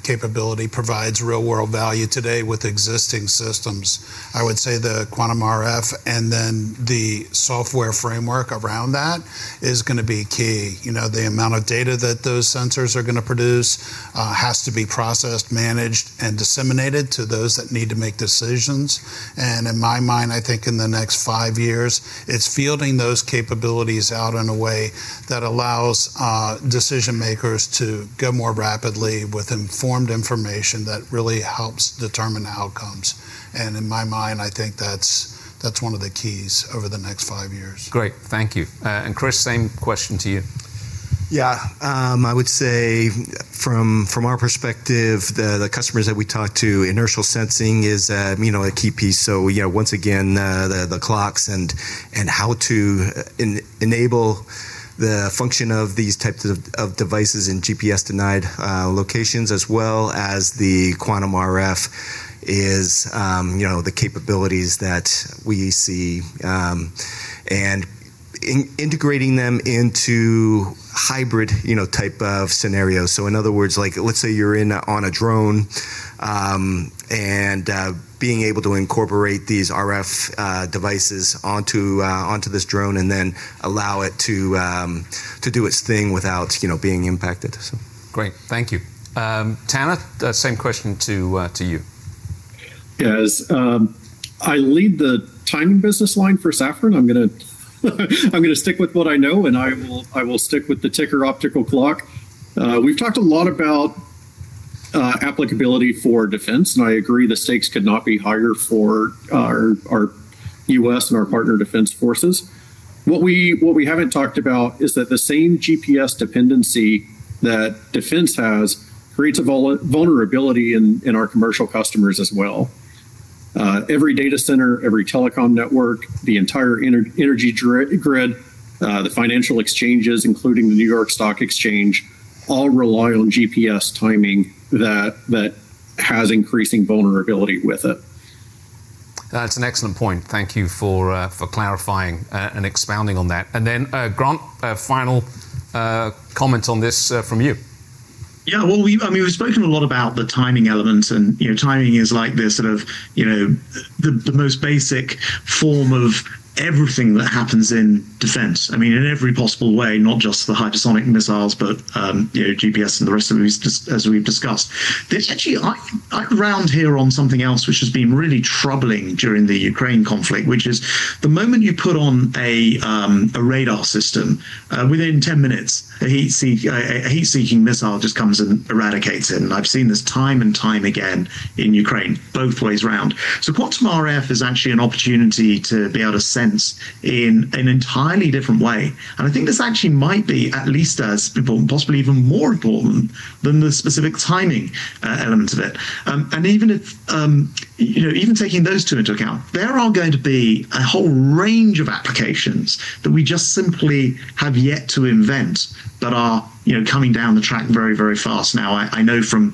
capability provides real-world value today with existing systems. I would say the quantum RF, and then the software framework around that is gonna be key. You know, the amount of data that those sensors are gonna produce has to be processed, managed, and disseminated to those that need to make decisions. In my mind, I think in the next five years, it's fielding those capabilities out in a way that allows decision-makers to go more rapidly with informed information that really helps determine outcomes. In my mind, I think that's one of the keys over the next five years. Great. Thank you. Chris, same question to you. Yeah. I would say from our perspective, the customers that we talk to, inertial sensing is you know, a key piece. You know, once again, the clocks and how to enable the function of these types of devices in GPS denied locations as well as the quantum RF is you know, the capabilities that we see and in integrating them into hybrid you know, type of scenarios. In other words, like let's say you're on a drone and being able to incorporate these RF devices onto this drone and then allow it to do its thing without you know, being impacted. Great. Thank you. Tanner, same question to you. Yes. I lead the timing business line for Safran. I'm gonna stick with what I know, and I will stick with the Tiqker optical clock. We've talked a lot about applicability for defense, and I agree the stakes could not be higher for our U.S. and our partner defense forces. What we haven't talked about is that the same GPS dependency that defense has creates a vulnerability in our commercial customers as well. Every data center, every telecom network, the entire energy grid, the financial exchanges, including the New York Stock Exchange, all rely on GPS timing that has increasing vulnerability with it. That's an excellent point. Thank you for clarifying and expounding on that. Sir Grant Shapps, a final comment on this from you. Yeah. Well, I mean, we've spoken a lot about the timing element and, you know, timing is like the sort of, you know, the most basic form of everything that happens in defense. I mean, in every possible way, not just the hypersonic missiles, but, you know, GPS and the rest of these, just as we've discussed. There's actually, I'd round here on something else which has been really troubling during the Ukraine conflict, which is the moment you put on a radar system, within 10 minutes, a heat-seeking missile just comes and eradicates it. I've seen this time and time again in Ukraine, both ways round. Quantum RF is actually an opportunity to be able to sense in an entirely different way. I think this actually might be at least as important, possibly even more important than the specific timing elements of it. Even if, you know, even taking those two into account, there are going to be a whole range of applications that we just simply have yet to invent that are, you know, coming down the track very, very fast. Now, I know from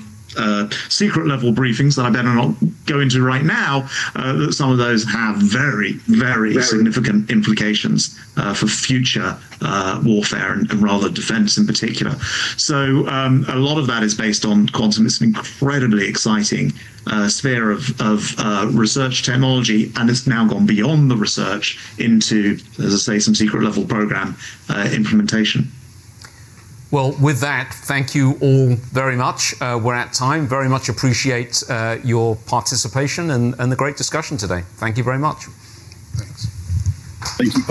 secret level briefings that I better not go into right now, that some of those have very, very significant implications for future warfare and rather defense in particular. A lot of that is based on quantum. It's an incredibly exciting sphere of research technology, and it's now gone beyond the research into, as I say, some secret level program implementation. Well, with that, thank you all very much. We're at time. Very much appreciate your participation and the great discussion today. Thank you very much. Thanks. Thank you.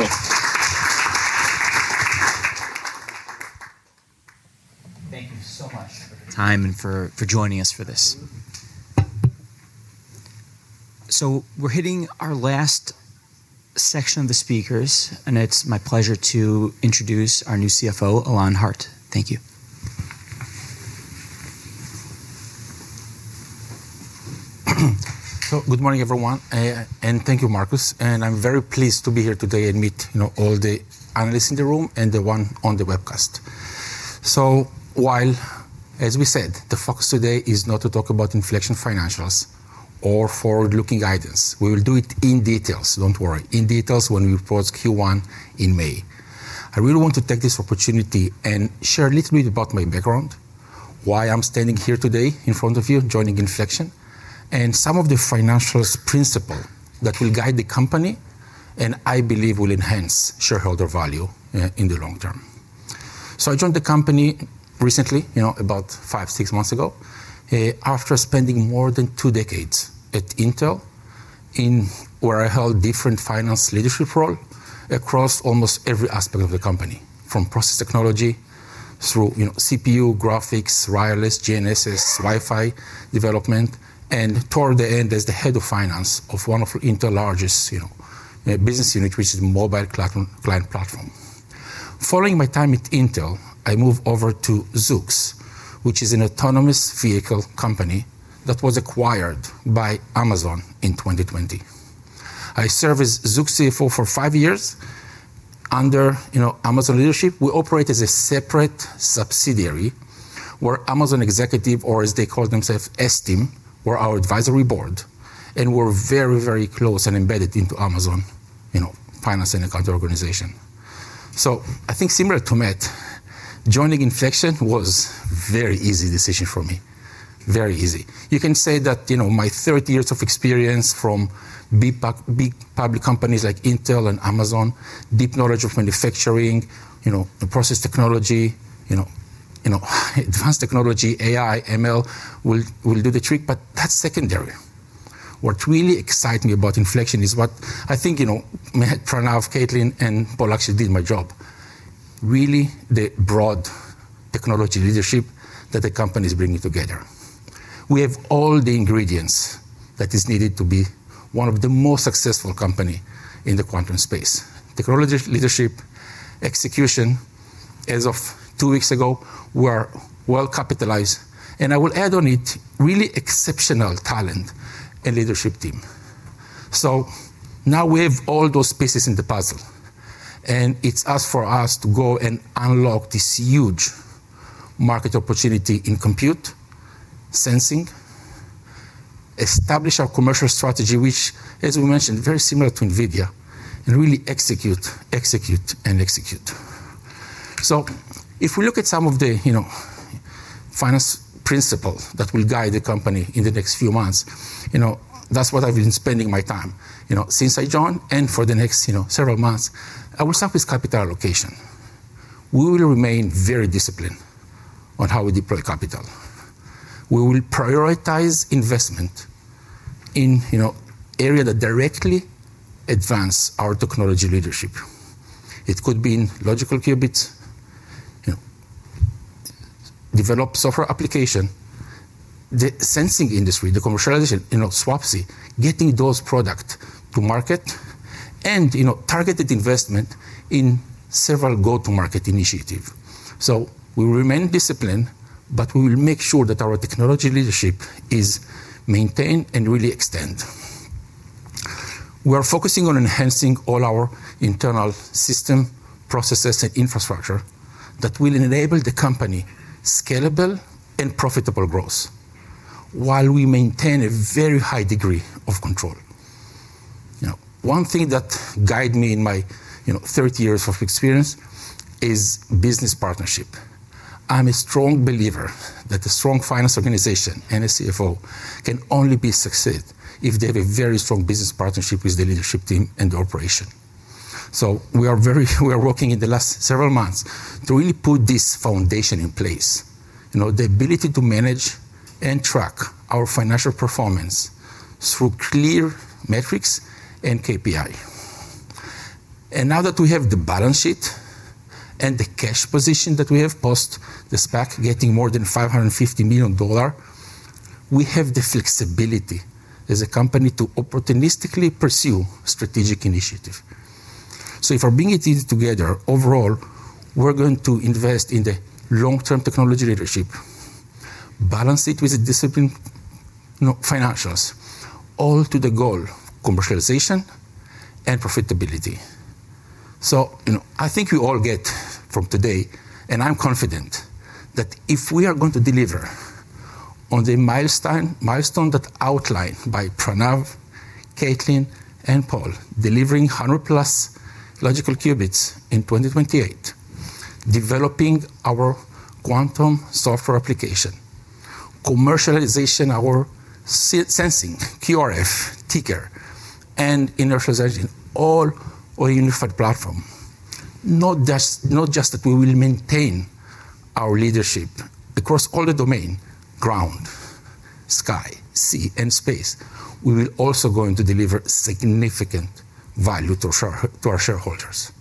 Thank you so much for your time and for joining us for this. We're hitting our last section of the speakers, and it's my pleasure to introduce our new CFO, Ilan Hart. Thank you. Good morning, everyone, and thank you, Marcus. I'm very pleased to be here today and meet, you know, all the analysts in the room and the one on the webcast. While, as we said, the focus today is not to talk about Infleqtion financials or forward-looking guidance. We will do it in detail, don't worry, when we report Q1 in May. I really want to take this opportunity and share a little bit about my background, why I'm standing here today in front of you joining Infleqtion, and some of the financial principles that will guide the company and I believe will enhance shareholder value, in the long term. I joined the company recently, you know, about 5, 6 months ago, after spending more than 2 decades at Intel, where I held different finance leadership roles across almost every aspect of the company, from process technology through, you know, CPU, graphics, wireless, GNSS, Wi-Fi development, and toward the end, as the head of finance of one of Intel's largest, you know, business units, which is Client Computing Group. Following my time at Intel, I moved over to Zoox, which is an autonomous vehicle company that was acquired by Amazon in 2020. I served as Zoox CFO for 5 years under, you know, Amazon leadership. We operated as a separate subsidiary where Amazon executives, or as they call themselves, S-team, were our advisory board, and we were very, very close and embedded into Amazon, you know, finance and accounting organization. I think similar to Matt, joining Infleqtion was very easy decision for me. Very easy. You can say that, you know, my 30 years of experience from big public companies like Intel and Amazon, deep knowledge of manufacturing, you know, the process technology, you know, advanced technology, AI, ML will do the trick, but that's secondary. What really excite me about Infleqtion is what I think, you know, Matt, Pranav, Caitlin, and Paul actually did my job. Really, the broad technology leadership that the company is bringing together. We have all the ingredients that is needed to be one of the most successful company in the quantum space. Technology leadership, execution. As of 2 weeks ago, we're well-capitalized, and I will add on it really exceptional talent and leadership team. Now we have all those pieces in the puzzle, and it's for us to go and unlock this huge market opportunity in compute, sensing, establish our commercial strategy, which as we mentioned, very similar to NVIDIA, and really execute, and execute. If we look at some of the, you know, finance principles that will guide the company in the next few months, you know, that's what I've been spending my time, you know, since I joined and for the next, you know, several months. I will start with capital allocation. We will remain very disciplined on how we deploy capital. We will prioritize investment in, you know, area that directly advance our technology leadership. It could be in logical qubits, you know, develop software application, the sensing industry, the commercialization, you know, SWaP-C, getting those product to market and, you know, targeted investment in several go-to-market initiative. We will remain disciplined, but we will make sure that our technology leadership is maintained and really extend. We are focusing on enhancing all our internal system, processes, and infrastructure that will enable the company scalable and profitable growth while we maintain a very high degree of control. You know, one thing that guide me in my, you know, 30 years of experience is business partnership. I'm a strong believer that a strong finance organization and a CFO can only be succeed if they have a very strong business partnership with the leadership team and the operation. We are working in the last several months to really put this foundation in place, you know, the ability to manage and track our financial performance through clear metrics and KPI. Now that we have the balance sheet and the cash position that we have post the SPAC getting more than $550 million, we have the flexibility as a company to opportunistically pursue strategic initiative. If we're bringing it together overall, we're going to invest in the long-term technology leadership, balance it with the disciplined, you know, financials, all to the goal, commercialization and profitability. You know, I think you all get from today, and I'm confident that if we are going to deliver on the milestone that outlined by Pranav, Caitlin, and Paul, delivering 100+ logical qubits in 2028, developing our quantum software application, commercializing our sensing, QRF, Tiqker, and inertial navigation, all on our unified platform, not just that we will maintain our leadership across all the domains, ground, sky, sea, and space, we will also going to deliver significant value to our shareholders.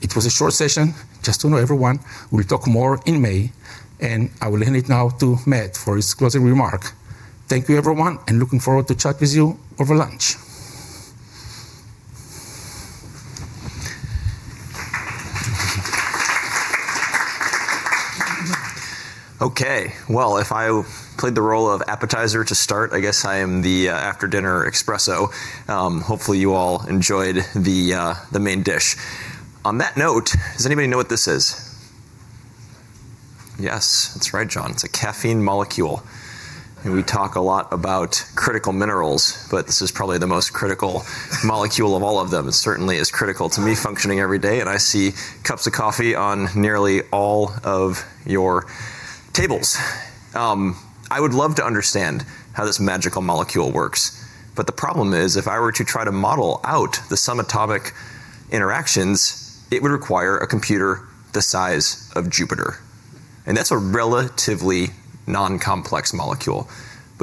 It was a short session, just so you know, everyone. We'll talk more in May, and I will hand it now to Matt for his closing remark. Thank you, everyone, and looking forward to chat with you over lunch. Okay. Well, if I played the role of appetizer to start, I guess I am the after-dinner espresso. Hopefully, you all enjoyed the main dish. On that note, does anybody know what this is? Yes, that's right, John. It's a caffeine molecule. We talk a lot about critical minerals, but this is probably the most critical molecule of all of them. It certainly is critical to me functioning every day, and I see cups of coffee on nearly all of your tables. I would love to understand how this magical molecule works, but the problem is, if I were to try to model out the some atomic interactions, it would require a computer the size of Jupiter, and that's a relatively non-complex molecule.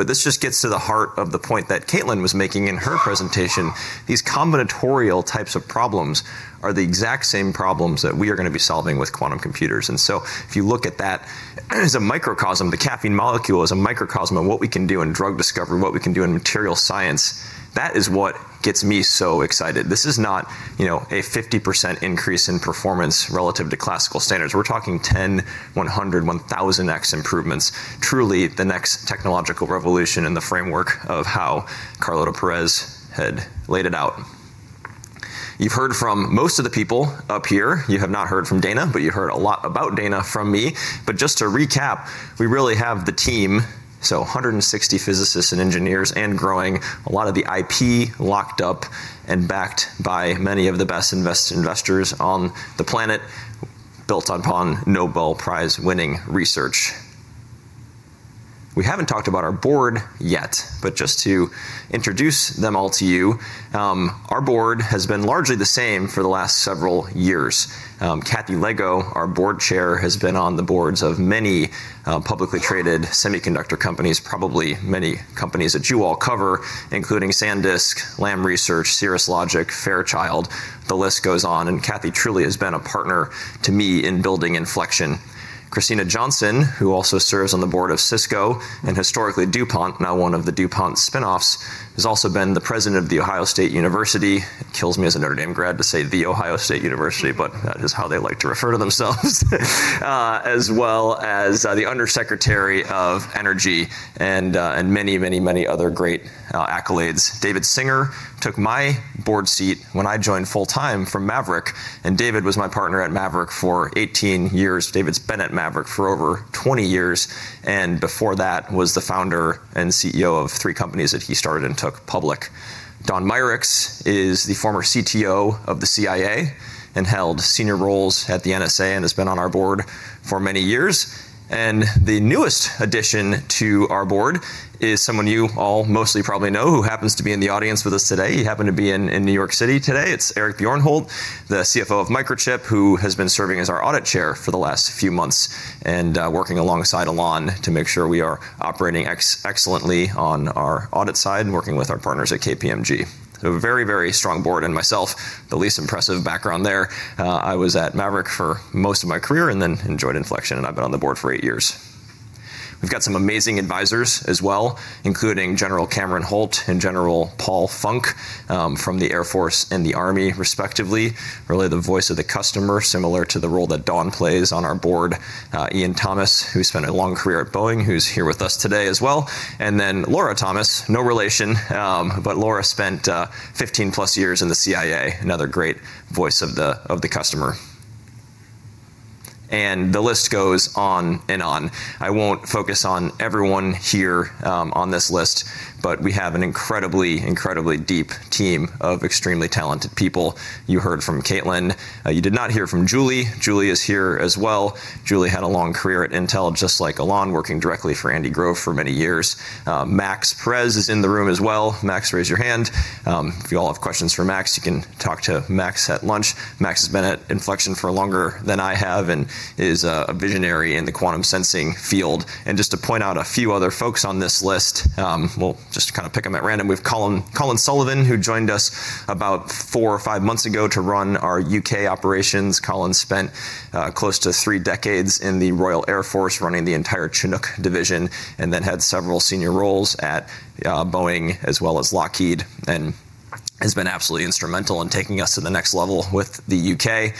This just gets to the heart of the point that Caitlin was making in her presentation. These combinatorial types of problems are the eXaqt same problems that we are gonna be solving with quantum computers. If you look at that as a microcosm, the caffeine molecule as a microcosm of what we can do in drug discovery, what we can do in material science, that is what gets me so excited. This is not, you know, a 50% increase in performance relative to classical standards. We're talking 10, 100, 1,000x improvements, truly the next technological revolution in the framework of how Carlota Perez had laid it out. You've heard from most of the people up here. You have not heard from Dana, but you heard a lot about Dana from me. Just to recap, we really have the team, so 160 physicists and engineers and growing, a lot of the IP locked up and backed by many of the best investors on the planet, built upon Nobel Prize-winning research. We haven't talked about our board yet, but just to introduce them all to you, our board has been largely the same for the last several years. Cathy Lego, our Board Chair, has been on the boards of many publicly traded semiconductor companies, probably many companies that you all cover, including SanDisk, Lam Research, Cirrus Logic, Fairchild, the list goes on, and Kathy truly has been a partner to me in building Infleqtion. Kristina Johnson, who also serves on the board of Cisco and historically DuPont, now one of the DuPont spinoffs, has also been the president of The Ohio State University. Kills me as a Notre Dame grad to say The Ohio State University, but that is how they like to refer to themselves. As well as the Under Secretary of Energy and many, many, many other great accolades. David Singer took my board seat when I joined full-time from Maverick, and David was my partner at Maverick for 18 years. David's been at Maverick for over 20 years, and before that was the founder and CEO of 3 companies that he started and took public. Don Mykytiuk is the former CTO of the CIA and held senior roles at the NSA and has been on our board for many years. The newest addition to our board is someone you all mostly probably know who happens to be in the audience with us today. He happened to be in New York City today. It's Eric Bjornholt, the CFO of Microchip, who has been serving as our audit chair for the last few months and working alongside Ilan to make sure we are operating excellently on our audit side and working with our partners at KPMG. A very, very strong board and myself, the least impressive background there. I was at Maverick for most of my career and then enjoyed Infleqtion, and I've been on the board for eight years. We've got some amazing advisors as well, including General Cameron Holt and General Paul Funk from the Air Force and the Army respectively. Really the voice of the customer, similar to the role that Don plays on our board. Ian Thomas, who spent a long career at Boeing, who's here with us today as well. Laura Thomas, no relation, but Laura spent 15+ years in the CIA, another great voice of the customer. The list goes on and on. I won't focus on everyone here on this list, but we have an incredibly deep team of extremely talented people. You heard from Caitlin. You did not hear from Julie. Julie is here as well. Julie had a long career at Intel, just like Ilan, working directly for Andy Grove for many years. Max Perez is in the room as well. Max, raise your hand. If you all have questions for Max, you can talk to Max at lunch. Max has been at Infleqtion for longer than I have and is a visionary in the quantum sensing field. Just to point out a few other folks on this list, we'll just kind of pick them at random. We have Colin Sullivan, who joined us about four or five months ago to run our U.K. operations. Colin spent close to three decades in the Royal Air Force running the entire Chinook division and then had several senior roles at Boeing as well as Lockheed, and has been absolutely instrumental in taking us to the next level with the U.K.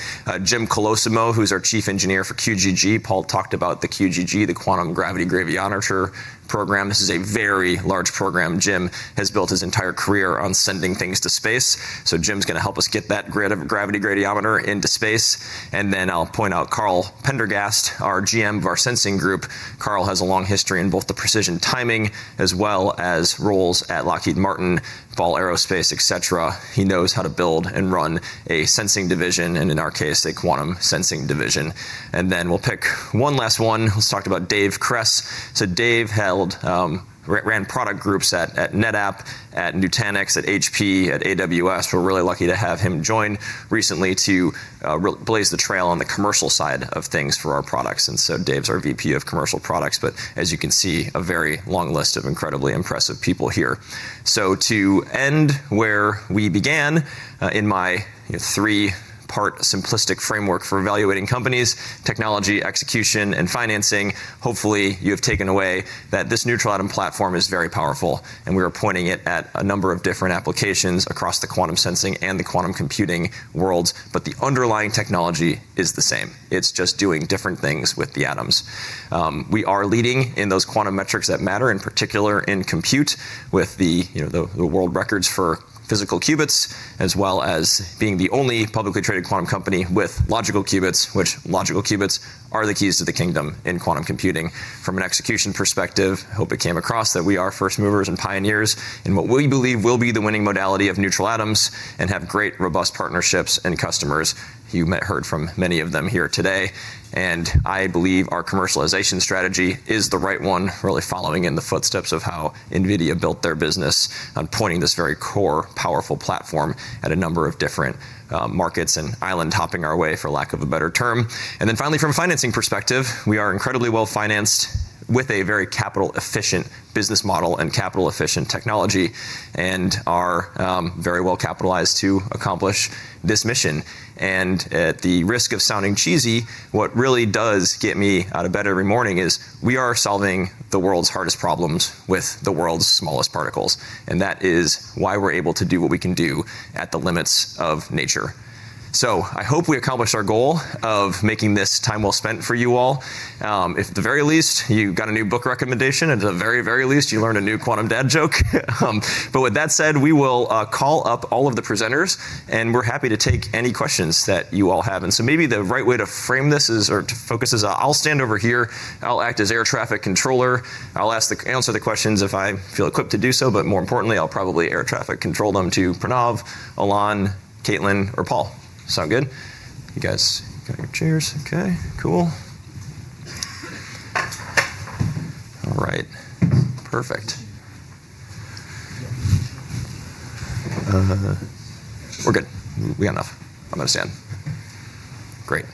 Jim Colosimo, who's our chief engineer for QGG. Paul talked about the QGG, the Quantum Gravity Gradiometer program. This is a very large program. Jim has built his entire career on sending things to space. Jim's gonna help us get that gravity gradiometer into space. Then I'll point out Karl Pendergast, our GM of our sensing group. Karl has a long history in both the precision timing as well as roles at Lockheed Martin, Ball Aerospace, et cetera. He knows how to build and run a sensing division and in our case, a quantum sensing division. Then we'll pick one last one. Let's talk about Dave Kresse. Dave ran product groups at NetApp, at Nutanix, at HP, at AWS. We're really lucky to have him join recently to blaze the trail on the commercial side of things for our products. Dave's our VP of Commercial Products, but as you can see, a very long list of incredibly impressive people here. To end where we began, in my three-part simplistic framework for evaluating companies, technology, execution, and financing, hopefully you have taken away that this neutral atom platform is very powerful and we are pointing it at a number of different applications across the quantum sensing and the quantum computing worlds, but the underlying technology is the same. It's just doing different things with the atoms. We are leading in those quantum metrics that matter, in particular in compute with the, you know, the world records for physical qubits, as well as being the only publicly traded quantum company with logical qubits, which logical qubits are the keys to the kingdom in quantum computing. From an execution perspective, hope it came across that we are first movers and pioneers in what we believe will be the winning modality of neutral atoms and have great, robust partnerships and customers. You heard from many of them here today. I believe our commercialization strategy is the right one, really following in the footsteps of how NVIDIA built their business on pointing this very core, powerful platform at a number of different, markets and island hopping our way, for lack of a better term. Finally, from a financing perspective, we are incredibly well-financed with a very capital-efficient business model and capital-efficient technology and are very well-capitalized to accomplish this mission. At the risk of sounding cheesy, what really does get me out of bed every morning is we are solving the world's hardest problems with the world's smallest particles, and that is why we're able to do what we can do at the limits of nature. I hope we accomplished our goal of making this time well spent for you all. If at the very least you got a new book recommendation, at the very, very least, you learned a new quantum dad joke. With that said, we will call up all of the presenters, and we're happy to take any questions that you all have. Maybe the right way to frame this is or to focus is I'll stand over here and I'll act as air traffic controller. I'll answer the questions if I feel equipped to do so, but more importantly, I'll probably air traffic control them to Pranav, Ilan, Caitlin, or Paul. Sound good? You guys got your chairs? Okay. Cool. All right. Perfect. We're good. We got enough. I'll stand. Great.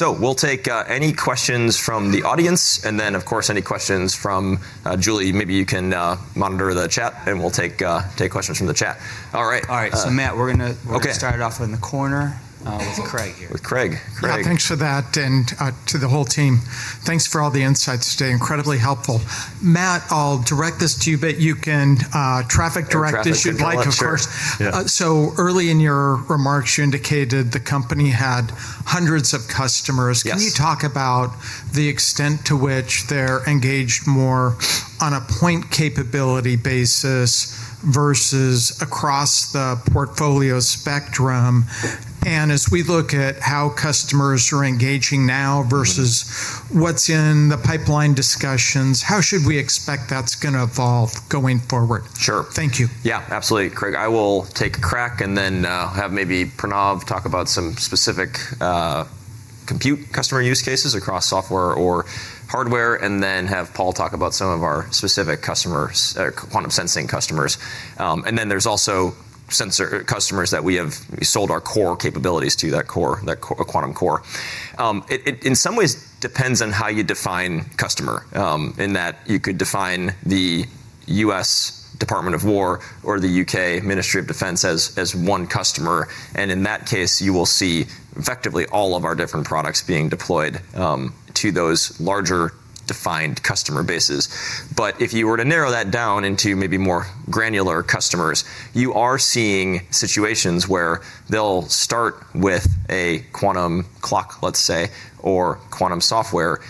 Okay. We'll take any questions from the audience and then of course, any questions from Julie. Maybe you can monitor the chat and we'll take questions from the chat. All right. All right. Matt, we're gonna. Okay. We're gonna start it off in the corner, with Craig here. With Craig. Yeah, thanks for that and to the whole team, thanks for all the insights today. Incredibly helpful. Matt, I'll direct this to you, but you can direct traffic as you'd like, of course. Air traffic control, sure. Yeah. Early in your remarks, you indicated the company had hundreds of customers. Yes. Can you talk about the extent to which they're engaged more on a point capability basis versus across the portfolio spectrum? As we look at how customers are engaging now versus what's in the pipeline discussions, how should we expect that's gonna evolve going forward? Sure. Thank you. Yeah, absolutely, Craig. I will take a crack and then have maybe Pranav talk about some specific compute customer use cases across software or hardware, and then have Paul talk about some of our specific customers, quantum sensing customers. There's also customers that we have sold our core capabilities to, that core quantum core. It in some ways depends on how you define customer, in that you could define the US Department of Defense or the U.K. Ministry of Defence as one customer, and in that case, you will see effectively all of our different products being deployed to those larger defined customer bases. If you were to narrow that down into maybe more granular customers, you are seeing situations where they'll start with a quantum clock, let's say, or quantum software,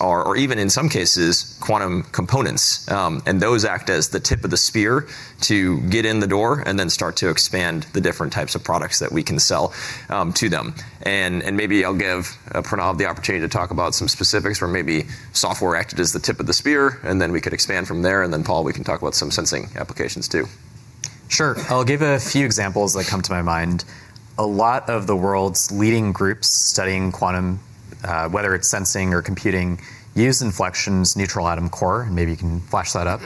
or even in some cases, quantum components, and those act as the tip of the spear to get in the door and then start to expand the different types of products that we can sell to them. Maybe I'll give Pranav the opportunity to talk about some specifics where maybe software acted as the tip of the spear, and then we could expand from there. Then Paul, we can talk about some sensing applications too. Sure. I'll give a few examples that come to my mind. A lot of the world's leading groups studying quantum, whether it's sensing or computing, use Infleqtion's neutral atom core, and maybe you can flash that up.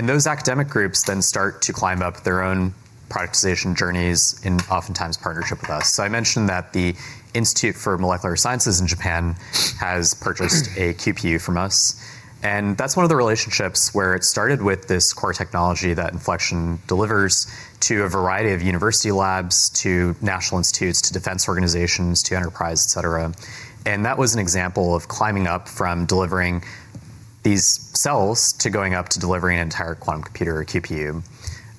Those academic groups then start to climb up their own productization journeys in oftentimes partnership with us. I mentioned that the Institute for Molecular Science in Japan has purchased a QPU from us, and that's one of the relationships where it started with this core technology that Infleqtion delivers to a variety of university labs, to national institutes, to defense organizations, to enterprise, et cetera. That was an example of climbing up from delivering these cells to going up to delivering an entire quantum computer or QPU.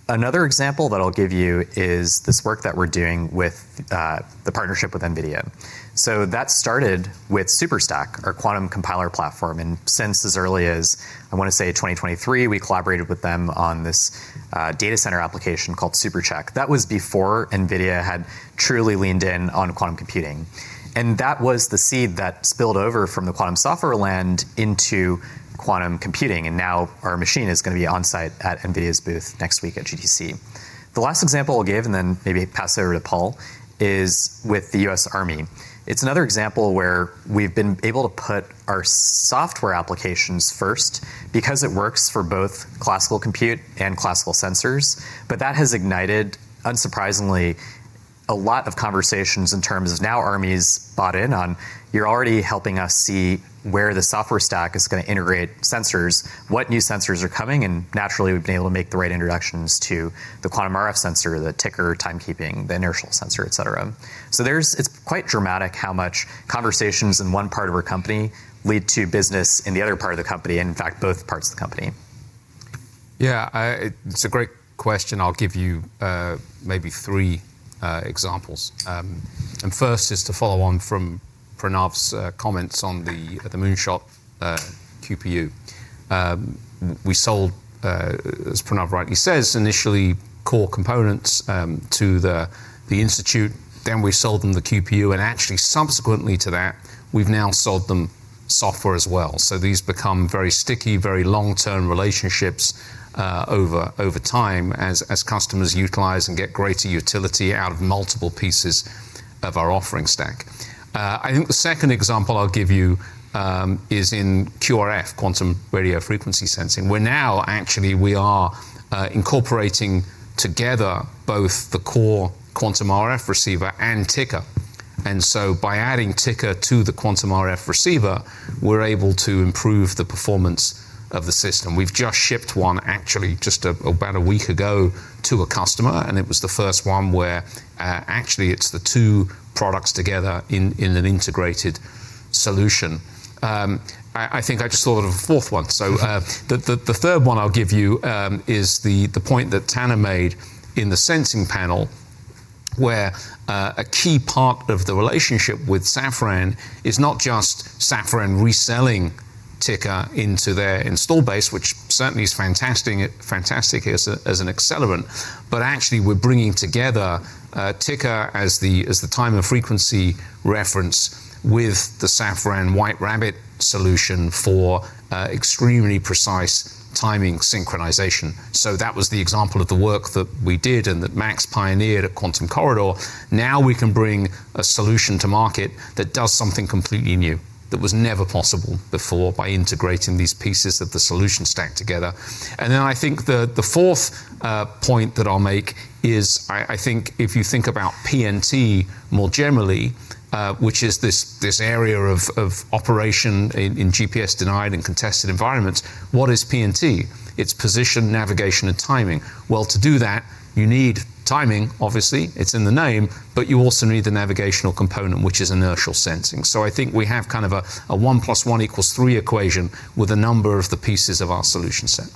Another example that I'll give you is this work that we're doing with the partnership with NVIDIA. That started with SuperstaQ, our quantum compiler platform. Since as early as, I wanna say 2023, we collaborated with them on this data center application called SupercheQ. That was before NVIDIA had truly leaned in on quantum computing. That was the seed that spilled over from the quantum software land into quantum computing, and now our machine is gonna be on-site at NVIDIA's booth next week at GTC. The last example I'll give, and then maybe pass it over to Paul, is with the U.S. Army. It's another example where we've been able to put our software applications first because it works for both classical compute and classical sensors. That has ignited, unsurprisingly, a lot of conversations in terms of now Army's bought in on, you're already helping us see where the software stack is gonna integrate sensors, what new sensors are coming, and naturally we've been able to make the right introductions to the quantum RF sensor, the Tiqker timekeeping, the inertial sensor, et cetera. There's, it's quite dramatic how much conversations in one part of our company lead to business in the other part of the company, and in fact, both parts of the company. Yeah, it's a great question. I'll give you maybe three examples. First is to follow on from Pranav's comments on the Moonshot QPU. We sold, as Pranav rightly says, initially core components to the institute, then we sold them the QPU, and actually subsequently to that, we've now sold them software as well. These become very sticky, very long-term relationships over time as customers utilize and get greater utility out of multiple pieces of our offering stack. I think the second example I'll give you is in QRF, quantum radio frequency sensing, where now actually we are incorporating together both the core quantum RF receiver and Tiqker. By adding Tiqker to the quantum RF receiver, we're able to improve the performance of the system. We've just shipped one actually just about a week ago to a customer, and it was the first one where actually it's the two products together in an integrated solution. I think I just thought of a fourth one. The third one I'll give you is the point that Tanner made in the sensing panel, where a key part of the relationship with Safran is not just Safran reselling Tiqker into their install base, which certainly is fantastic as an accelerant, but actually we're bringing together Tiqker as the time and frequency reference with the Safran White Rabbit solution for extremely precise timing synchronization. That was the example of the work that we did and that MACS pioneered at Quantum Corridor. Now we can bring a solution to market that does something completely new that was never possible before by integrating these pieces of the solution stack together. I think the fourth point that I'll make is I think if you think about PNT more generally, which is this area of operation in GPS denied and contested environments, what is PNT? It's position, navigation, and timing. Well, to do that, you need timing, obviously, it's in the name, but you also need the navigational component, which is inertial sensing. I think we have kind of a one plus one equals three equation with a number of the pieces of our solution set.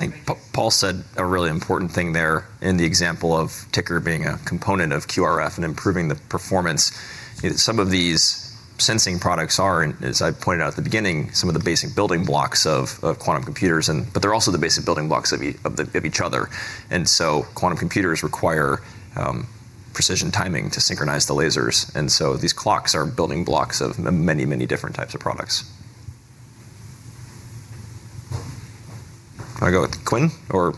I think Paul said a really important thing there in the example of Tiqker being a component of QRF and improving the performance. Some of these sensing products are, and as I pointed out at the beginning, some of the basic building blocks of quantum computers, but they're also the basic building blocks of each other. Quantum computers require precision timing to synchronize the lasers. These clocks are building blocks of many, many different types of products. Wanna go with Quinn or.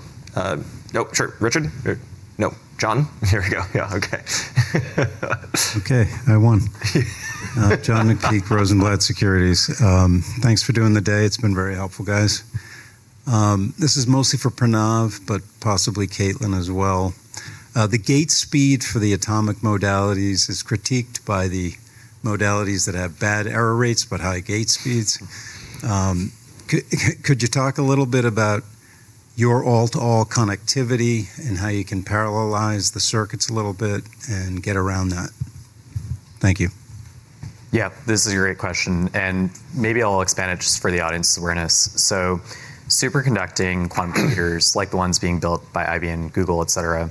Nope, sure, Richard. Or nope. John. Here we go. Yeah, okay. Okay, I'm on. John McPeake, Rosenblatt Securities. Thanks for doing the day. It's been very helpful, guys. This is mostly for Pranav, but possibly Caitlin as well. The gate speed for the atomic modalities is critiqued by the modalities that have bad error rates but high gate speeds. Could you talk a little bit about your all-to-all connectivity and how you can parallelize the circuits a little bit and get around that? Thank you. Yeah, this is a great question, and maybe I'll expand it just for the audience's awareness. Superconducting quantum computers, like the ones being built by IBM, Google, et cetera,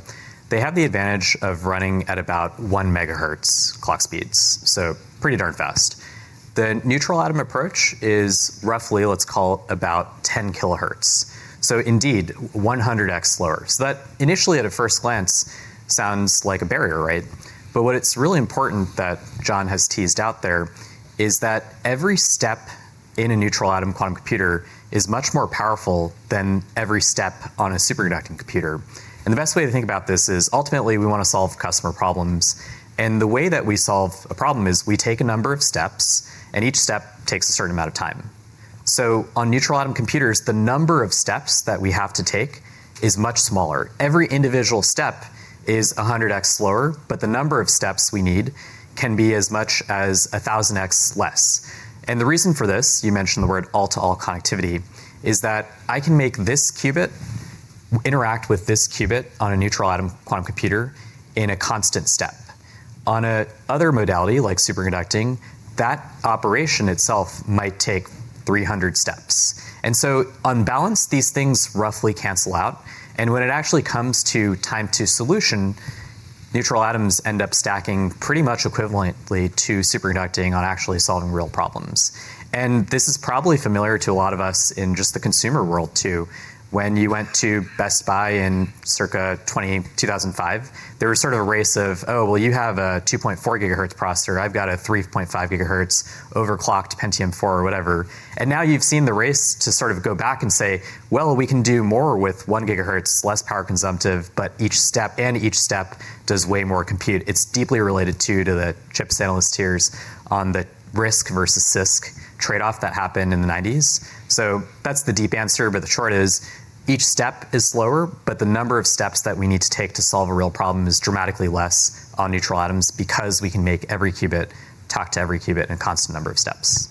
they have the advantage of running at about 1 megahertz clock speeds, so pretty darn fast. The neutral atom approach is roughly, let's call it about 10 kilohertz, so indeed 100x slower. That initially at a first glance sounds like a barrier, right? What it's really important that John has teased out there is that every step in a neutral atom quantum computer is much more powerful than every step on a superconducting computer. The best way to think about this is ultimately we wanna solve customer problems, and the way that we solve a problem is we take a number of steps, and each step takes a certain amount of time. On neutral atom computers, the number of steps that we have to take is much smaller. Every individual step is 100x slower, but the number of steps we need can be as much as 1000x less. The reason for this, you mentioned the word all-to-all connectivity, is that I can make this qubit interact with this qubit on a neutral atom quantum computer in a constant step. On another modality like superconducting, that operation itself might take 300 steps. On balance, these things roughly cancel out. When it actually comes to time to solution, neutral atoms end up stacking pretty much equivalently to superconducting on actually solving real problems. This is probably familiar to a lot of us in just the consumer world too. When you went to Best Buy in circa 2005, there was sort of a race of, oh, well, you have a 2.4 GHz processor. I've got a 3.5 GHz overclocked Pentium 4 or whatever. Now you've seen the race to sort of go back and say, "Well, we can do more with 1 GHz, less power consumptive, but each step does way more compute." It's deeply related too to the chip analysts here on the RISC versus CISC trade-off that happened in the 1990s. That's the deep answer, but the short is each step is slower, but the number of steps that we need to take to solve a real problem is dramatically less on neutral atoms because we can make every qubit talk to every qubit in a constant number of steps.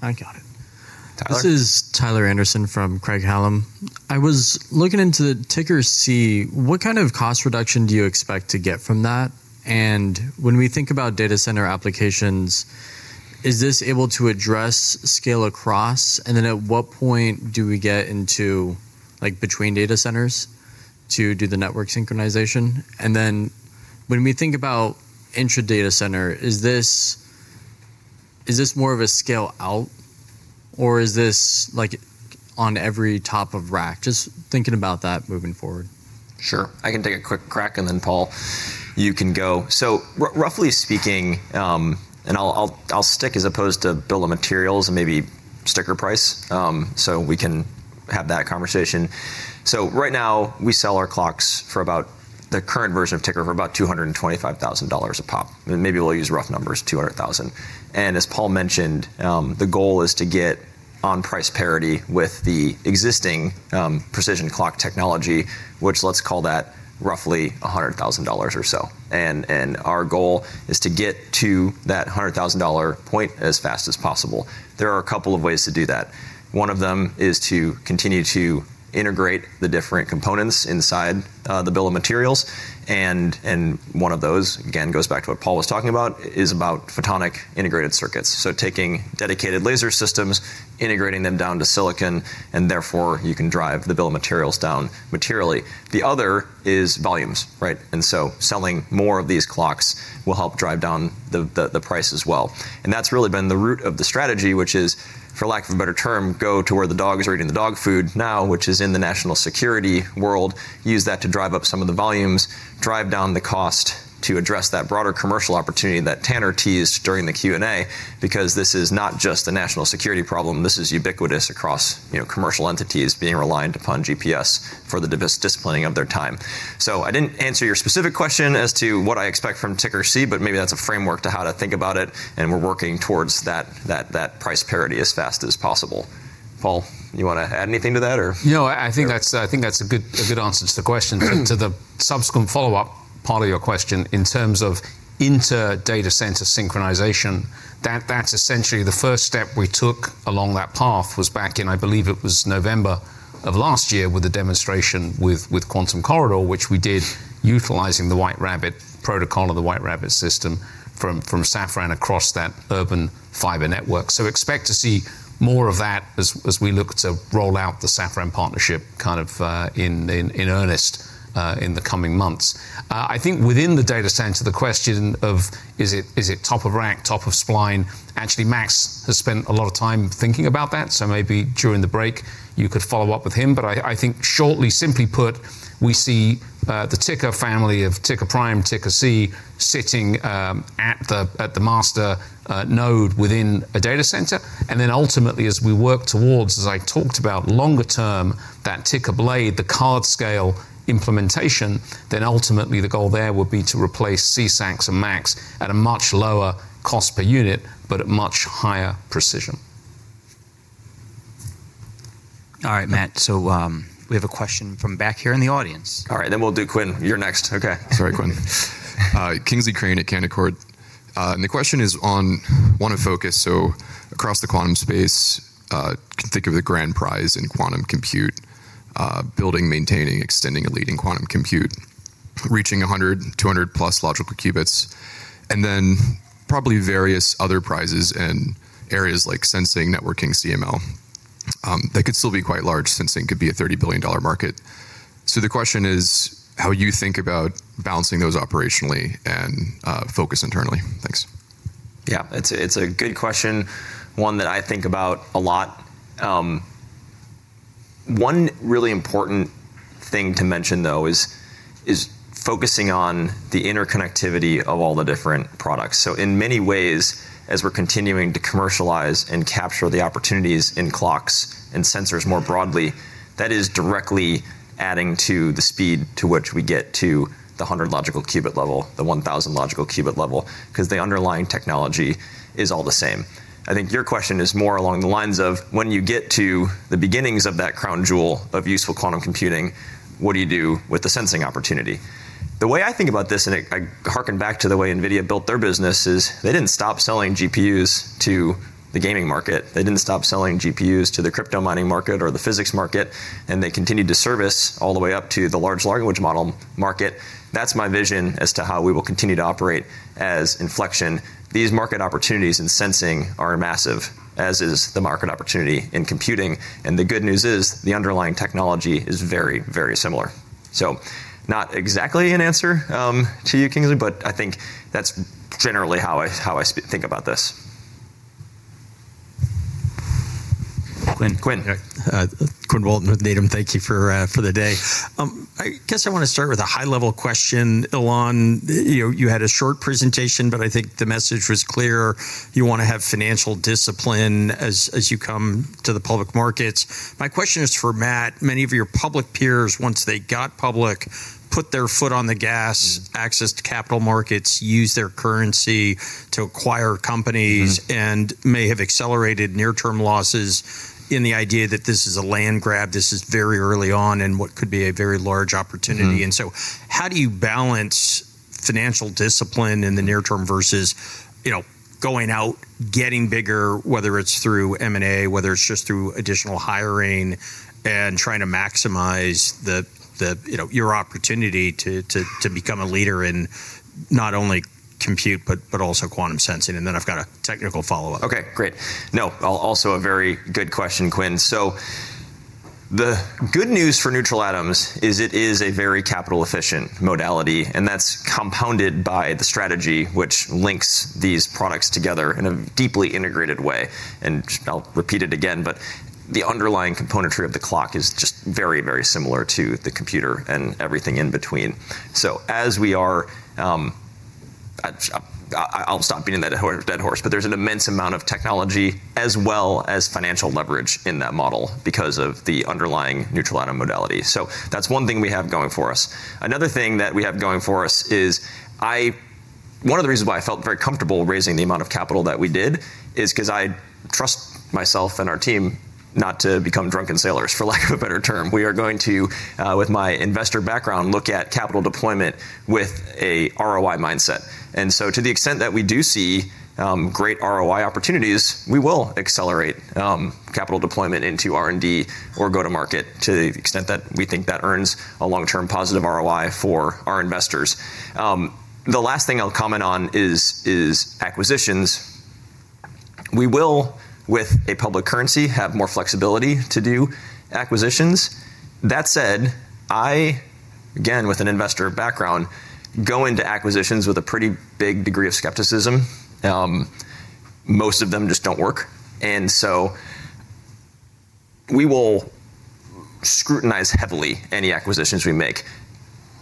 Thank you. I got it. Tyler? This is Tyler Anderson from Craig-Hallum. I was looking into the Tiqker C. What kind of cost reduction do you expect to get from that? When we think about data center applications, is this able to address scale across? At what point do we get into like between data centers to do the network synchronization? When we think about intra data center, is this more of a scale out or is this like on every top of rack? Just thinking about that moving forward. Sure. I can take a quick crack and then Paul, you can go. Roughly speaking, and I'll stick as opposed to bill of materials and maybe sticker price, so we can have that conversation. Right now we sell our clocks for about the current version of Tiqker for about $225,000 a pop, and maybe we'll use rough numbers, $200,000. As Paul mentioned, the goal is to get on price parity with the existing, precision clock technology, which let's call that roughly $100,000 or so. Our goal is to get to that $100,000 point as fast as possible. There are a couple of ways to do that. One of them is to continue to integrate the different components inside the bill of materials and one of those, again, goes back to what Paul was talking about, is about photonic integrated circuits. Taking dedicated laser systems, integrating them down to silicon, and therefore you can drive the bill of materials down materially. The other is volumes, right? Selling more of these clocks will help drive down the price as well. That's really been the root of the strategy, which is, for lack of a better term, go to where the dog is eating the dog food now, which is in the national security world, use that to drive up some of the volumes, drive down the cost to address that broader commercial opportunity that Tanner teased during the Q&A because this is not just a national security problem. This is ubiquitous across, you know, commercial entities being reliant upon GPS for the devices disciplining of their time. I didn't answer your specific question as to what I expect from Tiqker C, but maybe that's a framework to how to think about it, and we're working towards that price parity as fast as possible. Paul, you wanna add anything to that or? No, I think that's a good answer to the question. To the subsequent follow-up part of your question, in terms of inter data center synchronization, that's essentially the first step we took along that path was back in, I believe it was November of last year with the demonstration with Quantum Corridor, which we did utilizing the White Rabbit protocol of the White Rabbit system. From Safran across that urban fiber network. Expect to see more of that as we look to roll out the Safran partnership kind of in earnest in the coming months. I think within the data center, the question of is it top of rack, top of spine? Actually, MACS has spent a lot of time thinking about that, so maybe during the break you could follow up with him. I think shortly, simply put, we see the Tiqker family of Tiqker Prime, Tiqker C sitting at the master node within a data center. Then ultimately, as we work towards, as I talked about longer term, that Tiqker Blade, the card scale implementation, then ultimately the goal there would be to replace CSACs and MACS at a much lower cost per unit, but at much higher precision. All right, Matt. We have a question from back here in the audience. All right. We'll do Quinn. You're next. Okay. Sorry, Quinn. Kingsley Crane at Canaccord Genuity. The question is on focus. Across the quantum space, can think of the grand prize in quantum compute, building, maintaining, extending a leading quantum compute, reaching 100, 200+ logical qubits, and then probably various other prizes in areas like sensing, networking, CML, that could still be quite large. Sensing could be a $30 billion market. The question is how you think about balancing those operationally and focus internally. Thanks. Yeah, it's a good question, one that I think about a lot. One really important thing to mention, though, is focusing on the interconnectivity of all the different products. In many ways, as we're continuing to commercialize and capture the opportunities in clocks and sensors more broadly, that is directly adding to the speed to which we get to the 100 logical qubit level, the 1,000 logical qubit level, 'cause the underlying technology is all the same. I think your question is more along the lines of when you get to the beginnings of that crown jewel of useful quantum computing, what do you do with the sensing opportunity? The way I think about this, and I harken back to the way NVIDIA built their business, is they didn't stop selling GPUs to the gaming market. They didn't stop selling GPUs to the crypto mining market or the physics market, and they continued to service all the way up to the large language model market. That's my vision as to how we will continue to operate as Infleqtion. These market opportunities in sensing are massive, as is the market opportunity in computing. The good news is the underlying technology is very, very similar. Not exactly an answer to you, Kingsley, but I think that's generally how I think about this. Quinn. Yeah. Quinn Bolton with Needham. Thank you for the day. I guess I wanna start with a high-level question, Ilan. You had a short presentation, but I think the message was clear. You wanna have financial discipline as you come to the public markets. My question is for Matt. Many of your public peers, once they got public, put their foot on the gas- Mm. accessed capital markets, used their currency to acquire companies. Mm-hmm. May have accelerated near-term losses in the idea that this is a land grab. This is very early on in what could be a very large opportunity. Mm-hmm. How do you balance financial discipline in the near term versus, you know, going out, getting bigger, whether it's through M&A, whether it's just through additional hiring and trying to maximize the, you know, your opportunity to become a leader in not only compute, but also quantum sensing? Then I've got a technical follow-up. Okay, great. No, also a very good question, Quinn. The good news for neutral atoms is it is a very capital efficient modality, and that's compounded by the strategy which links these products together in a deeply integrated way. I'll repeat it again, but the underlying componentry of the clock is just very, very similar to the computer and everything in between. As we are, I'll stop beating a dead horse, but there's an immense amount of technology as well as financial leverage in that model because of the underlying neutral atom modality. That's one thing we have going for us. Another thing that we have going for us is one of the reasons why I felt very comfortable raising the amount of capital that we did is 'cause I trust myself and our team not to become drunken sailors, for lack of a better term. We are going to, with my investor background, look at capital deployment with a ROI mindset. To the extent that we do see great ROI opportunities, we will accelerate capital deployment into R&D or go to market to the extent that we think that earns a long-term positive ROI for our investors. The last thing I'll comment on is acquisitions. We will, with a public currency, have more flexibility to do acquisitions. That said, I, again, with an investor background, go into acquisitions with a pretty big degree of skepticism. Most of them just don't work. We will scrutinize heavily any acquisitions we make.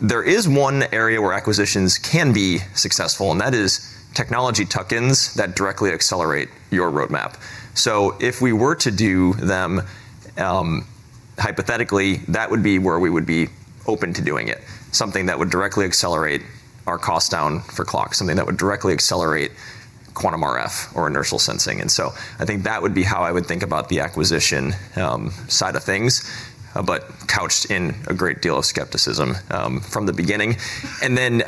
There is one area where acquisitions can be successful, and that is technology tuck-ins that directly accelerate your roadmap. If we were to do them, hypothetically, that would be where we would be open to doing it, something that would directly accelerate our cost down for clocks, something that would directly accelerate quantum RF or inertial sensing. I think that would be how I would think about the acquisition, side of things, but couched in a great deal of skepticism, from the beginning.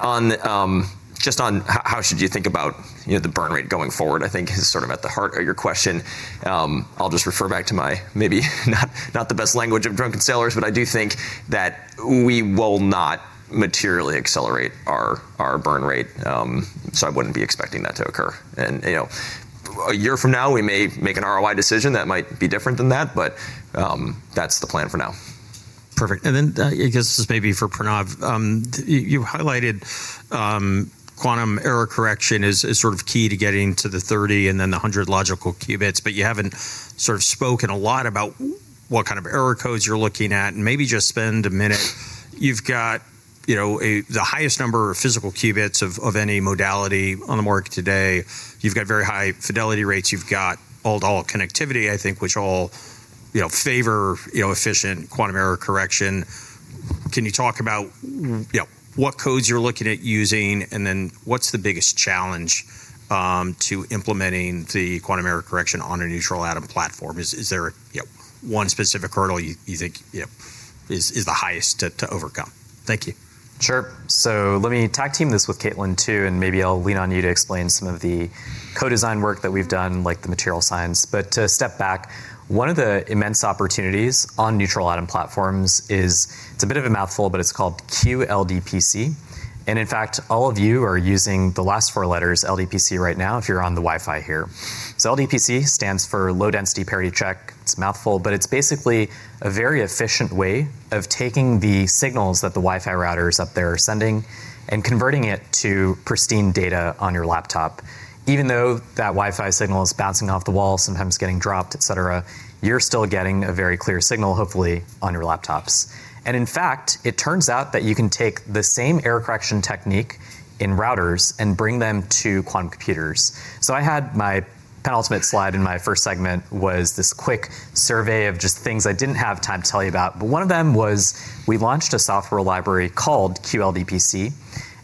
On just how should you think about, you know, the burn rate going forward, I think is sort of at the heart of your question. I'll just refer back to my maybe not the best language of drunken sailors, but I do think that we will not materially accelerate our burn rate. I wouldn't be expecting that to occur. You know- A year from now, we may make an ROI decision that might be different than that, but that's the plan for now. Perfect. Then, I guess this is maybe for Pranav. You highlighted quantum error correction is sort of key to getting to the 30 and then the 100 logical qubits, but you haven't sort of spoken a lot about what kind of error codes you're looking at, and maybe just spend a minute. You've got, you know, the highest number of physical qubits of any modality on the market today. You've got very high fidelity rates, you've got all connectivity, I think, which all, you know, favor, you know, efficient quantum error correction. Can you talk about, you know, what codes you're looking at using, and then what's the biggest challenge to implementing the quantum error correction on a neutral atom platform? Is there a, you know, one specific hurdle you think, you know, is the highest to overcome? Thank you. Sure. Let me tag team this with Kaitlin too, and maybe I'll lean on you to explain some of the co-design work that we've done, like the material science. To step back, one of the immense opportunities on neutral atom platforms is, it's a bit of a mouthful, but it's called QLDPC. In fact, all of you are using the last four letters, LDPC, right now if you're on the Wi-Fi here. LDPC stands for low-density parity check. It's a mouthful, but it's basically a very efficient way of taking the signals that the Wi-Fi routers up there are sending and converting it to pristine data on your laptop. Even though that Wi-Fi signal is bouncing off the wall, sometimes getting dropped, et cetera, you're still getting a very clear signal, hopefully, on your laptops. In fact, it turns out that you can take the same error correction technique in routers and bring them to quantum computers. I had my penultimate slide in my first segment was this quick survey of just things I didn't have time to tell you about, but one of them was we launched a software library called QLDPC,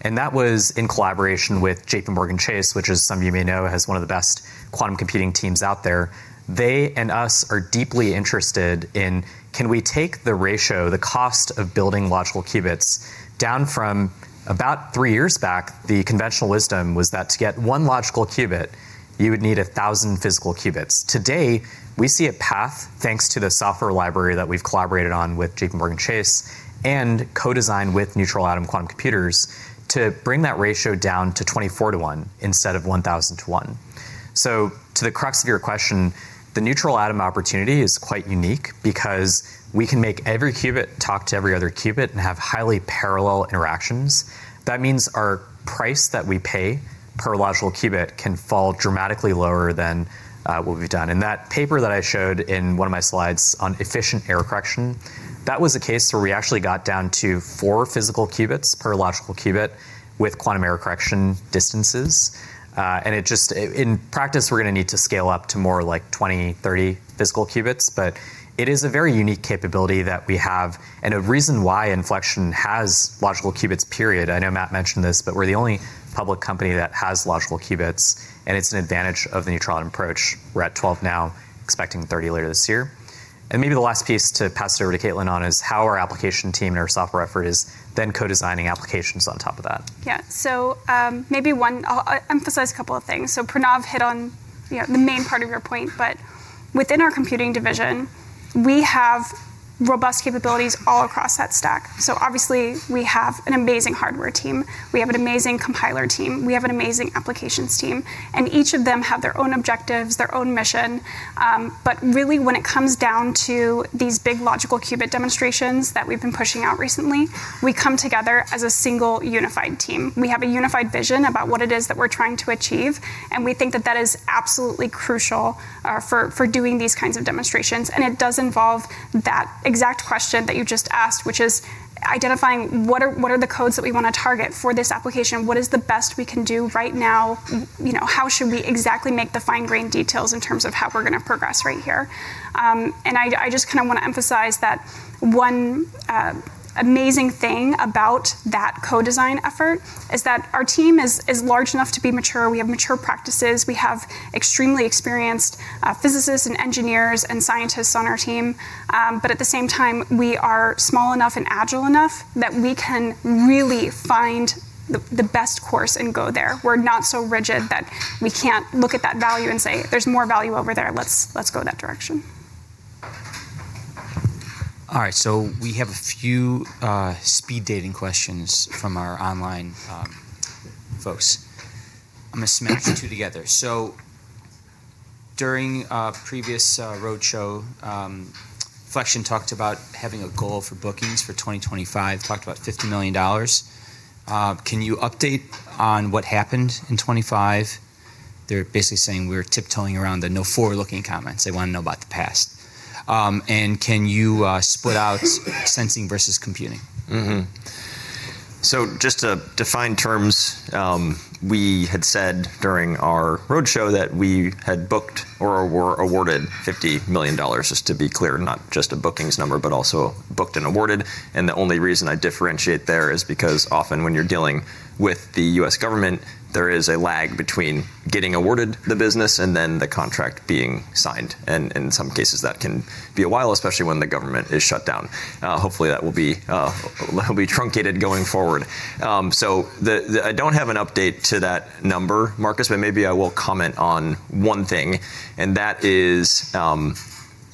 and that was in collaboration with JPMorgan Chase, which as some of you may know, has one of the best quantum computing teams out there. They and us are deeply interested in can we take the ratio, the cost of building logical qubits down from about three years back, the conventional wisdom was that to get 1 logical qubit, you would need 1,000 physical qubits. Today, we see a path, thanks to the software library that we've collaborated on with JPMorgan Chase and co-designed with neutral atom quantum computers, to bring that ratio down to 24 to 1 instead of 1,000 to 1. To the crux of your question, the neutral atom opportunity is quite unique because we can make every qubit talk to every other qubit and have highly parallel interactions. That means our price that we pay per logical qubit can fall dramatically lower than what we've done. In that paper that I showed in one of my slides on efficient error correction, that was a case where we actually got down to 4 physical qubits per logical qubit with quantum error correction distances. In practice, we're gonna need to scale up to more like 20, 30 physical qubits, but it is a very unique capability that we have and a reason why Infleqtion has logical qubits, period. I know Matt mentioned this, but we're the only public company that has logical qubits, and it's an advantage of the neutral atom approach. We're at 12 now, expecting 30 later this year. Maybe the last piece to pass it over to Caitlin on is how our application team and our software effort is then co-designing applications on top of that. I'll emphasize a couple of things. Pranav hit on, you know, the main part of your point, but within our computing division, we have robust capabilities all across that stack. Obviously, we have an amazing hardware team, we have an amazing compiler team, we have an amazing applications team, and each of them have their own objectives, their own mission. But really when it comes down to these big logical qubit demonstrations that we've been pushing out recently, we come together as a single unified team. We have a unified vision about what it is that we're trying to achieve, and we think that that is absolutely crucial for doing these kinds of demonstrations. It does involve that eXaqt question that you just asked, which is identifying what are the codes that we wanna target for this application? What is the best we can do right now? You know, how should we exactly make the fine-grained details in terms of how we're gonna progress right here? I just kinda wanna emphasize that one amazing thing about that co-design effort is that our team is large enough to be mature. We have mature practices. We have extremely experienced physicists and engineers and scientists on our team. But at the same time, we are small enough and agile enough that we can really find the best course and go there. We're not so rigid that we can't look at that value and say, "There's more value over there. Let's go that direction. All right. We have a few speed dating questions from our online folks. I'm gonna smash the two together. During a previous roadshow, Infleqtion talked about having a goal for bookings for 2025. Talked about $50 million. Can you update on what happened in 2025? They're basically saying we're tiptoeing around the no forward-looking comments. They wanna know about the past. Can you split out sensing versus computing? Mm-hmm. Just to define terms, we had said during our roadshow that we had booked or were awarded $50 million, just to be clear, not just a bookings number, but also booked and awarded. The only reason I differentiate there is because often when you're dealing with the U.S. government, there is a lag between getting awarded the business and then the contract being signed. In some cases, that can be a while, especially when the government is shut down. Hopefully, that will be truncated going forward. I don't have an update to that number, Marcus, but maybe I will comment on one thing, and that is.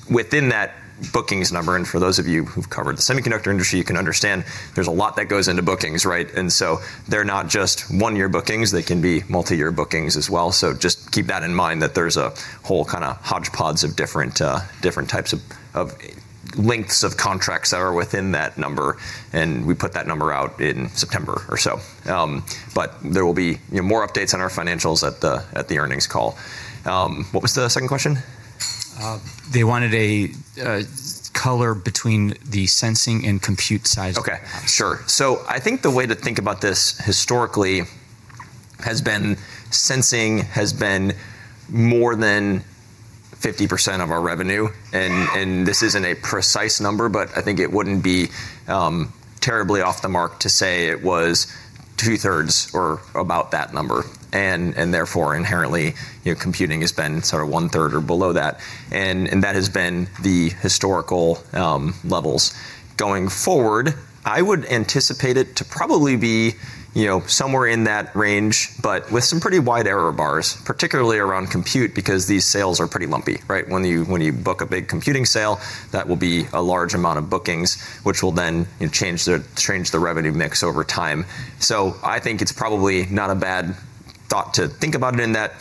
Within that bookings number, and for those of you who've covered the semiconductor industry, you can understand there's a lot that goes into bookings, right? They're not just one-year bookings. They can be multi-year bookings as well. Just keep that in mind that there's a whole kinda hodgepodge of different types of lengths of contracts that are within that number, and we put that number out in September or so. There will be, you know, more updates on our financials at the earnings call. What was the second question? They wanted a color between the sensing and compute size. Okay. Sure. I think the way to think about this historically has been sensing has been more than 50% of our revenue. This isn't a precise number, but I think it wouldn't be terribly off the mark to say it was 2/3 or about that number. Therefore, inherently, you know, computing has been sort of 1/3 or below that. That has been the historical levels. Going forward, I would anticipate it to probably be, you know, somewhere in that range, but with some pretty wide error bars, particularly around compute, because these sales are pretty lumpy, right? When you book a big computing sale, that will be a large amount of bookings, which will then change the revenue mix over time. I think it's probably not a bad thought to think about it in that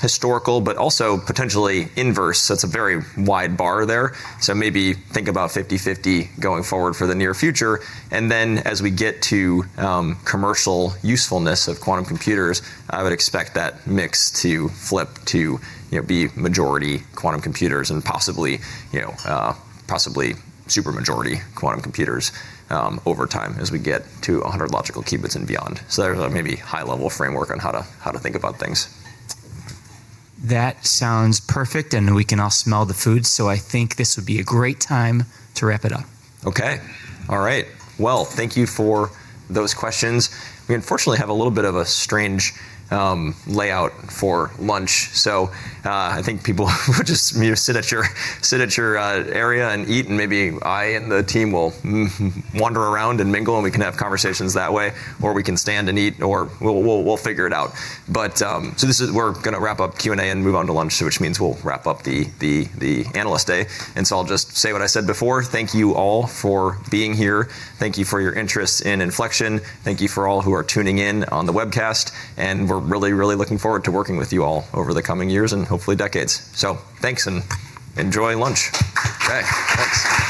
historical but also potentially inverse. It's a very wide bar there. Maybe think about 50/50 going forward for the near future, and then as we get to commercial usefulness of quantum computers, I would expect that mix to flip to, you know, be majority quantum computers and possibly, you know, possibly super majority quantum computers, over time as we get to 100 logical qubits and beyond. There's a maybe high level framework on how to think about things. That sounds perfect, and we can all smell the food, so I think this would be a great time to wrap it up. Okay. All right. Well, thank you for those questions. We unfortunately have a little bit of a strange layout for lunch, so I think people would just sit at your area and eat, and maybe I and the team will wander around and mingle, and we can have conversations that way, or we can stand and eat, or we'll figure it out. This is. We're gonna wrap up Q&A and move on to lunch, which means we'll wrap up the analyst day. I'll just say what I said before. Thank you all for being here. Thank you for your interest in Infleqtion. Thank you for all who are tuning in on the webcast, and we're really looking forward to working with you all over the coming years and hopefully decades. Thanks, and enjoy lunch. Okay. Thanks.